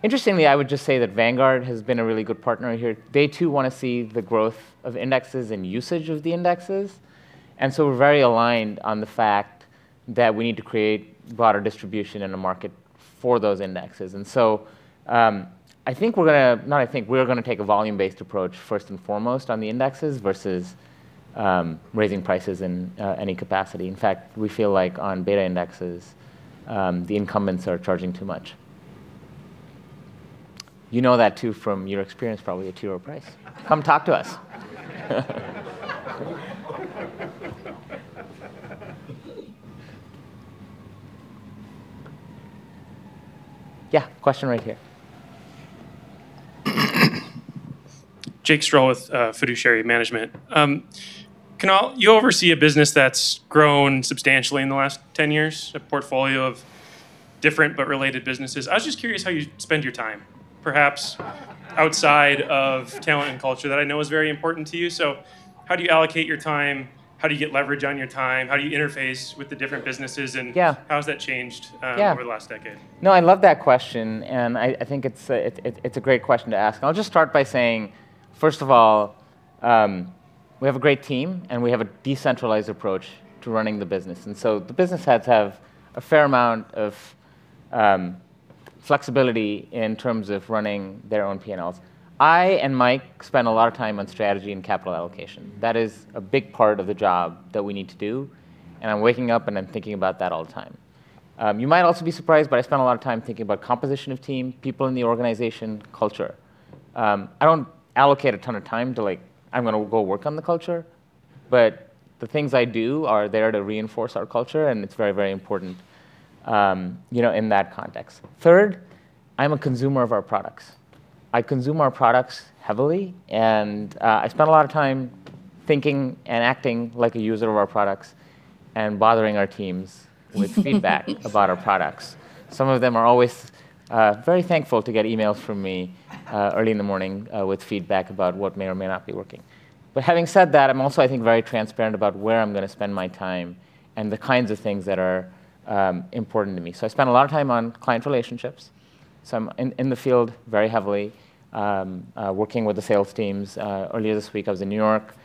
Interestingly, I would just say that Vanguard has been a really good partner here. They too want to see the growth of indexes and usage of the indexes, and so we're very aligned on the fact that we need to create broader distribution in the market for those indexes. We are going to take a volume-based approach first and foremost on the indexes versus raising prices in any capacity. In fact, we feel like on beta indexes, the incumbents are charging too much. You know that too from your experience probably at T. Rowe Price. Come talk to us. Yeah, question right here. Jake Strole with Fiduciary Management. Kunal, you oversee a business that's grown substantially in the last 10 years, a portfolio of different but related businesses. I was just curious how you spend your time, perhaps outside of talent and culture, that I know is very important to you. How do you allocate your time? How do you get leverage on your time? How do you interface with the different businesses? Yeah How has that changed? Yeah Over the last decade? No, I love that question. I think it's a great question to ask. I'll just start by saying, first of all, we have a great team, and we have a decentralized approach to running the business, the business heads have a fair amount of flexibility in terms of running their own P&Ls. I and Mike spend a lot of time on strategy and capital allocation. That is a big part of the job that we need to do, and I'm waking up and I'm thinking about that all the time. You might also be surprised, but I spend a lot of time thinking about composition of team, people in the organization, culture. I don't allocate a ton of time to, like, I'm gonna go work on the culture, but the things I do are there to reinforce our culture, and it's very, very important, you know, in that context. Third, I'm a consumer of our products. I consume our products heavily, and I spend a lot of time thinking and acting like a user of our products and bothering our teams with feedback about our products. Some of them are always very thankful to get emails from me early in the morning with feedback about what may or may not be working. Having said that, I'm also, I think, very transparent about where I'm gonna spend my time and the kinds of things that are important to me. I spend a lot of time on client relationships, so I'm in the field very heavily, working with the sales teams. Earlier this week I was in New York,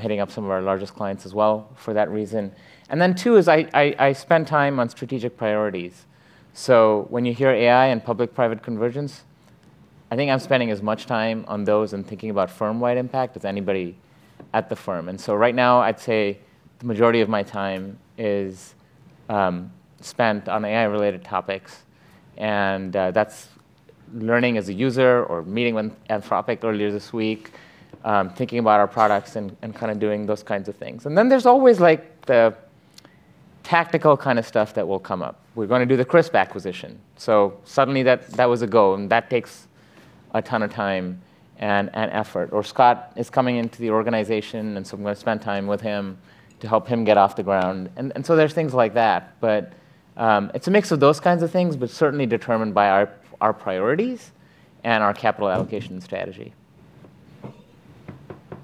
hitting up some of our largest clients as well for that reason. Then two is I spend time on strategic priorities. When you hear AI and public-private convergence, I think I'm spending as much time on those and thinking about firm-wide impact as anybody at the firm. Right now, I'd say the majority of my time is spent on AI-related topics and that's learning as a user or meeting with Anthropic earlier this week, thinking about our products and kinda doing those kinds of things. Then there's always, like, the tactical kinda stuff that will come up. We're gonna do the CRSP acquisition, suddenly that was a goal, and that takes a ton of time and effort. Scott is coming into the organization, I'm gonna spend time with him to help him get off the ground, there's things like that. It's a mix of those kinds of things, but certainly determined by our priorities and our capital allocation strategy.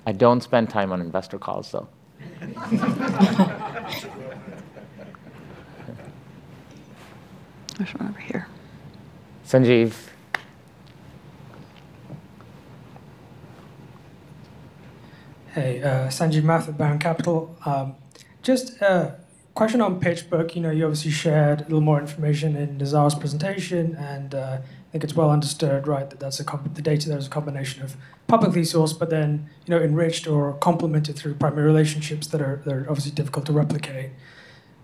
I don't spend time on investor calls, though. There's one over here. Sanjeev? Hey. Sanjeev Math at Baron Capital. Just a question on PitchBook. You know, you obviously shared a little more information in Nizar's presentation, I think it's well understood, right? That's the data there is a combination of publicly sourced, you know, enriched or complemented through primary relationships that are obviously difficult to replicate.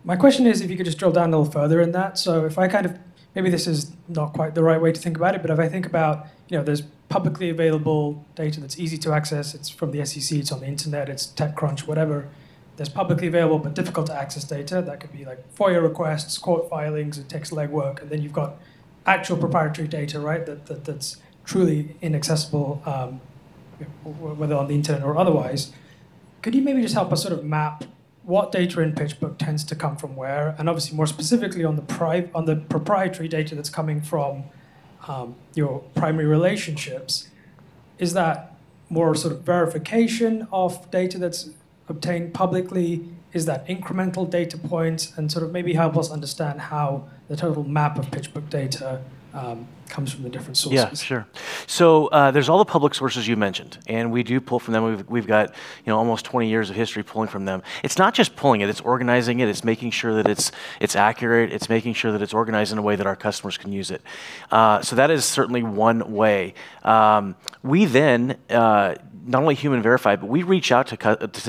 My question is if you could just drill down a little further in that. If I kind of Maybe this is not quite the right way to think about it, if I think about, you know, there's publicly available data that's easy to access. It's from the SEC, it's on the internet, it's TechCrunch, whatever. There's publicly available but difficult to access data that could be, like, FOIA requests, court filings, it takes legwork, you've got actual proprietary data, right? That's truly inaccessible, whether on the internet or otherwise. Could you maybe just help us sort of map what data in PitchBook tends to come from where, and sort of maybe help us understand how the total map of PitchBook data comes from the different sources? Obviously more specifically on the proprietary data that's coming from your primary relationships, is that more sort of verification of data that's obtained publicly? Is that incremental data points? And so maybe help us understand how the total map of PitchBook data comes from a different source? Yeah, sure. There's all the public sources you mentioned, and we do pull from them. We've got, you know, almost 20 years of history pulling from them. It's not just pulling it's organizing it's making sure that it's accurate. It's making sure that it's organized in a way that our customers can use it. That is certainly one way. We then not only human verify, but we reach out to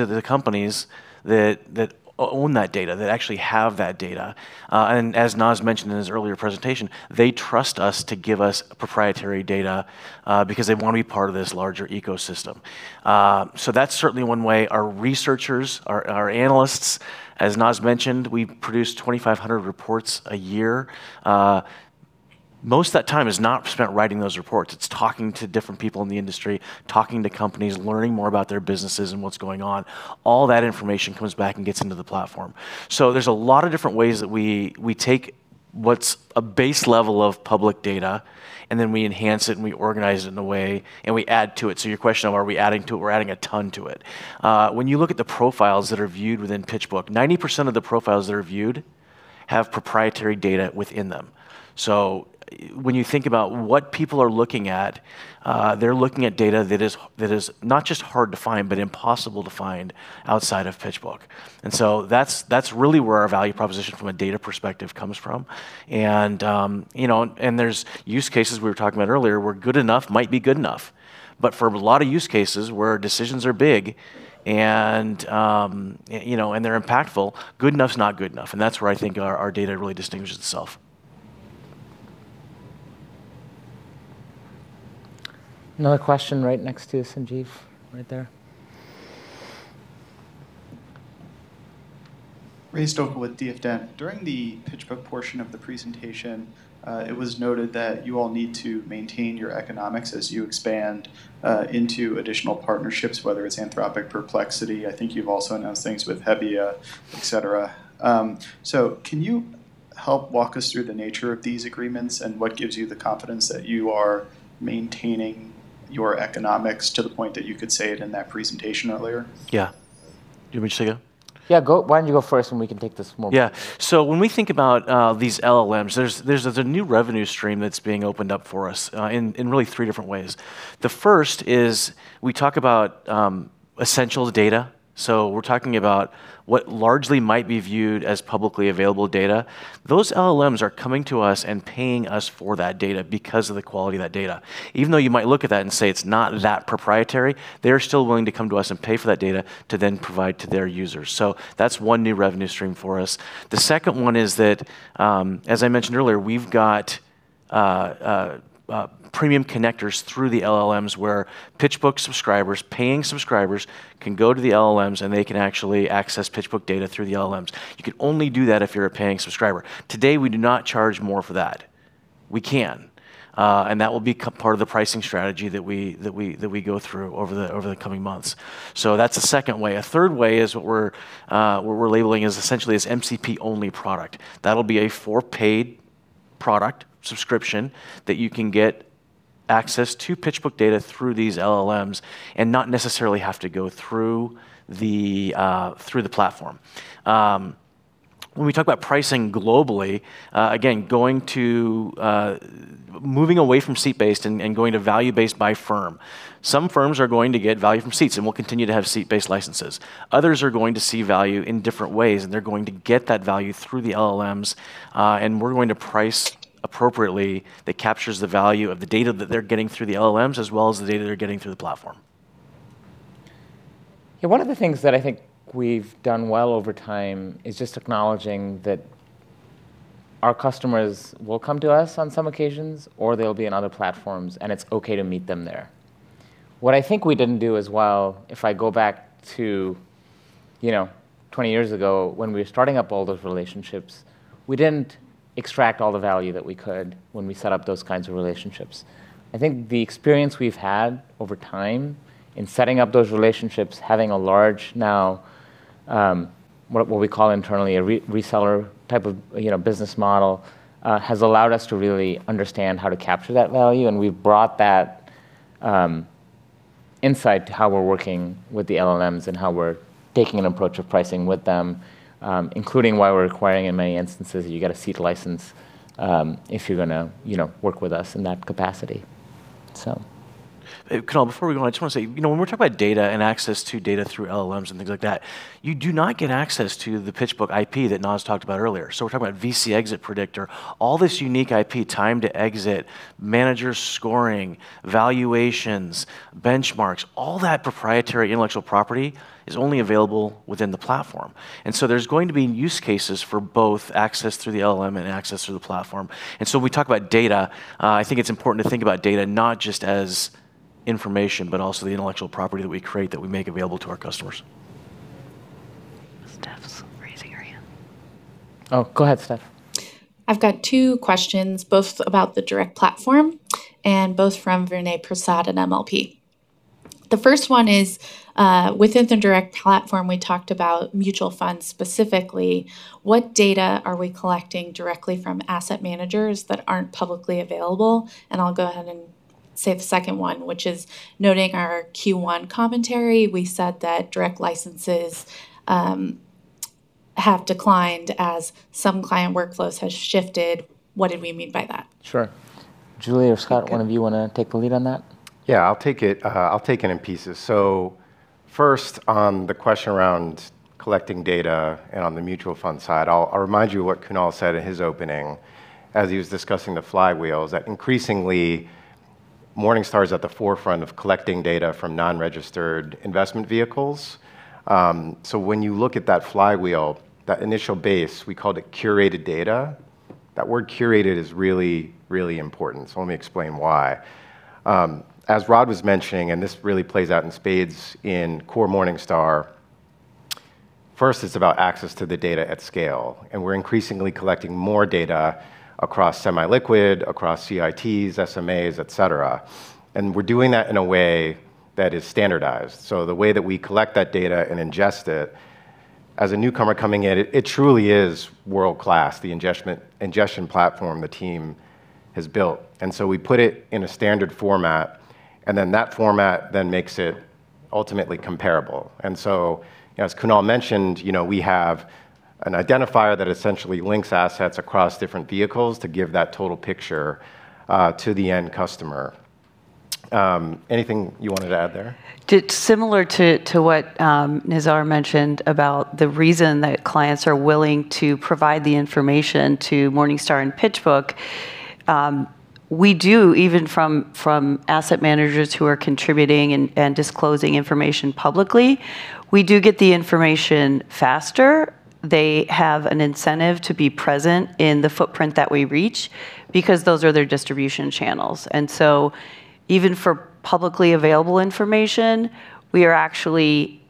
the companies that own that data, that actually have that data. As Nas mentioned in his earlier presentation, they trust us to give us proprietary data because they wanna be part of this larger ecosystem. That's certainly one way. Our researchers, our analysts, as Naz mentioned, we produce 2,500 reports a year. Most of that time is not spent writing those reports. It's talking to different people in the industry, talking to companies, learning more about their businesses and what's going on. All that information comes back and gets into the platform. There's a lot of different ways that we take what's a base level of public data, and then we enhance it, and we organize it in a way, and we add to it. Your question of are we adding to it, we're adding a ton to it. When you look at the profiles that are viewed within PitchBook, 90% of the profiles that are viewed. Have proprietary data within them. When you think about what people are looking at, they're looking at data that is not just hard to find, but impossible to find outside of PitchBook. That's really where our value proposition from a data perspective comes from. You know, there's use cases we were talking about earlier where good enough might be good enough. For a lot of use cases where decisions are big and, you know, they're impactful, good enough's not good enough, and that's where I think our data really distinguishes itself. Another question right next to Sanjeev, right there. Ray Stoeckle with DF Dent. During the PitchBook portion of the presentation, it was noted that you all need to maintain your economics as you expand into additional partnerships, whether it's Anthropic, Perplexity. I think you've also announced things with Hebbia, et cetera. Can you help walk us through the nature of these agreements and what gives you the confidence that you are maintaining your economics to the point that you could say it in that presentation earlier? Yeah. Do you want me to take it? Yeah, go. Why don't you go first, and we can take this momentarily. Yeah. When we think about these LLMs, there's a new revenue stream that's being opened up for us in really three different ways. The first is we talk about essential data. We're talking about what largely might be viewed as publicly available data. Those LLMs are coming to us and paying us for that data because of the quality of that data. Even though you might look at that and say it's not that proprietary, they're still willing to come to us and pay for that data to then provide to their users. That's one new revenue stream for us. The second one is that, as I mentioned earlier, we've got premium connectors through the LLMs where PitchBook subscribers, paying subscribers, can go to the LLMs and they can actually access PitchBook data through the LLMs. You can only do that if you're a paying subscriber. Today, we do not charge more for that. We can. That will become part of the pricing strategy that we go through over the coming months. That's a second way. A third way is what we're labeling as essentially as MCP-only product. That'll be a for-paid product subscription that you can get access to PitchBook data through these LLMs and not necessarily have to go through the platform. We talk about pricing globally, again, going to moving away from seat-based and going to value-based by firm. Some firms are going to get value from seats and will continue to have seat-based licenses. Others are going to see value in different ways, and they're going to get that value through the LLMs, and we're going to price appropriately that captures the value of the data that they're getting through the LLMs as well as the data they're getting through the platform. Yeah, one of the things that I think we've done well over time is just acknowledging that our customers will come to us on some occasions, or they'll be on other platforms, and it's okay to meet them there. What I think we didn't do as well, if I go back to, you know, 20 years ago when we were starting up all those relationships, we didn't extract all the value that we could when we set up those kinds of relationships. I think the experience we've had over time in setting up those relationships, having a large now, what we call internally a reseller type of, you know, business model, has allowed us to really understand how to capture that value, and we've brought that insight to how we're working with the LLMs and how we're taking an approach of pricing with them, including why we're requiring in many instances that you get a seat license, if you're gonna, you know, work with us in that capacity. Kunal, before we go on, I just want to say, you know, when we're talking about data and access to data through LLMs and things like that, you do not get access to the PitchBook IP that Nas talked about earlier. We're talking about VC Exit Predictor, all this unique IP, time to exit, manager scoring, valuations, benchmarks, all that proprietary intellectual property is only available within the platform. There's going to be use cases for both access through the LLM and access through the platform. When we talk about data, I think it's important to think about data not just as information, but also the intellectual property that we create that we make available to our customers. Steph's raising her hand. Oh, go ahead, Steph. I've got two questions, both about the direct platform and both from Vinay Prasad at MLP. The first one is, within the direct platform, we talked about mutual funds specifically. What data are we collecting directly from asset managers that aren't publicly available? I'll go ahead and say the second one, which is noting our Q1 commentary, we said that direct licenses have declined as some client workflows has shifted. What did we mean by that? Sure. Julie or Scott We can- One of you wanna take the lead on that? Yeah, I'll take it. I'll take it in pieces. First on the question around collecting data and on the mutual fund side, I'll remind you what Kunal said in his opening as he was discussing the flywheels, that increasingly Morningstar is at the forefront of collecting data from non-registered investment vehicles. When you look at that flywheel, that initial base, we called it curated data. That word curated is really, really important, so let me explain why. As Rod was mentioning, and this really plays out in spades in core Morningstar, first it's about access to the data at scale, and we're increasingly collecting more data across semi-liquid, across CITs, SMAs, et cetera. We're doing that in a way that is standardized. The way that we collect that data and ingest it, as a newcomer coming in, it truly is world-class, the ingestion platform the team has built. We put it in a standard format. And that format makes it ultimately comparable. As Kunal mentioned, you know, we have an identifier that essentially links assets across different vehicles to give that total picture to the end customer. Anything you wanted to add there? Similar to what Nizar mentioned about the reason that clients are willing to provide the information to Morningstar and PitchBook, we do even from asset managers who are contributing and disclosing information publicly, we do get the information faster. They have an incentive to be present in the footprint that we reach because those are their distribution channels. Even for publicly available information, we are actually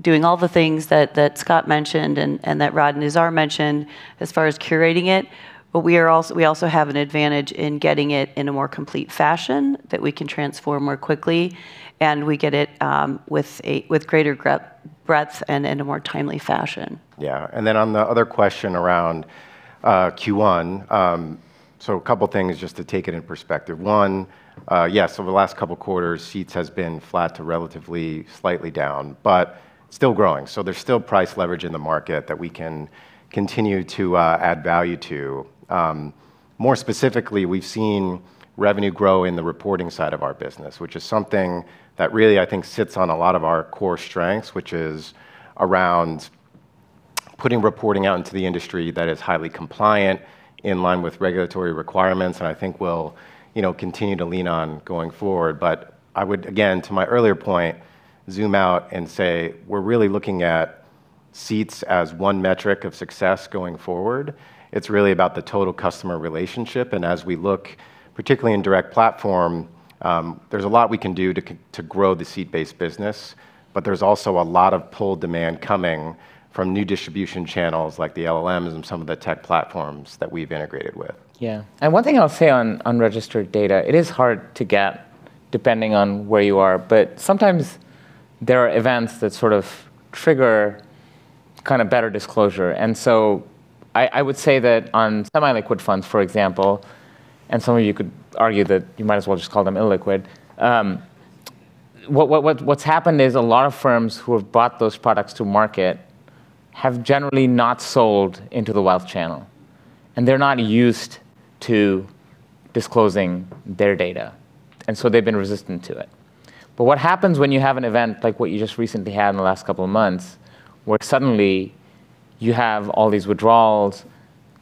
doing all the things that Scott mentioned and that Rod and Nizar mentioned as far as curating it. We also have an advantage in getting it in a more complete fashion that we can transform more quickly, and we get it with greater breadth and in a more timely fashion. Yeah. Then on the other question around Q1, a couple of things just to take it in perspective. One, yes, over the last couple of quarters, seats has been flat to relatively slightly down, but still growing. There's still price leverage in the market that we can continue to add value to. More specifically, we've seen revenue grow in the reporting side of our business, which is something that really I think sits on a lot of our core strengths, which is around putting reporting out into the industry that is highly compliant in line with regulatory requirements, and I think we'll, you know, continue to lean on going forward. I would, again, to my earlier point, zoom out and say we're really looking at seats as one metric of success going forward. It's really about the total customer relationship. As we look particularly in Direct Platform, there's a lot we can do to grow the seat-based business, but there's also a lot of pull demand coming from new distribution channels like the LLMs and some of the tech platforms that we've integrated with. Yeah. One thing I'll say on unregistered data, it is hard to get depending on where you are. Sometimes there are events that sort of trigger kinda better disclosure. I would say that on semi-liquid funds, for example, and some of you could argue that you might as well just call them illiquid, what's happened is a lot of firms who have bought those products to market have generally not sold into the wealth channel, they're not used to disclosing their data, they've been resistant to it. What happens when you have an event like what you just recently had in the last couple of months, where suddenly you have all these withdrawals,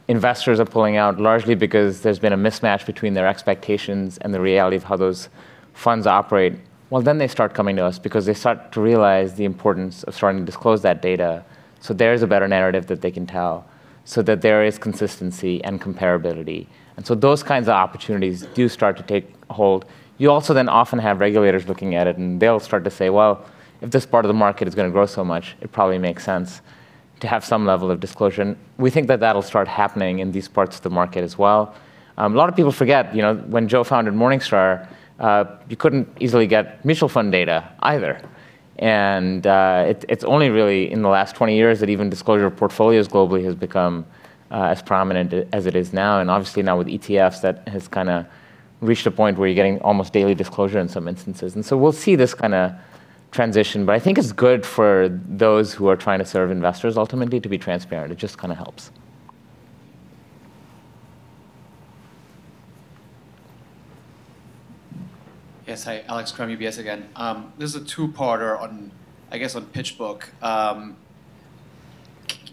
investors are pulling out largely because there's been a mismatch between their expectations and the reality of how those funds operate. They start coming to us because they start to realize the importance of starting to disclose that data. There's a better narrative that they can tell so that there is consistency and comparability. Those kinds of opportunities do start to take hold. You also often have regulators looking at it, and they'll start to say, "If this part of the market is gonna grow so much, it probably makes sense to have some level of disclosure." We think that that'll start happening in these parts of the market as well. A lot of people forget, you know, when Joe founded Morningstar, you couldn't easily get mutual fund data either. It's only really in the last 20 years that even disclosure of portfolios globally has become as prominent as it is now. Obviously now with ETFs, that has kinda reached a point where you're getting almost daily disclosure in some instances. We'll see this kinda transition. I think it's good for those who are trying to serve investors ultimately to be transparent. It just kinda helps. Yes. Hi, Alex Kramm, UBS again. This is a two-parter on, I guess, on PitchBook.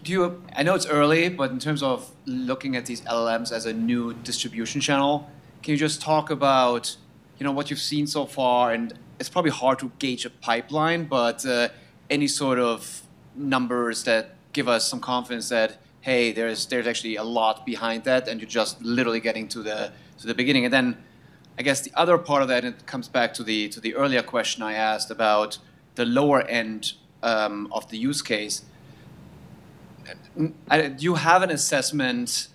Do you I know it's early, but in terms of looking at these LLMs as a new distribution channel, can you just talk about, you know, what you've seen so far? It's probably hard to gauge a pipeline, but any sort of numbers that give us some confidence that, hey, there's actually a lot behind that and you're just literally getting to the beginning. Then I guess the other part of that, and it comes back to the earlier question I asked about the lower end of the use case. Do you have an assessment,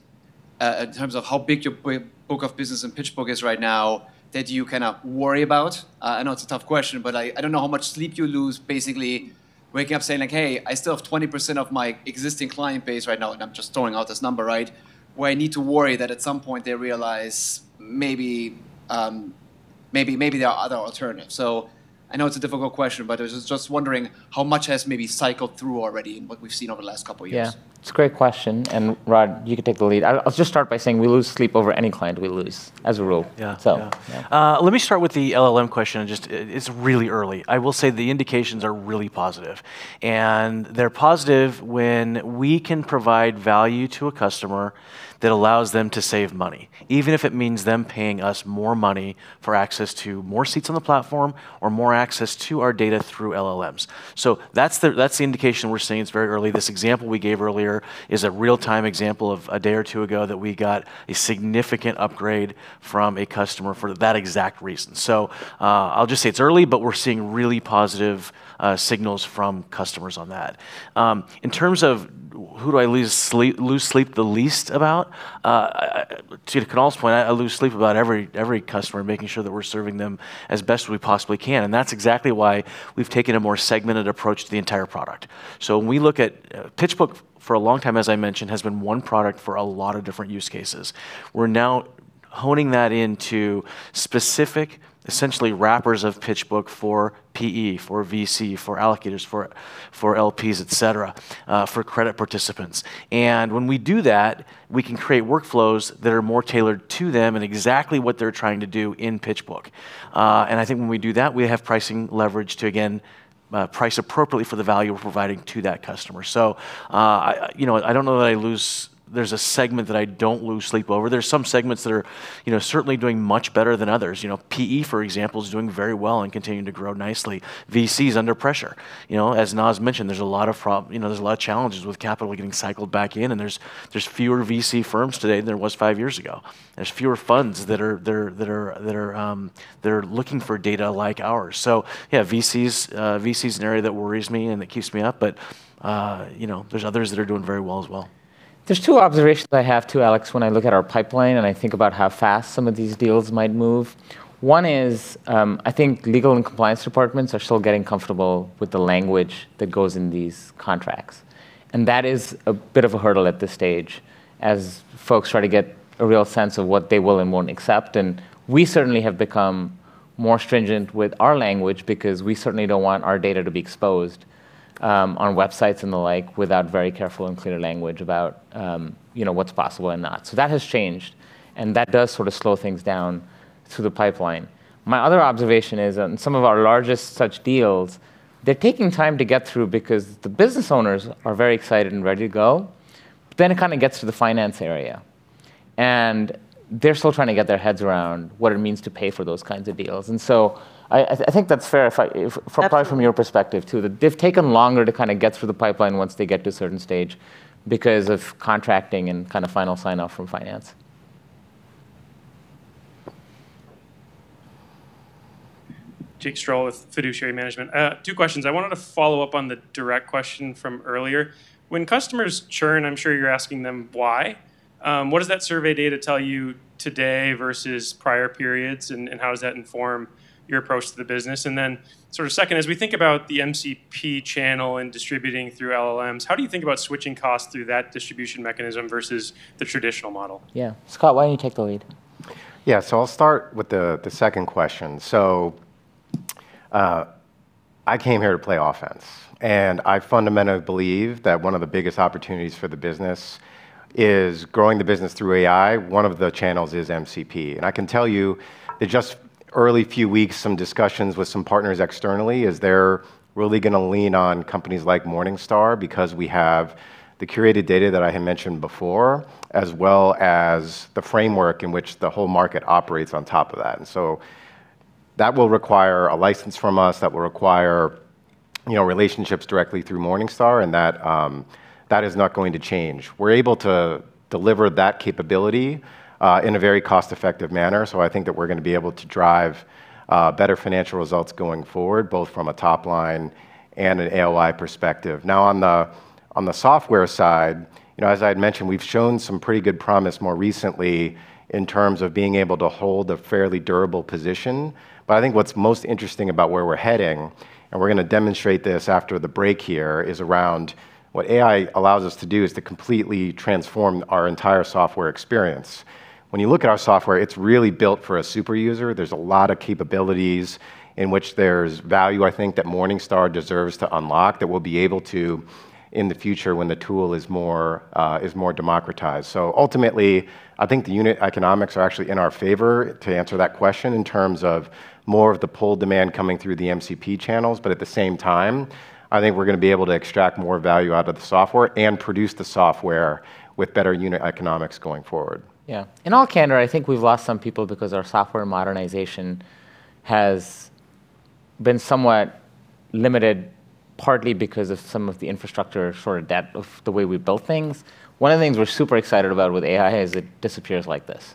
in terms of how big your book of business in PitchBook is right now that you kinda worry about? I know it's a tough question, but I don't know how much sleep you lose basically waking up saying like, "Hey, I still have 20% of my existing client base right now," and I'm just throwing out this number, right? "Where I need to worry that at some point they realize maybe there are other alternatives." I know it's a difficult question, but I was just wondering how much has maybe cycled through already in what we've seen over the last two years. Yeah, it's a great question. Rod, you can take the lead. I'll just start by saying we lose sleep over any client we lose as a rule. Yeah. Yeah. Let me start with the LLM question and just, it's really early. I will say the indications are really positive, and they're positive when we can provide value to a customer that allows them to save money, even if it means them paying us more money for access to more seats on the platform or more access to our data through LLMs. That's the indication we're seeing. It's very early. This example we gave earlier is a real-time example of a day or two ago that we got a significant upgrade from a customer for that exact reason. I'll just say it's early, but we're seeing really positive signals from customers on that. In terms of who do I lose sleep the least about, to Kunal's point, I lose sleep about every customer, making sure that we're serving them as best we possibly can. That's exactly why we've taken a more segmented approach to the entire product. When we look at PitchBook for a long time, as I mentioned, has been one product for a lot of different use cases. We're now. Honing that into specific, essentially wrappers of PitchBook for PE, for VC, for allocators, for LPs, et cetera, for credit participants. When we do that, we can create workflows that are more tailored to them and exactly what they're trying to do in PitchBook. I think when we do that, we have pricing leverage to, again, price appropriately for the value we're providing to that customer. I, you know, there's a segment that I don't lose sleep over. There's some segments that are, you know, certainly doing much better than others. You know, PE, for example, is doing very well and continuing to grow nicely. VC's under pressure. You know, as Nas mentioned, there's a lot of, you know, there's a lot of challenges with capital getting cycled back in, and there's fewer VC firms today than there was five years ago. There's fewer funds that are looking for data like ours. Yeah, VC's an area that worries me and that keeps me up, but, you know, there's others that are doing very well as well. There's two observations I have too, Alex, when I look at our pipeline, and I think about how fast some of these deals might move. One is, I think legal and compliance departments are still getting comfortable with the language that goes in these contracts, and that is a bit of a hurdle at this stage as folks try to get a real sense of what they will and won't accept. We certainly have become more stringent with our language because we certainly don't want our data to be exposed on websites and the like without very careful and clear language about, you know, what's possible and not. That has changed, and that does sort of slow things down through the pipeline. My other observation is on some of our largest such deals, they're taking time to get through because the business owners are very excited and ready to go, it kind of gets to the finance area, they're still trying to get their heads around what it means to pay for those kinds of deals. I think that's fair from your perspective too, that they've taken longer to kind of get through the pipeline once they get to a certain stage because of contracting and kind of final sign-off from finance. Jake Strole with Fiduciary Management, Inc. Two questions. I wanted to follow up on the direct question from earlier. When customers churn, I'm sure you're asking them why. What does that survey data tell you today versus prior periods, and how does that inform your approach to the business? Second, as we think about the MCP channel and distributing through LLMs, how do you think about switching costs through that distribution mechanism versus the traditional model? Yeah. Scott, why don't you take the lead? Yeah. I'll start with the second question. I came here to play offense, and I fundamentally believe that one of the biggest opportunities for the business is growing the business through AI. One of the channels is MCP. I can tell you that just early few weeks, some discussions with some partners externally is they're really going to lean on companies like Morningstar because we have the curated data that I had mentioned before, as well as the framework in which the whole market operates on top of that. That will require a license from us. That will require, you know, relationships directly through Morningstar, and that is not going to change. We're able to deliver that capability in a very cost-effective manner. I think that we're gonna be able to drive better financial results going forward, both from a top-line and an AOI perspective. On the software side, you know, as I had mentioned, we've shown some pretty good promise more recently in terms of being able to hold a fairly durable position. I think what's most interesting about where we're heading, and we're gonna demonstrate this after the break here, is around what AI allows us to do is to completely transform our entire software experience. When you look at our software, it's really built for a super user. There's a lot of capabilities in which there's value, I think, that Morningstar deserves to unlock that we'll be able to in the future when the tool is more, is more democratized. Ultimately, I think the unit economics are actually in our favor to answer that question in terms of more of the pull demand coming through the MCP channels. At the same time, I think we're gonna be able to extract more value out of the software and produce the software with better unit economics going forward. Yeah. In all candor, I think we've lost some people because our software modernization has been somewhat limited, partly because of some of the infrastructure short adapt of the way we build things. One of the things we're super excited about with AI is it disappears like this.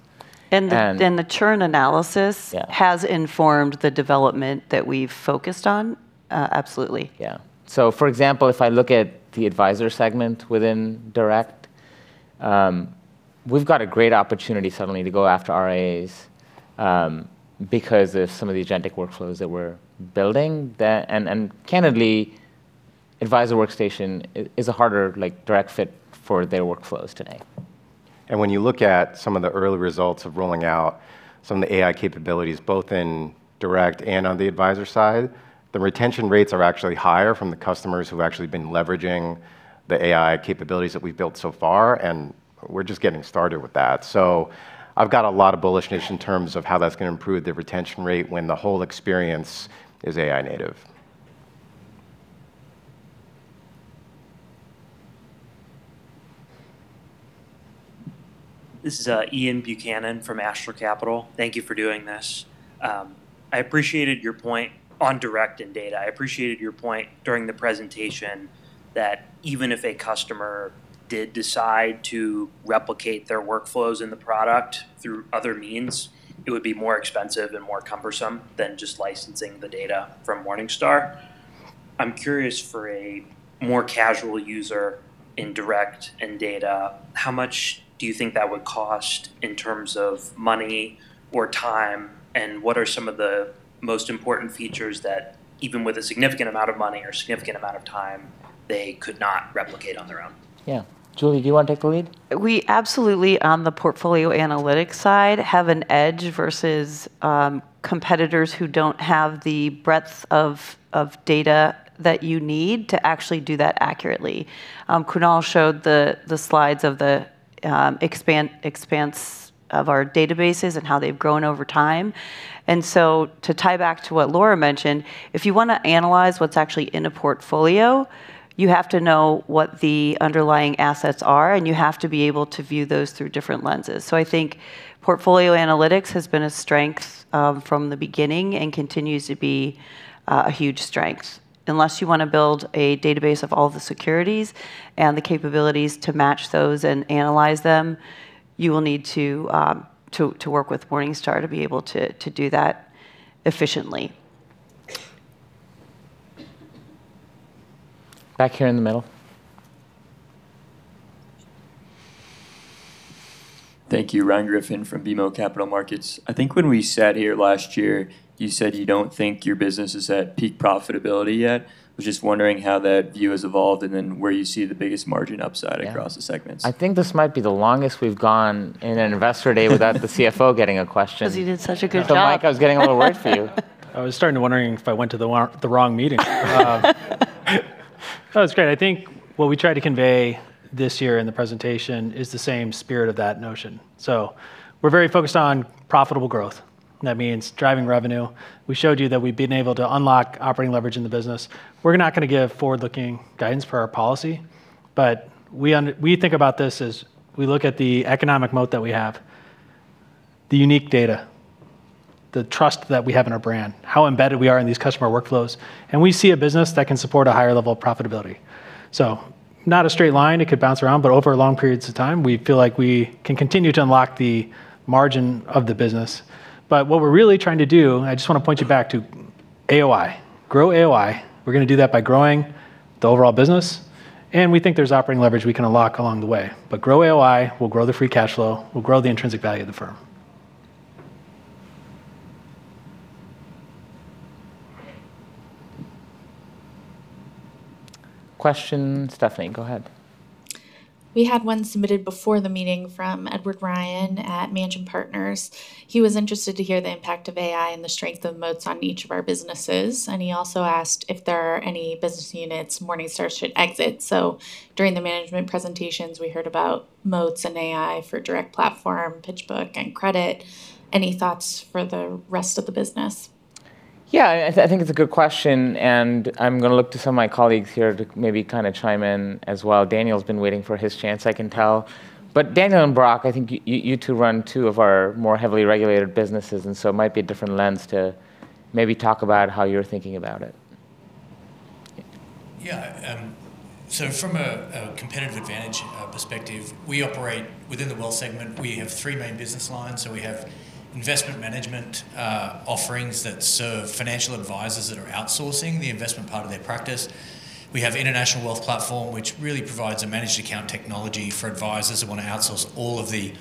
The churn analysis. Yeah Has informed the development that we've focused on. Absolutely. Yeah. For example, if I look at the advisor segment within Morningstar Direct, we've got a great opportunity suddenly to go after RIAs, because of some of the agentic workflows that we're building. Candidly, Morningstar Advisor Workstation is a harder, like, direct fit for their workflows today. When you look at some of the early results of rolling out some of the AI capabilities, both in Direct and on the Advisor side, the retention rates are actually higher from the customers who've actually been leveraging the AI capabilities that we've built so far, and we're just getting started with that. I've got a lot of bullishness in terms of how that's gonna improve the retention rate when the whole experience is AI native. This is Ian Buchanan from Ashler Capital. Thank you for doing this. I appreciated your point on Direct and data. I appreciated your point during the presentation that even if a customer did decide to replicate their workflows in the product through other means, it would be more expensive and more cumbersome than just licensing the data from Morningstar. I'm curious, for a more casual user in Direct and data, how much do you think that would cost in terms of money, more time, and what are some of the most important features that even with a significant amount of money or significant amount of time, they could not replicate on their own? Yeah. Julie, do you wanna take the lead? We absolutely, on the portfolio analytics side, have an edge versus competitors who don't have the breadth of data that you need to actually do that accurately. Kunal showed the slides of the expanse of our databases and how they've grown over time. To tie back to what Laura mentioned, if you wanna analyze what's actually in a portfolio, you have to know what the underlying assets are, and you have to be able to view those through different lenses. I think portfolio analytics has been a strength from the beginning and continues to be a huge strength. Unless you wanna build a database of all the securities and the capabilities to match those and analyze them, you will need to work with Morningstar to be able to do that efficiently. Back here in the middle. Thank you. Ryan Griffin from BMO Capital Markets. I think when we sat here last year, you said you don't think your business is at peak profitability yet. I was just wondering how that view has evolved, and then where you see the biggest margin upside? Yeah Across the segments. I think this might be the longest we've gone in an Investor Day without the CFO getting a question. 'Cause he did such a good job. Mike, I was getting a little worried for you. I was starting to wondering if I went to the wrong meeting. No, it's great. I think what we tried to convey this year in the presentation is the same spirit of that notion. We're very focused on profitable growth. That means driving revenue. We showed you that we've been able to unlock operating leverage in the business. We're not gonna give forward-looking guidance for our policy, but we think about this as we look at the Economic Moat that we have, the unique data, the trust that we have in our brand, how embedded we are in these customer workflows, and we see a business that can support a higher level of profitability. Not a straight line, it could bounce around, but over long periods of time, we feel like we can continue to unlock the margin of the business. What we're really trying to do, and I just wanna point you back to AOI. Grow AOI. We're gonna do that by growing the overall business, and we think there's operating leverage we can unlock along the way. Grow AOI, we'll grow the free cash flow, we'll grow the intrinsic value of the firm. Question, Steph, go ahead. We had one submitted before the meeting from Edward Ryan at Mangian Partners. He was interested to hear the impact of AI and the strength of moats on each of our businesses, and he also asked if there are any business units Morningstar should exit. During the management presentations, we heard about moats and AI for Direct Platform, PitchBook, and Credit. Any thoughts for the rest of the business? Yeah, I think it's a good question, and I'm gonna look to some of my colleagues here to maybe kinda chime in as well. Daniel's been waiting for his chance, I can tell. Daniel and Brock, I think you two run two of our more heavily regulated businesses, and so it might be a different lens to maybe talk about how you're thinking about it. Yeah. From a competitive advantage perspective, we operate within the wealth segment. We have three main business lines. We have investment management offerings that serve financial advisors that are outsourcing the investment part of their practice. We have international wealth platform, which really provides a managed account technology for advisors that wanna outsource all of the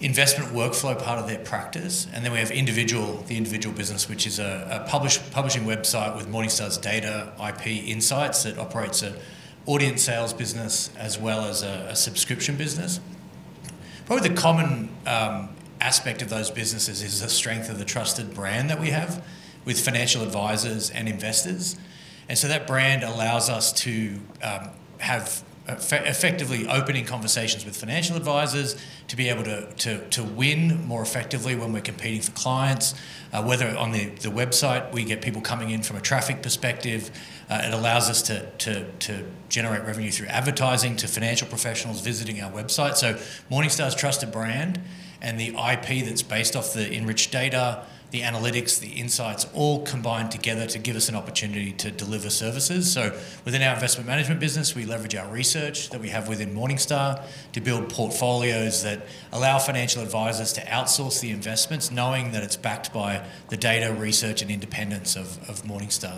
investment workflow part of their practice. We have the individual business, which is a publishing website with Morningstar's data IP insights that operates an audience sales business as well as a subscription business. Probably the common aspect of those businesses is the strength of the trusted brand that we have with financial advisors and investors. That brand allows us to effectively opening conversations with financial advisors to be able to win more effectively when we're competing for clients, whether on the website, we get people coming in from a traffic perspective. It allows us to generate revenue through advertising to financial professionals visiting our website. Morningstar's trusted brand and the IP that's based off the enriched data, the analytics, the insights, all combine together to give us an opportunity to deliver services. Within our investment management business, we leverage our research that we have within Morningstar to build portfolios that allow financial advisors to outsource the investments, knowing that it's backed by the data research and independence of Morningstar.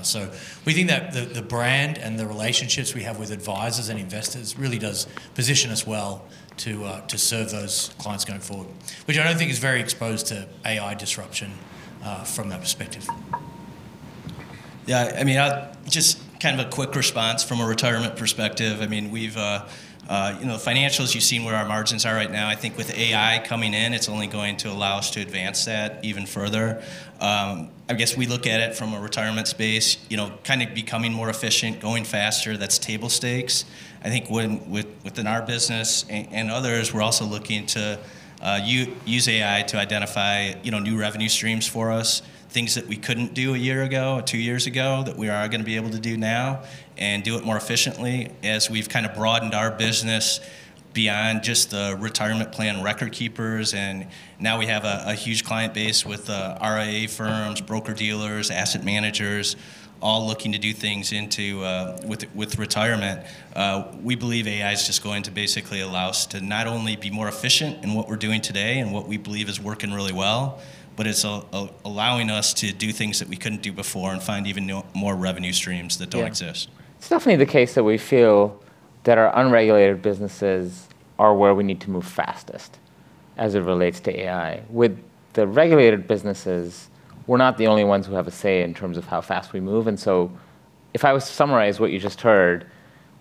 We think that the brand and the relationships we have with advisors and investors really does position us well to serve those clients going forward, which I don't think is very exposed to AI disruption, from that perspective. Yeah, I mean, just kind of a quick response from a retirement perspective. I mean, we've, you know, financials, you've seen where our margins are right now. I think with AI coming in, it's only going to allow us to advance that even further. I guess we look at it from a retirement space, you know, kind of becoming more efficient, going faster, that's table stakes. I think when within our business and others, we're also looking to use AI to identify, you know, new revenue streams for us, things that we couldn't do a year ago or two years ago that we are going to be able to do now and do it more efficiently as we've kind of broadened our business beyond just the retirement plan record keepers. Now we have a huge client base with RIA firms, broker-dealers, asset managers, all looking to do things with retirement. We believe AI is just going to basically allow us to not only be more efficient in what we're doing today and what we believe is working really well, but it's allowing us to do things that we couldn't do before and find even new, more revenue streams that don't exist. It's definitely the case that we feel that our unregulated businesses are where we need to move fastest as it relates to AI. With the regulated businesses, we're not the only ones who have a say in terms of how fast we move. If I was to summarize what you just heard,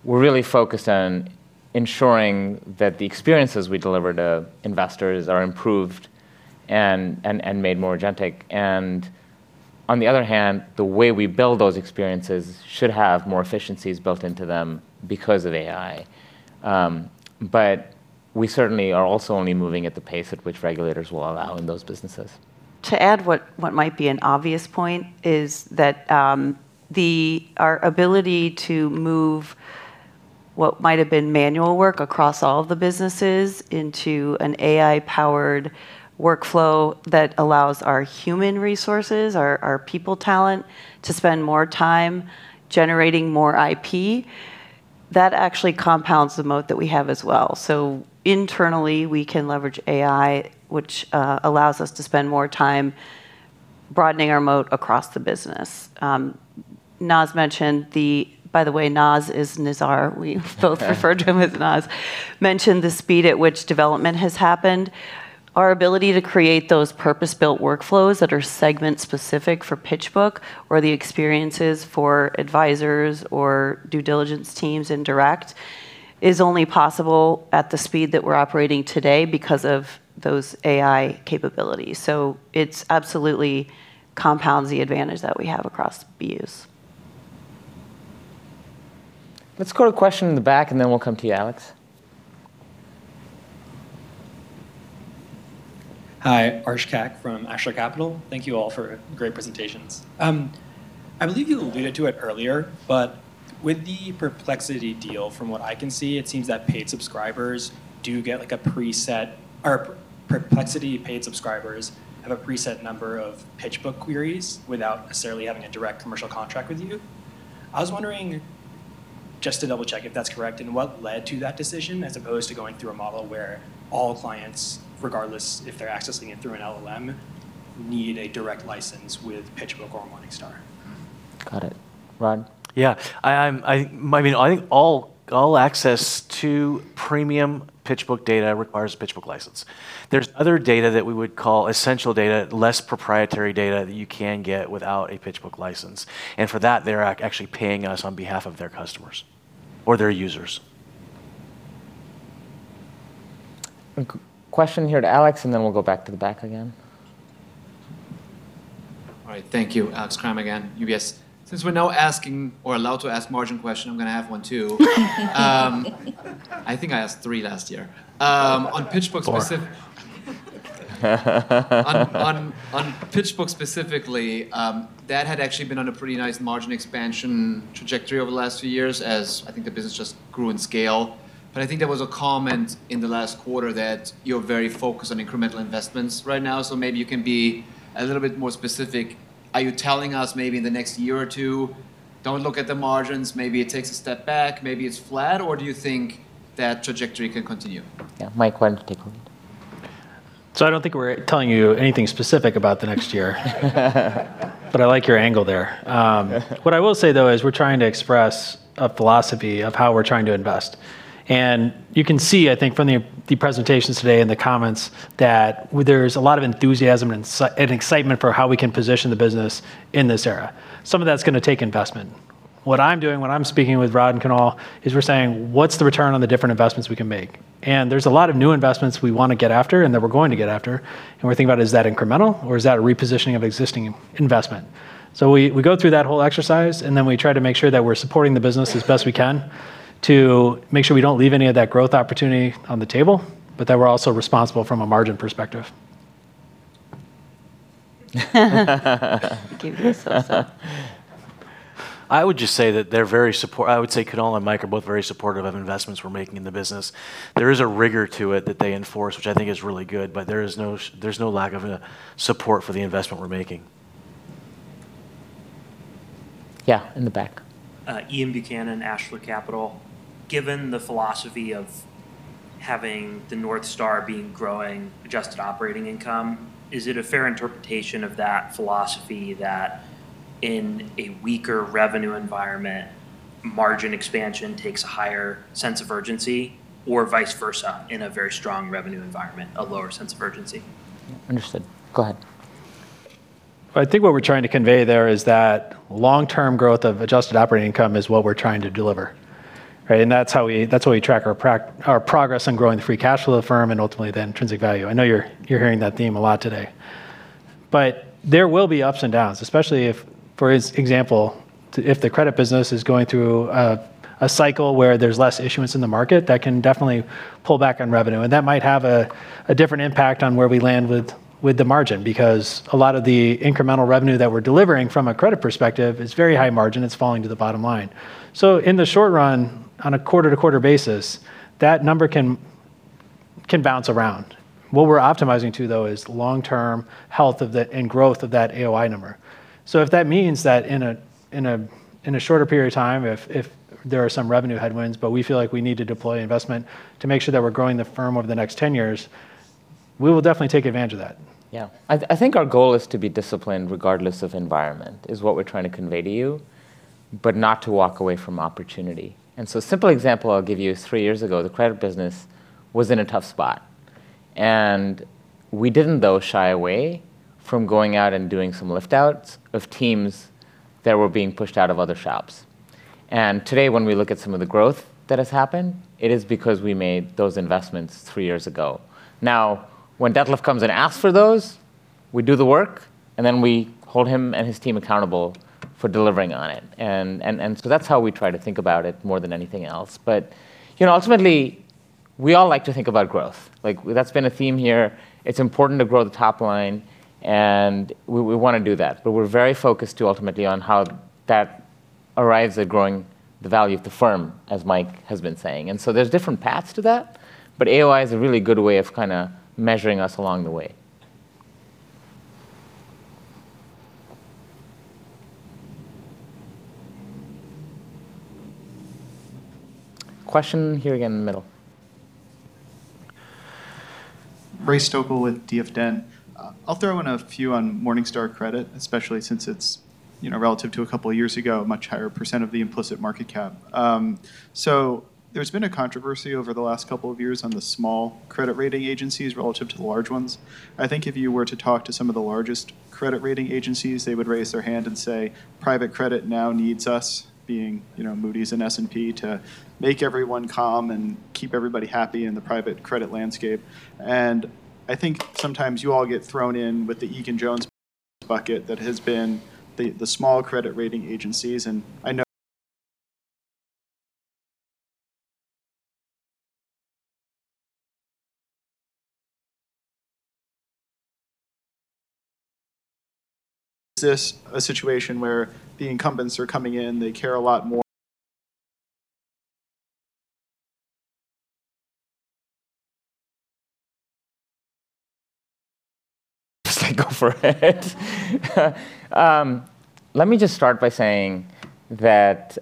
we're really focused on ensuring that the experiences we deliver to investors are improved and made more agentic. On the other hand, the way we build those experiences should have more efficiencies built into them because of AI. We certainly are also only moving at the pace at which regulators will allow in those businesses. To add what might be an obvious point is that, our ability to move what might have been manual work across all of the businesses into an AI-powered workflow that allows our human resources, our people talent, to spend more time generating more IP, that actually compounds the moat that we have as well. Internally, we can leverage AI, which allows us to spend more time broadening our moat across the business. By the way, Nas is Nizar. We've both referred to him as Nas. Mentioned the speed at which development has happened. Our ability to create those purpose-built workflows that are segment-specific for PitchBook or the experiences for advisors or due diligence teams in Direct is only possible at the speed that we're operating today because of those AI capabilities. It's absolutely compounds the advantage that we have across BUs. Let's go to a question in the back, and then we'll come to you, Alex. Hi. Aarsh Kak from Ashler Capital. Thank you all for great presentations. I believe you alluded to it earlier, but with the Perplexity deal, from what I can see, it seems that Perplexity paid subscribers have a preset number of PitchBook queries without necessarily having a direct commercial contract with you. I was wondering, just to double-check if that's correct, and what led to that decision, as opposed to going through a model where all clients, regardless if they're accessing it through an LLM, need a direct license with PitchBook or Morningstar? Got it. Rod? Yeah. I mean, I think all access to premium PitchBook data requires a PitchBook license. There's other data that we would call essential data, less proprietary data, that you can get without a PitchBook license. For that, they're actually paying us on behalf of their customers or their users. A question here to Alex, and then we'll go back to the back again. All right. Thank you. Alex Kramm again, UBS. Since we're now allowed to ask margin question, I'm gonna have one too. I think I asked three last year. Four. On PitchBook specifically, that had actually been on a pretty nice margin expansion trajectory over the last few years as I think the business just grew in scale. I think there was a comment in the last quarter that you're very focused on incremental investments right now, so maybe you can be a little bit more specific. Are you telling us maybe in the next year or two, don't look at the margins, maybe it takes a step back, maybe it's flat, or do you think that trajectory can continue? Yeah. Mike, why don't you take it? I don't think we're telling you anything specific about the next year. I like your angle there. What I will say, though, is we're trying to express a philosophy of how we're trying to invest. You can see, I think, from the presentations today and the comments that there's a lot of enthusiasm and excitement for how we can position the business in this era. Some of that's gonna take investment. What I'm doing when I'm speaking with Rod and Kunal is we're saying, "What's the return on the different investments we can make?" There's a lot of new investments we wanna get after, and that we're going to get after, and we're thinking about is that incremental or is that a repositioning of existing investment? We go through that whole exercise, and then we try to make sure that we're supporting the business as best we can to make sure we don't leave any of that growth opportunity on the table, but that we're also responsible from a margin perspective. Give you this one. I would say Kunal and Mike are both very supportive of investments we're making in the business. There is a rigor to it that they enforce, which I think is really good, but there is no there's no lack of a support for the investment we're making. Yeah, in the back. Ian Buchanan, Ashler Capital. Given the philosophy of having the North Star being growing adjusted operating income, is it a fair interpretation of that philosophy that in a weaker revenue environment, margin expansion takes a higher sense of urgency, or vice versa, in a very strong revenue environment, a lower sense of urgency? Understood. Go ahead. I think what we're trying to convey there is that long-term growth of adjusted operating income is what we're trying to deliver, right? That's how we, that's how we track our progress on growing the free cash flow of the firm and ultimately the intrinsic value. I know you're hearing that theme a lot today. There will be ups and downs, especially if, for example, if the credit business is going through a cycle where there's less issuance in the market, that can definitely pull back on revenue. That might have a different impact on where we land with the margin because a lot of the incremental revenue that we're delivering from a credit perspective is very high margin. It's falling to the bottom line. In the short run, on a quarter-to-quarter basis, that number can bounce around. What we're optimizing to, though, is long-term health of the and growth of that AOI number. If that means that in a shorter period of time, if there are some revenue headwinds but we feel like we need to deploy investment to make sure that we're growing the firm over the next 10 years. We will definitely take advantage of that. I think our goal is to be disciplined regardless of environment, is what we're trying to convey to you, but not to walk away from opportunity. A simple example I'll give you, three years ago, the credit business was in a tough spot, and we didn't though shy away from going out and doing some lift outs of teams that were being pushed out of other shops. Today, when we look at some of the growth that has happened, it is because we made those investments three years ago. When Detlef comes and asks for those, we do the work, and then we hold him and his team accountable for delivering on it. That's how we try to think about it more than anything else. Ultimately, you know, we all like to think about growth. Like, that's been a theme here. It's important to grow the top line, and we wanna do that. We're very focused too ultimately on how that arrives at growing the value of the firm, as Mike has been saying. There's different paths to that, but AOI is a really good way of kinda measuring us along the way. Question here again in the middle. Ray Stoeckle with DF Dent. I'll throw in a few on Morningstar Credit, especially since it's, you know, relative to a couple of years ago, a much higher % of the implicit market cap. There's been a controversy over the last couple of years on the small credit rating agencies relative to the large ones. I think if you were to talk to some of the largest credit rating agencies, they would raise their hand and say, "Private credit now needs us," being, you know, Moody's and S&P, to make everyone calm and keep everybody happy in the private credit landscape. I think sometimes you all get thrown in with the Egan-Jones bucket that has been the small credit rating agencies. I know. Is this a situation where the incumbents are coming in they care a lo? Just like, go for it. Let me just start by saying that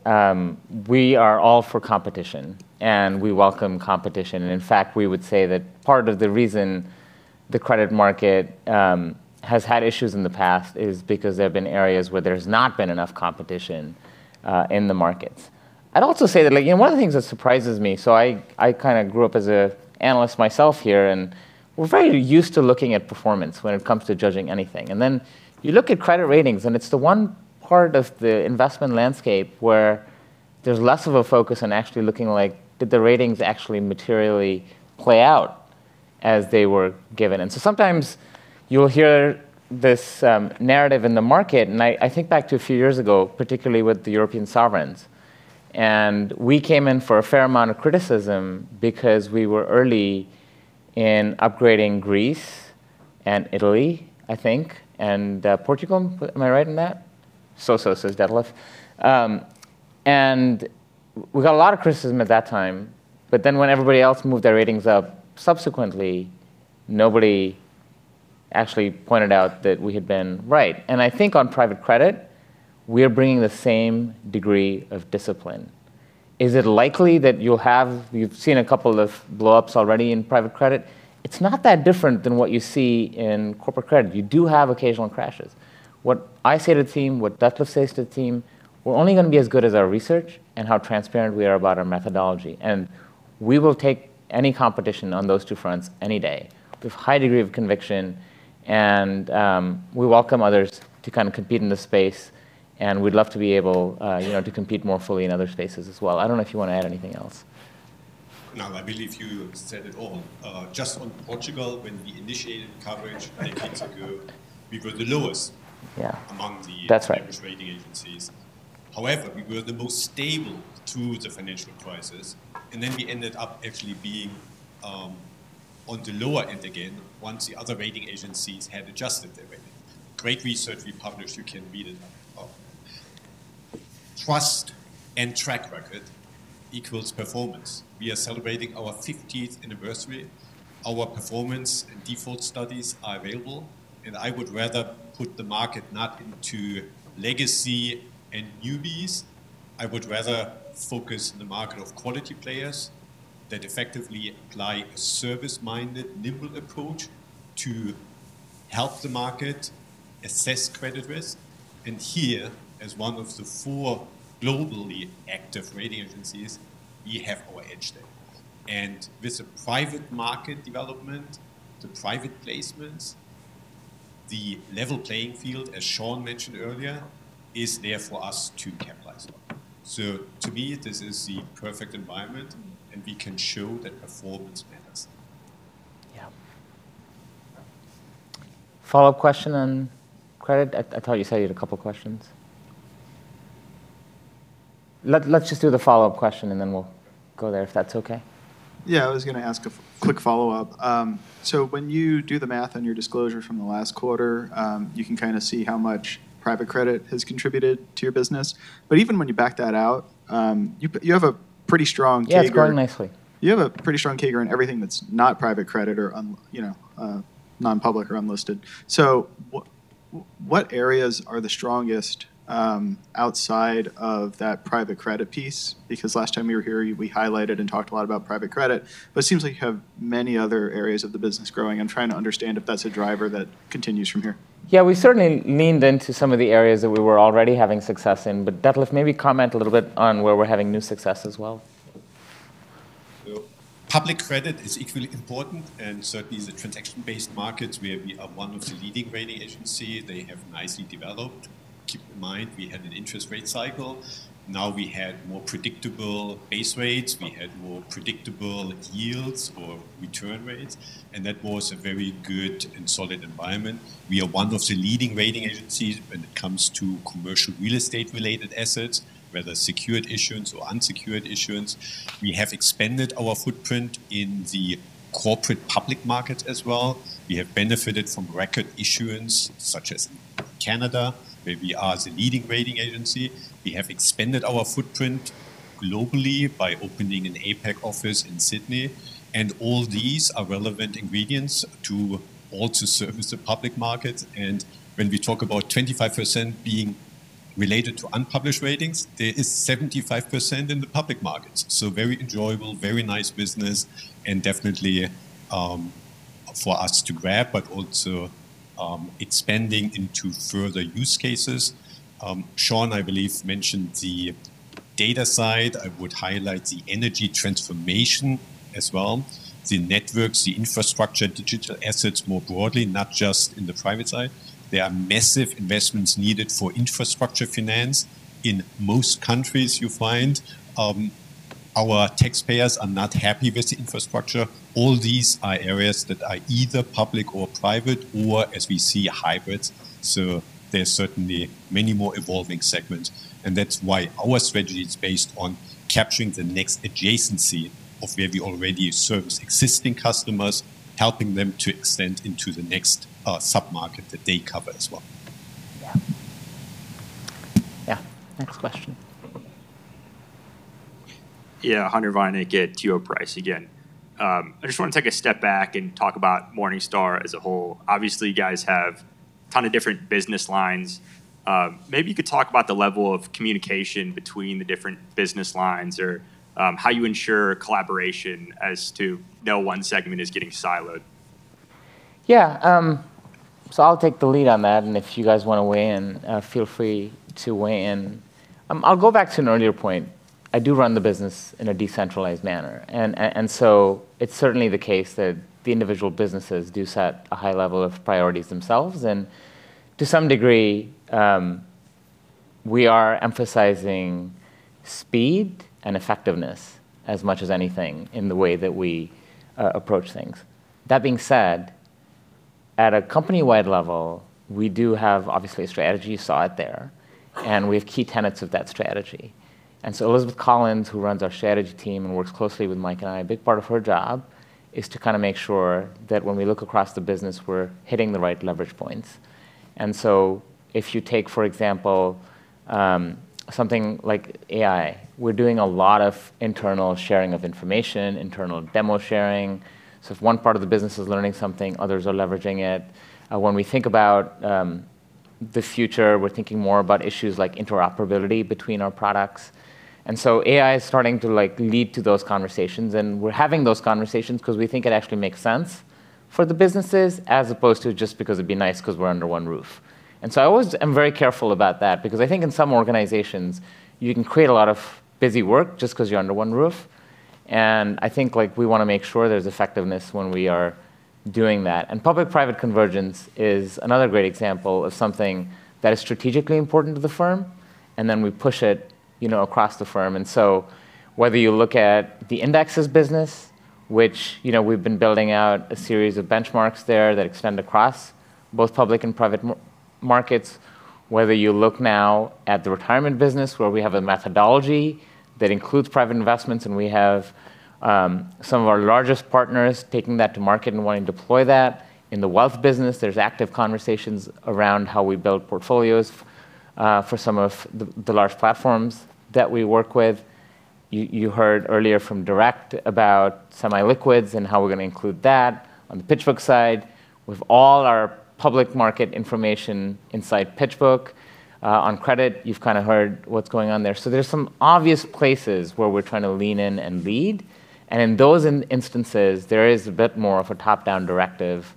we are all for competition, and we welcome competition. In fact, we would say that part of the reason the credit market has had issues in the past is because there have been areas where there's not been enough competition in the markets. I'd also say that like, you know, one of the things that surprises me, So I kinda grew up as a analyst myself here, and we're very used to looking at performance when it comes to judging anything. You look at credit ratings, and it's the one part of the investment landscape where there's less of a focus on actually looking like, did the ratings actually materially play out as they were given? Sometimes you'll hear this narrative in the market, I think back to a few years ago, particularly with the European sovereigns. We came in for a fair amount of criticism because we were early in upgrading Greece and Italy, I think, and Portugal. Am I right on that? "So-so," says Detlef. We got a lot of criticism at that time, when everybody else moved their ratings up subsequently, nobody actually pointed out that we had been right. I think on private credit, we're bringing the same degree of discipline. Is it likely that you've seen a couple of blow-ups already in private credit. It's not that different than what you see in corporate credit. You do have occasional crashes. What I say to the team, what Detlef says to the team, we're only gonna be as good as our research and how transparent we are about our methodology. We will take any competition on those two fronts any day with high degree of conviction, and we welcome others to kind of compete in the space, and we'd love to be able, you know, to compete more fully in other spaces as well. I don't know if you wanna add anything else. No, I believe you said it all. Just on Portugal, when we initiated coverage many years ago, we were the lowest-. Yeah Among the- That's right. English rating agencies. We were the most stable through the financial crisis, and then we ended up actually being on the lower end again once the other rating agencies had adjusted their rating. Great research we published, you can read it up. Trust and track record equals performance. We are celebrating our 50th anniversary. Our performance and default studies are available. I would rather put the market not into legacy and newbies. I would rather focus on the market of quality players that effectively apply a service-minded, nimble approach to help the market assess credit risk. Here, as one of the four globally active rating agencies, we have our edge there. With the private market development, the private placements, the level playing field, as Sean mentioned earlier, is there for us to capitalize on. To me, this is the perfect environment, and we can show that performance matters. Yeah. Follow-up question on credit? I thought you said you had two questions. Let's just do the follow-up question, then we'll go there, if that's okay. Yeah, I was gonna ask a quick follow-up. When you do the math on your disclosure from the last quarter, you can kinda see how much private credit has contributed to your business. Even when you back that out, you have a pretty strong CAGR. Yeah, it's growing nicely. You have a pretty strong CAGR on everything that's not private credit. Non-public or unlisted. What areas are the strongest outside of that private credit piece? Last time you were here, we highlighted and talked a lot about private credit, but it seems like you have many other areas of the business growing. I'm trying to understand if that's a driver that continues from here. Yeah, we certainly leaned into some of the areas that we were already having success in, but Detlef, maybe comment a little bit on where we're having new success as well? Public credit is equally important and certainly the transaction-based markets where we are one of the leading rating agency, they have nicely developed. Keep in mind, we had an interest rate cycle. We had more predictable base rates. We had more predictable yields or return rates, and that was a very good and solid environment. We are one of the leading rating agencies when it comes to commercial real estate related assets, whether secured issuance or unsecured issuance. We have expanded our footprint in the corporate public markets as well. We have benefited from record issuance such as Canada, where we are the leading rating agency. We have expanded our footprint globally by opening an APAC office in Sydney, all these are relevant ingredients to all to service the public markets. When we talk about 25% being related to unpublished ratings, there is 75% in the public markets. Very enjoyable, very nice business and definitely for us to grab, but also expanding into further use cases. Sean, I believe, mentioned the data side. I would highlight the energy transformation as well. The networks, the infrastructure, digital assets more broadly, not just in the private side. There are massive investments needed for infrastructure finance. In most countries you find, our taxpayers are not happy with the infrastructure. All these are areas that are either public or private or as we see hybrids. There's certainly many more evolving segments and that's why our strategy is based on capturing the next adjacency of where we already service existing customers, helping them to extend into the next sub-market that they cover as well. Yeah. Yeah. Next question. Yeah. Hunter Vinik at T. Rowe Price again. I just wanna take a step back and talk about Morningstar as a whole. Obviously, you guys have ton of different business lines. Maybe you could talk about the level of communication between the different business lines or, how you ensure collaboration as to no one segment is getting siloed. I'll take the lead on that, and if you guys wanna weigh in, feel free to weigh in. I'll go back to an earlier point. I do run the business in a decentralized manner, it's certainly the case that the individual businesses do set a high level of priorities themselves. To some degree, we are emphasizing speed and effectiveness as much as anything in the way that we approach things. That being said, at a company-wide level, we do have obviously a strategy, you saw it there, and we have key tenets of that strategy. Elizabeth Collins, who runs our strategy team and works closely with Mike and I, a big part of her job is to kinda make sure that when we look across the business, we're hitting the right leverage points. If you take, for example, something like AI, we're doing a lot of internal sharing of information, internal demo sharing. If one part of the business is learning something, others are leveraging it. When we think about the future, we're thinking more about issues like interoperability between our products. AI is starting to like lead to those conversations and we're having those conversations 'cause we think it actually makes sense for the businesses as opposed to just because it'd be nice 'cause we're under one roof. I always am very careful about that because I think in some organizations you can create a lot of busy work just 'cause you're under one roof and I think like we wanna make sure there's effectiveness when we are doing that. Public-private convergence is another great example of something that is strategically important to the firm, we push it across the firm. Whether you look at the Indexes business, which we've been building out a series of benchmarks there that extend across both public and private markets. Whether you look now at the Retirement business where we have a methodology that includes private investments and we have some of our largest partners taking that to market and wanting to deploy that. In the Wealth business, there's active conversations around how we build portfolios for some of the large platforms that we work with. You heard earlier from Direct about semi-liquids and how we're gonna include that on the PitchBook side with all our public market information inside PitchBook. On credit, you've kinda heard what's going on there. There's some obvious places where we're trying to lean in and lead and in those instances there is a bit more of a top-down directive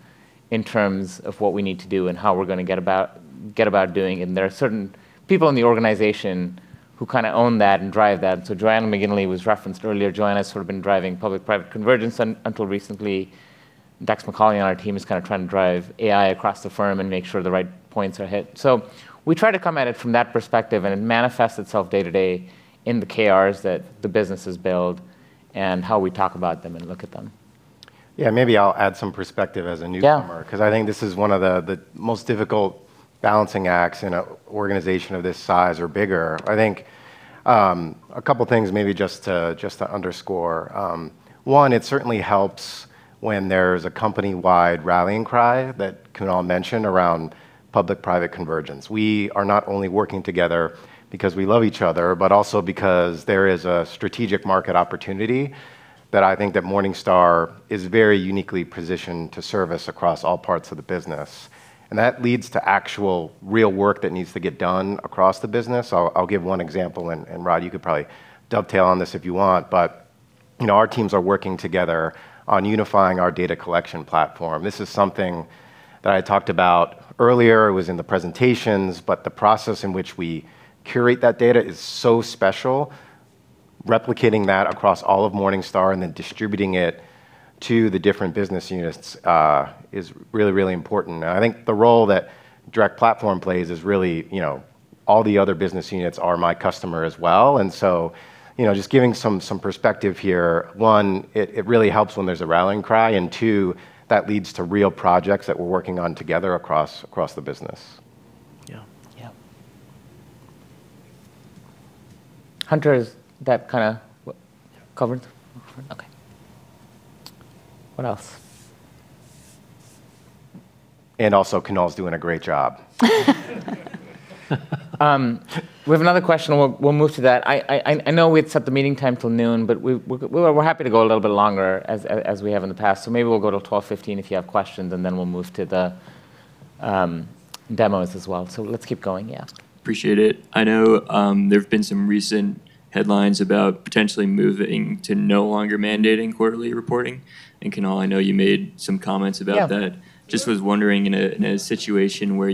in terms of what we need to do and how we're gonna get about doing it. There are certain people in the organization who kinda own that and drive that. Joanna McGinley was referenced earlier. Joanna's sort of been driving public-private convergence until recently. Dex McAuley on our team is kinda trying to drive AI across the firm and make sure the right points are hit. We try to come at it from that perspective and it manifests itself day to day in the KRs that the businesses build and how we talk about them and look at them. Yeah, maybe I'll add some perspective as a newcomer. Yeah 'Cause I think this is one of the most difficult balancing acts in a organization of this size or bigger. I think a couple things maybe just to underscore. One, it certainly helps when there's a company-wide rallying cry that Kunal mentioned around public-private convergence. We are not only working together because we love each other, but also because there is a strategic market opportunity that I think that Morningstar is very uniquely positioned to service across all parts of the business, and that leads to actual real work that needs to get done across the business. I'll give one example, and Rod, you could probably dovetail on this if you want, but, you know, our teams are working together on unifying our data collection platform. This is something that I talked about earlier. It was in the presentations. The process in which we curate that data is so special. Replicating that across all of Morningstar and then distributing it to the different business units, is really, really important. I think the role that Direct Platform plays is really, you know, all the other business units are my customer as well. You know, just giving some perspective here, one, it really helps when there's a rallying cry, and two, that leads to real projects that we're working on together across the business. Yeah. Yeah. Hunter, is that kinda covered? Okay. What else? Also Kunal's doing a great job. We have another question. We'll move to that. I know we had set the meeting time till noon, but we're happy to go a little bit longer as we have in the past. Maybe we'll go to 12:15 P.M. if you have questions, and then we'll move to the demos as well. Let's keep going, yeah. Appreciate it. I know there've been some recent headlines about potentially moving to no longer mandating quarterly reporting. Kunal, I know you made some comments about that. Yeah. Just was wondering in a, in a situation where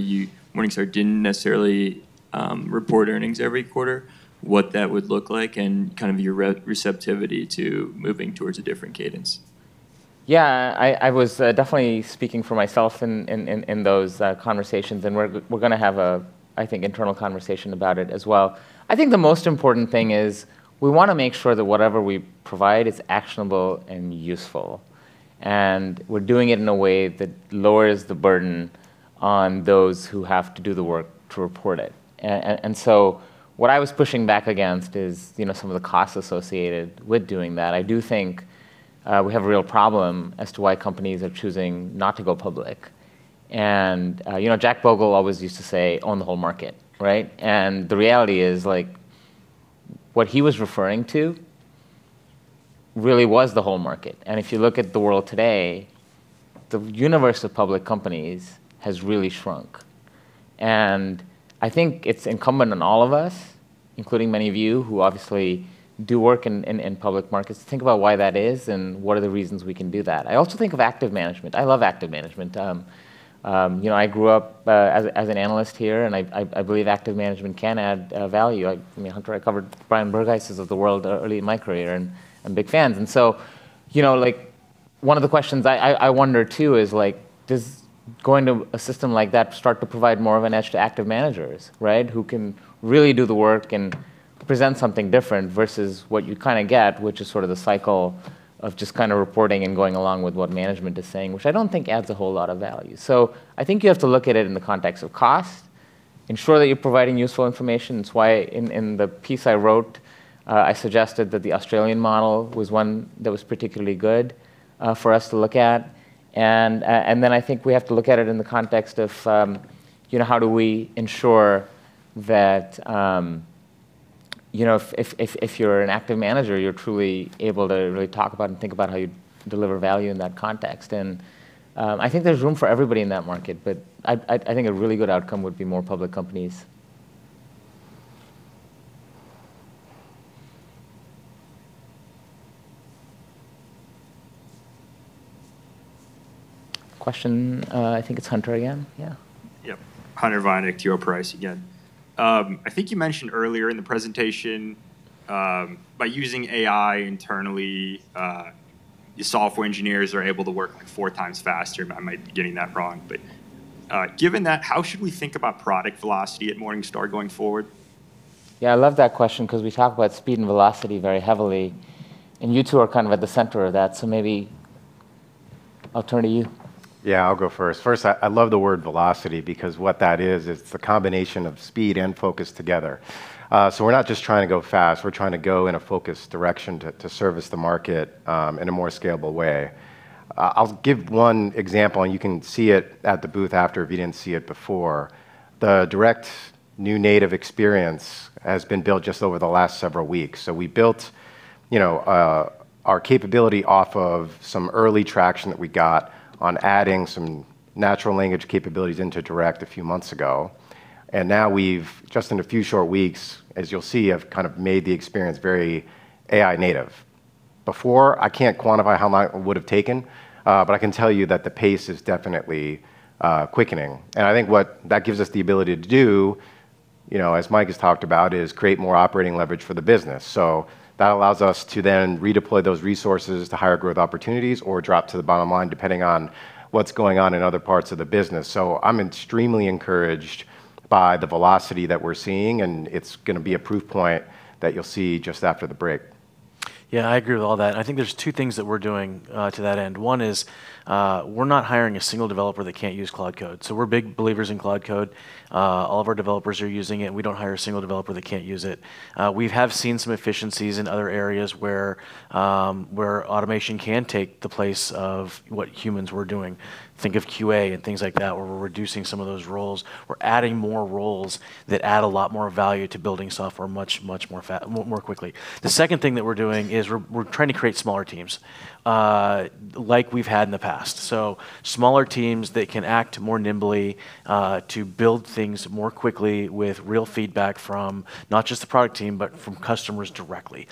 Morningstar didn't necessarily report earnings every quarter, what that would look like and kind of your receptivity to moving towards a different cadence? Yeah. I was definitely speaking for myself in those conversations, and we're gonna have a, I think, internal conversation about it as well. I think the most important thing is we wanna make sure that whatever we provide is actionable and useful, and we're doing it in a way that lowers the burden on those who have to do the work to report it. So what I was pushing back against is, you know, some of the costs associated with doing that. I do think we have a real problem as to why companies are choosing not to go public. You know, Jack Bogle always used to say, "Own the whole market," right? The reality is, like, what he was referring to really was the whole market. If you look at the world today, the universe of public companies has really shrunk. I think it's incumbent on all of us, including many of you who obviously do work in public markets, to think about why that is and what are the reasons we can do that. I also think of active management. I love active management. You know, I grew up as an analyst here, and I believe active management can add value. I mean, Hunter, I covered the Brian Berghuis of the world early in my career, and I'm big fans. You know, like, one of the questions I wonder too is, like, does going to a system like that start to provide more of an edge to active managers, right? Who can really do the work and present something different versus what you kind of get, which is sort of the cycle of just kind of reporting and going along with what management is saying, which I don't think adds a whole lot of value. I think you have to look at it in the context of cost, ensure that you're providing useful information. That's why in the piece I wrote, I suggested that the Australian model was one that was particularly good for us to look at. Then I think we have to look at it in the context of, you know, how do we ensure that, you know, if you're an active manager, you're truly able to really talk about and think about how you deliver value in that context. I think there's room for everybody in that market, but I think a really good outcome would be more public companies. Question. I think it's Hunter again. Yeah. Yep. Hunter Vinik, T. Rowe Price again. I think you mentioned earlier in the presentation, by using AI internally, your software engineers are able to work, like, four times faster, but I might be getting that wrong. Given that, how should we think about product velocity at Morningstar going forward? I love that question because we talk about speed and velocity very heavily, and you two are kind of at the center of that. Maybe I'll turn to you. Yeah, I'll go first. First, I love the word velocity because what that is, it's the combination of speed and focus together. We're not just trying to go fast, we're trying to go in a focused direction to service the market in a more scalable way. I'll give one example, you can see it at the booth after if you didn't see it before. The Direct new native experience has been built just over the last several weeks. We built, you know, our capability off of some early traction that we got on adding some natural language capabilities into Direct a few months ago. Now we've, just in a few short weeks, as you'll see, have kind of made the experience very AI-native. Before, I can't quantify how long it would've taken, but I can tell you that the pace is definitely quickening. I think what that gives us the ability to do, you know, as Mike has talked about, is create more operating leverage for the business. That allows us to then redeploy those resources to higher growth opportunities or drop to the bottom line, depending on what's going on in other parts of the business. I'm extremely encouraged by the velocity that we're seeing, and it's gonna be a proof point that you'll see just after the break. Yeah, I agree with all that. I think there's two things that we're doing to that end. One is, we're not hiring a single developer that can't use Claude Code. We're big believers in Claude Code. All of our developers are using it, and we don't hire a single developer that can't use it. We have seen some efficiencies in other areas where automation can take the place of what humans were doing. Think of QA and things like that where we're reducing some of those roles. We're adding more roles that add a lot more value to building software much, much more quickly. The second thing that we're doing is we're trying to create smaller teams like we've had in the past. Smaller teams that can act more nimbly, to build things more quickly with real feedback from not just the product team, but from customers directly.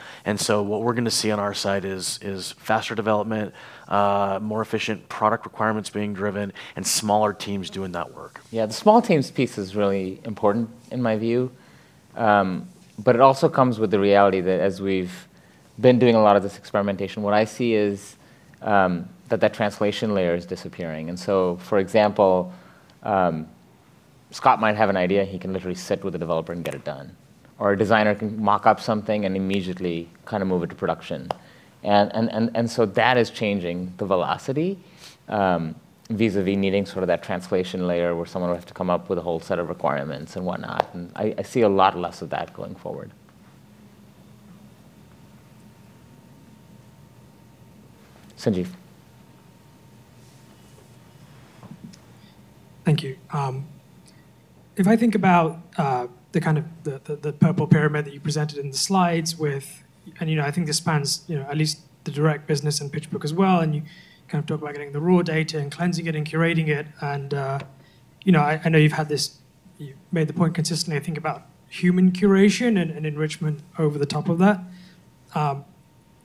What we're gonna see on our side is faster development, more efficient product requirements being driven, and smaller teams doing that work. Yeah. The small teams piece is really important in my view. It also comes with the reality that as we've been doing a lot of this experimentation, what I see is that that translation layer is disappearing. For example, Scott might have an idea, he can literally sit with a developer and get it done, or a designer can mock up something and immediately kind of move it to production. That is changing the velocity, vis-à-vis needing sort of that translation layer where someone will have to come up with a whole set of requirements and whatnot, and I see a lot less of that going forward. Sanjeev? Thank you. If I think about the kind of the purple pyramid that you presented in the slides with, you know, I think this spans, you know, at least the direct business and PitchBook as well, and you kind of talk about getting the raw data and cleansing it and curating it and, you know, I know you've made the point consistently, I think, about human curation and enrichment over the top of that.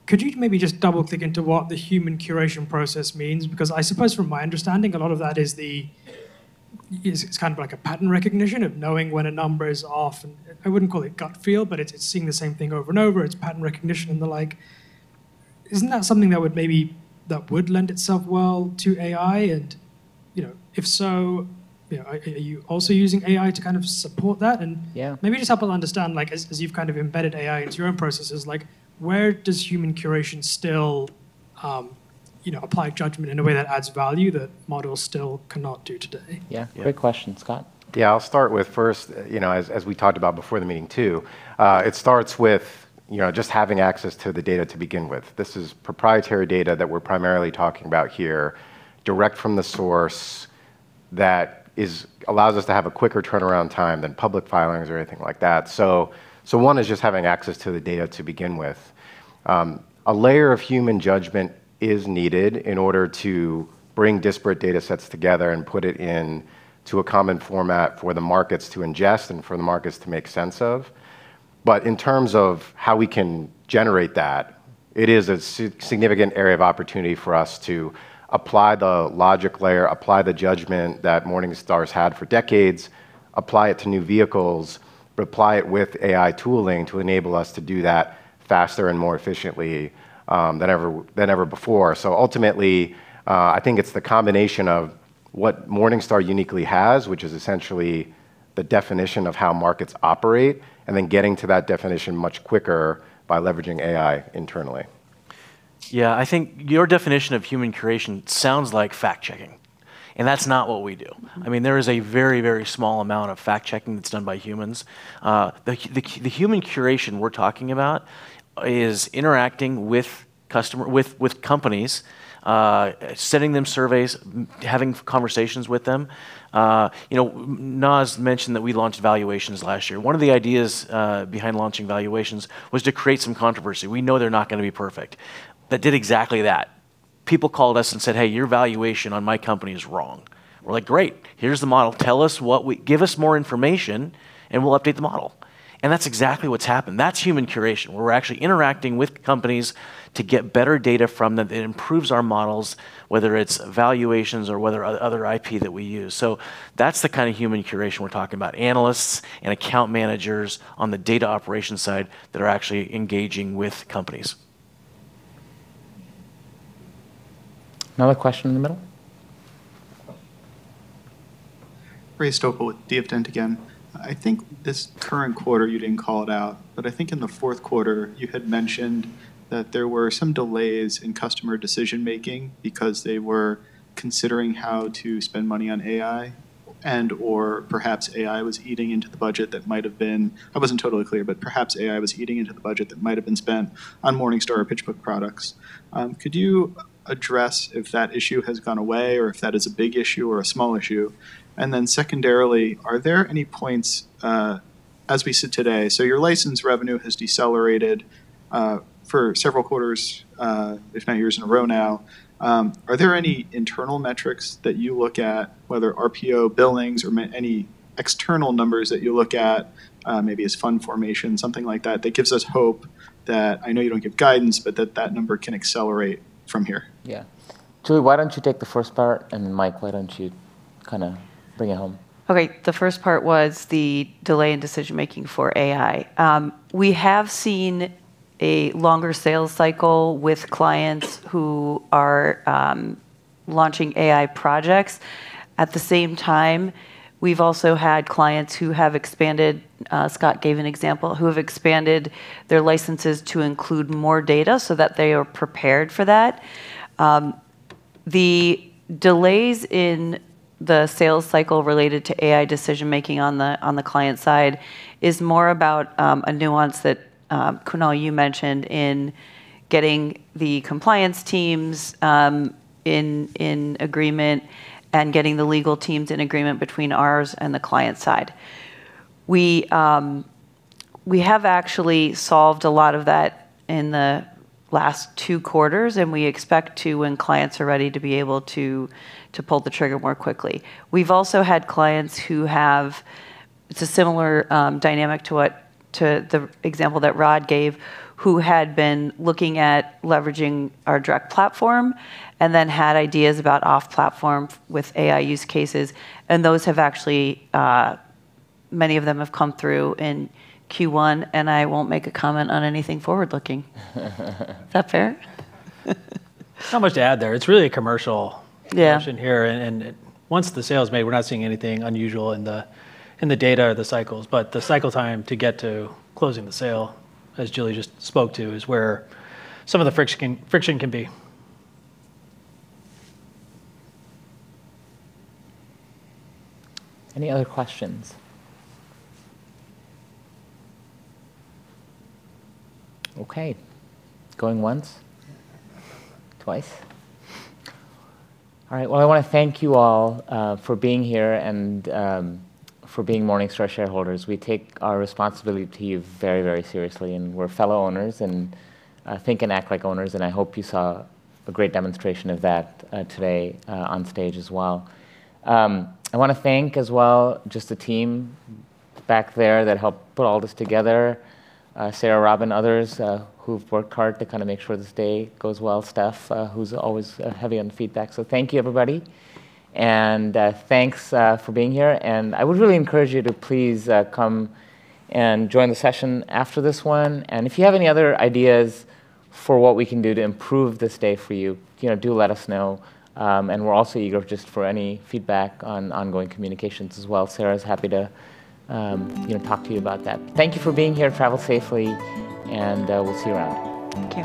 Could you maybe just double-click into what the human curation process means? Because I suppose from my understanding, a lot of that is, it's kind of like a pattern recognition of knowing when a number is off and I wouldn't call it gut feel, but it's seeing the same thing over and over. It's pattern recognition and the like. Isn't that something that would lend itself well to AI? You know, if so, you know, are you also using AI to kind of support that? Yeah Maybe just help us understand, like, as you've kind of embedded AI into your own processes, like, where does human curation still, you know, apply judgment in a way that adds value that models still cannot do today? Yeah. Great question. Scott? Yeah. I'll start with first, you know, as we talked about before the meeting too, it starts with, you know, just having access to the data to begin with. This is proprietary data that we're primarily talking about here, direct from the source that allows us to have a quicker turnaround time than public filings or anything like that. One is just having access to the data to begin with. A layer of human judgment is needed in order to bring disparate data sets together and put it into a common format for the markets to ingest and for the markets to make sense of. In terms of how we can generate that, it is a significant area of opportunity for us to apply the logic layer, apply the judgment that Morningstar's had for decades, apply it to new vehicles, but apply it with AI tooling to enable us to do that faster and more efficiently than ever before. Ultimately, I think it's the combination of what Morningstar uniquely has, which is essentially the definition of how markets operate, and then getting to that definition much quicker by leveraging AI internally. Yeah. I think your definition of human curation sounds like fact-checking, and that's not what we do. I mean, there is a very small amount of fact-checking that's done by humans. The human curation we're talking about is interacting with companies, sending them surveys, having conversations with them. You know, Nas mentioned that we launched valuations last year. One of the ideas behind launching valuations was to create some controversy. We know they're not gonna be perfect. That did exactly that. People called us and said, "Hey, your valuation on my company is wrong." We're like, "Great. Here's the model. Tell us. Give us more information, and we'll update the model." That's exactly what's happened. That's human curation, where we're actually interacting with companies to get better data from them. It improves our models, whether it's valuations or whether other IP that we use. That's the kind of human curation we're talking about. Analysts and account managers on the data operation side that are actually engaging with companies. Another question in the middle. Ray Stoeckle with DF Dent again. I think this current quarter, you didn't call it out, but I think in the fourth quarter you had mentioned that there were some delays in customer decision-making because they were considering how to spend money on AI and/or perhaps AI was eating into the budget that might have been I wasn't totally clear, but perhaps AI was eating into the budget that might have been spent on Morningstar or PitchBook products. Could you address if that issue has gone away or if that is a big issue or a small issue? Then secondarily, are there any points, as we sit today? Your license revenue has decelerated for several quarters, if not years in a row now. Are there any internal metrics that you look at, whether RPO billings or any external numbers that you look at, maybe as fund formation, something like that gives us hope that, I know you don't give guidance, but that that number can accelerate from here? Yeah. Julie, why don't you take the first part, and then Mike, why don't you kinda bring it home? Okay. The first part was the delay in decision-making for AI. We have seen a longer sales cycle with clients who are launching AI projects. At the same time, we've also had clients who have expanded, Scott gave an example, who have expanded their licenses to include more data so that they are prepared for that. The delays in the sales cycle related to AI decision-making on the client side is more about a nuance that Kunal you mentioned in getting the compliance teams in agreement and getting the legal teams in agreement between ours and the client side. We have actually solved a lot of that in the last two quarters, and we expect to when clients are ready to be able to pull the trigger more quickly. We've also had clients who have It's a similar, dynamic to what, to the example that Rod gave, who had been looking at leveraging our direct platform, and then had ideas about off-platform with AI use cases. Those have actually, many of them have come through in Q1, and I won't make a comment on anything forward-looking. Is that fair? Not much to add there. It's really commercial - Yeah - decision here. Once the sale is made, we're not seeing anything unusual in the data or the cycles. The cycle time to get to closing the sale, as Julie just spoke to, is where some of the friction can be. Any other questions? Okay. Going once. Twice. All right. Well, I wanna thank you all for being here and for being Morningstar shareholders. We take our responsibility to you very, very seriously, and we're fellow owners and think and act like owners, and I hope you saw a great demonstration of that today on stage as well. I wanna thank as well just the team back there that helped put all this together, Sarah, Rob, and others, who've worked hard to kinda make sure this day goes well. Steph, who's always heavy on feedback. Thank you, everybody. Thanks for being here, and I would really encourage you to please come and join the session after this one. If you have any other ideas for what we can do to improve this day for you know, do let us know. We're also eager just for any feedback on ongoing communications as well. Sarah's happy to, you know, talk to you about that. Thank you for being here. Travel safely, and we'll see you around. Thank you.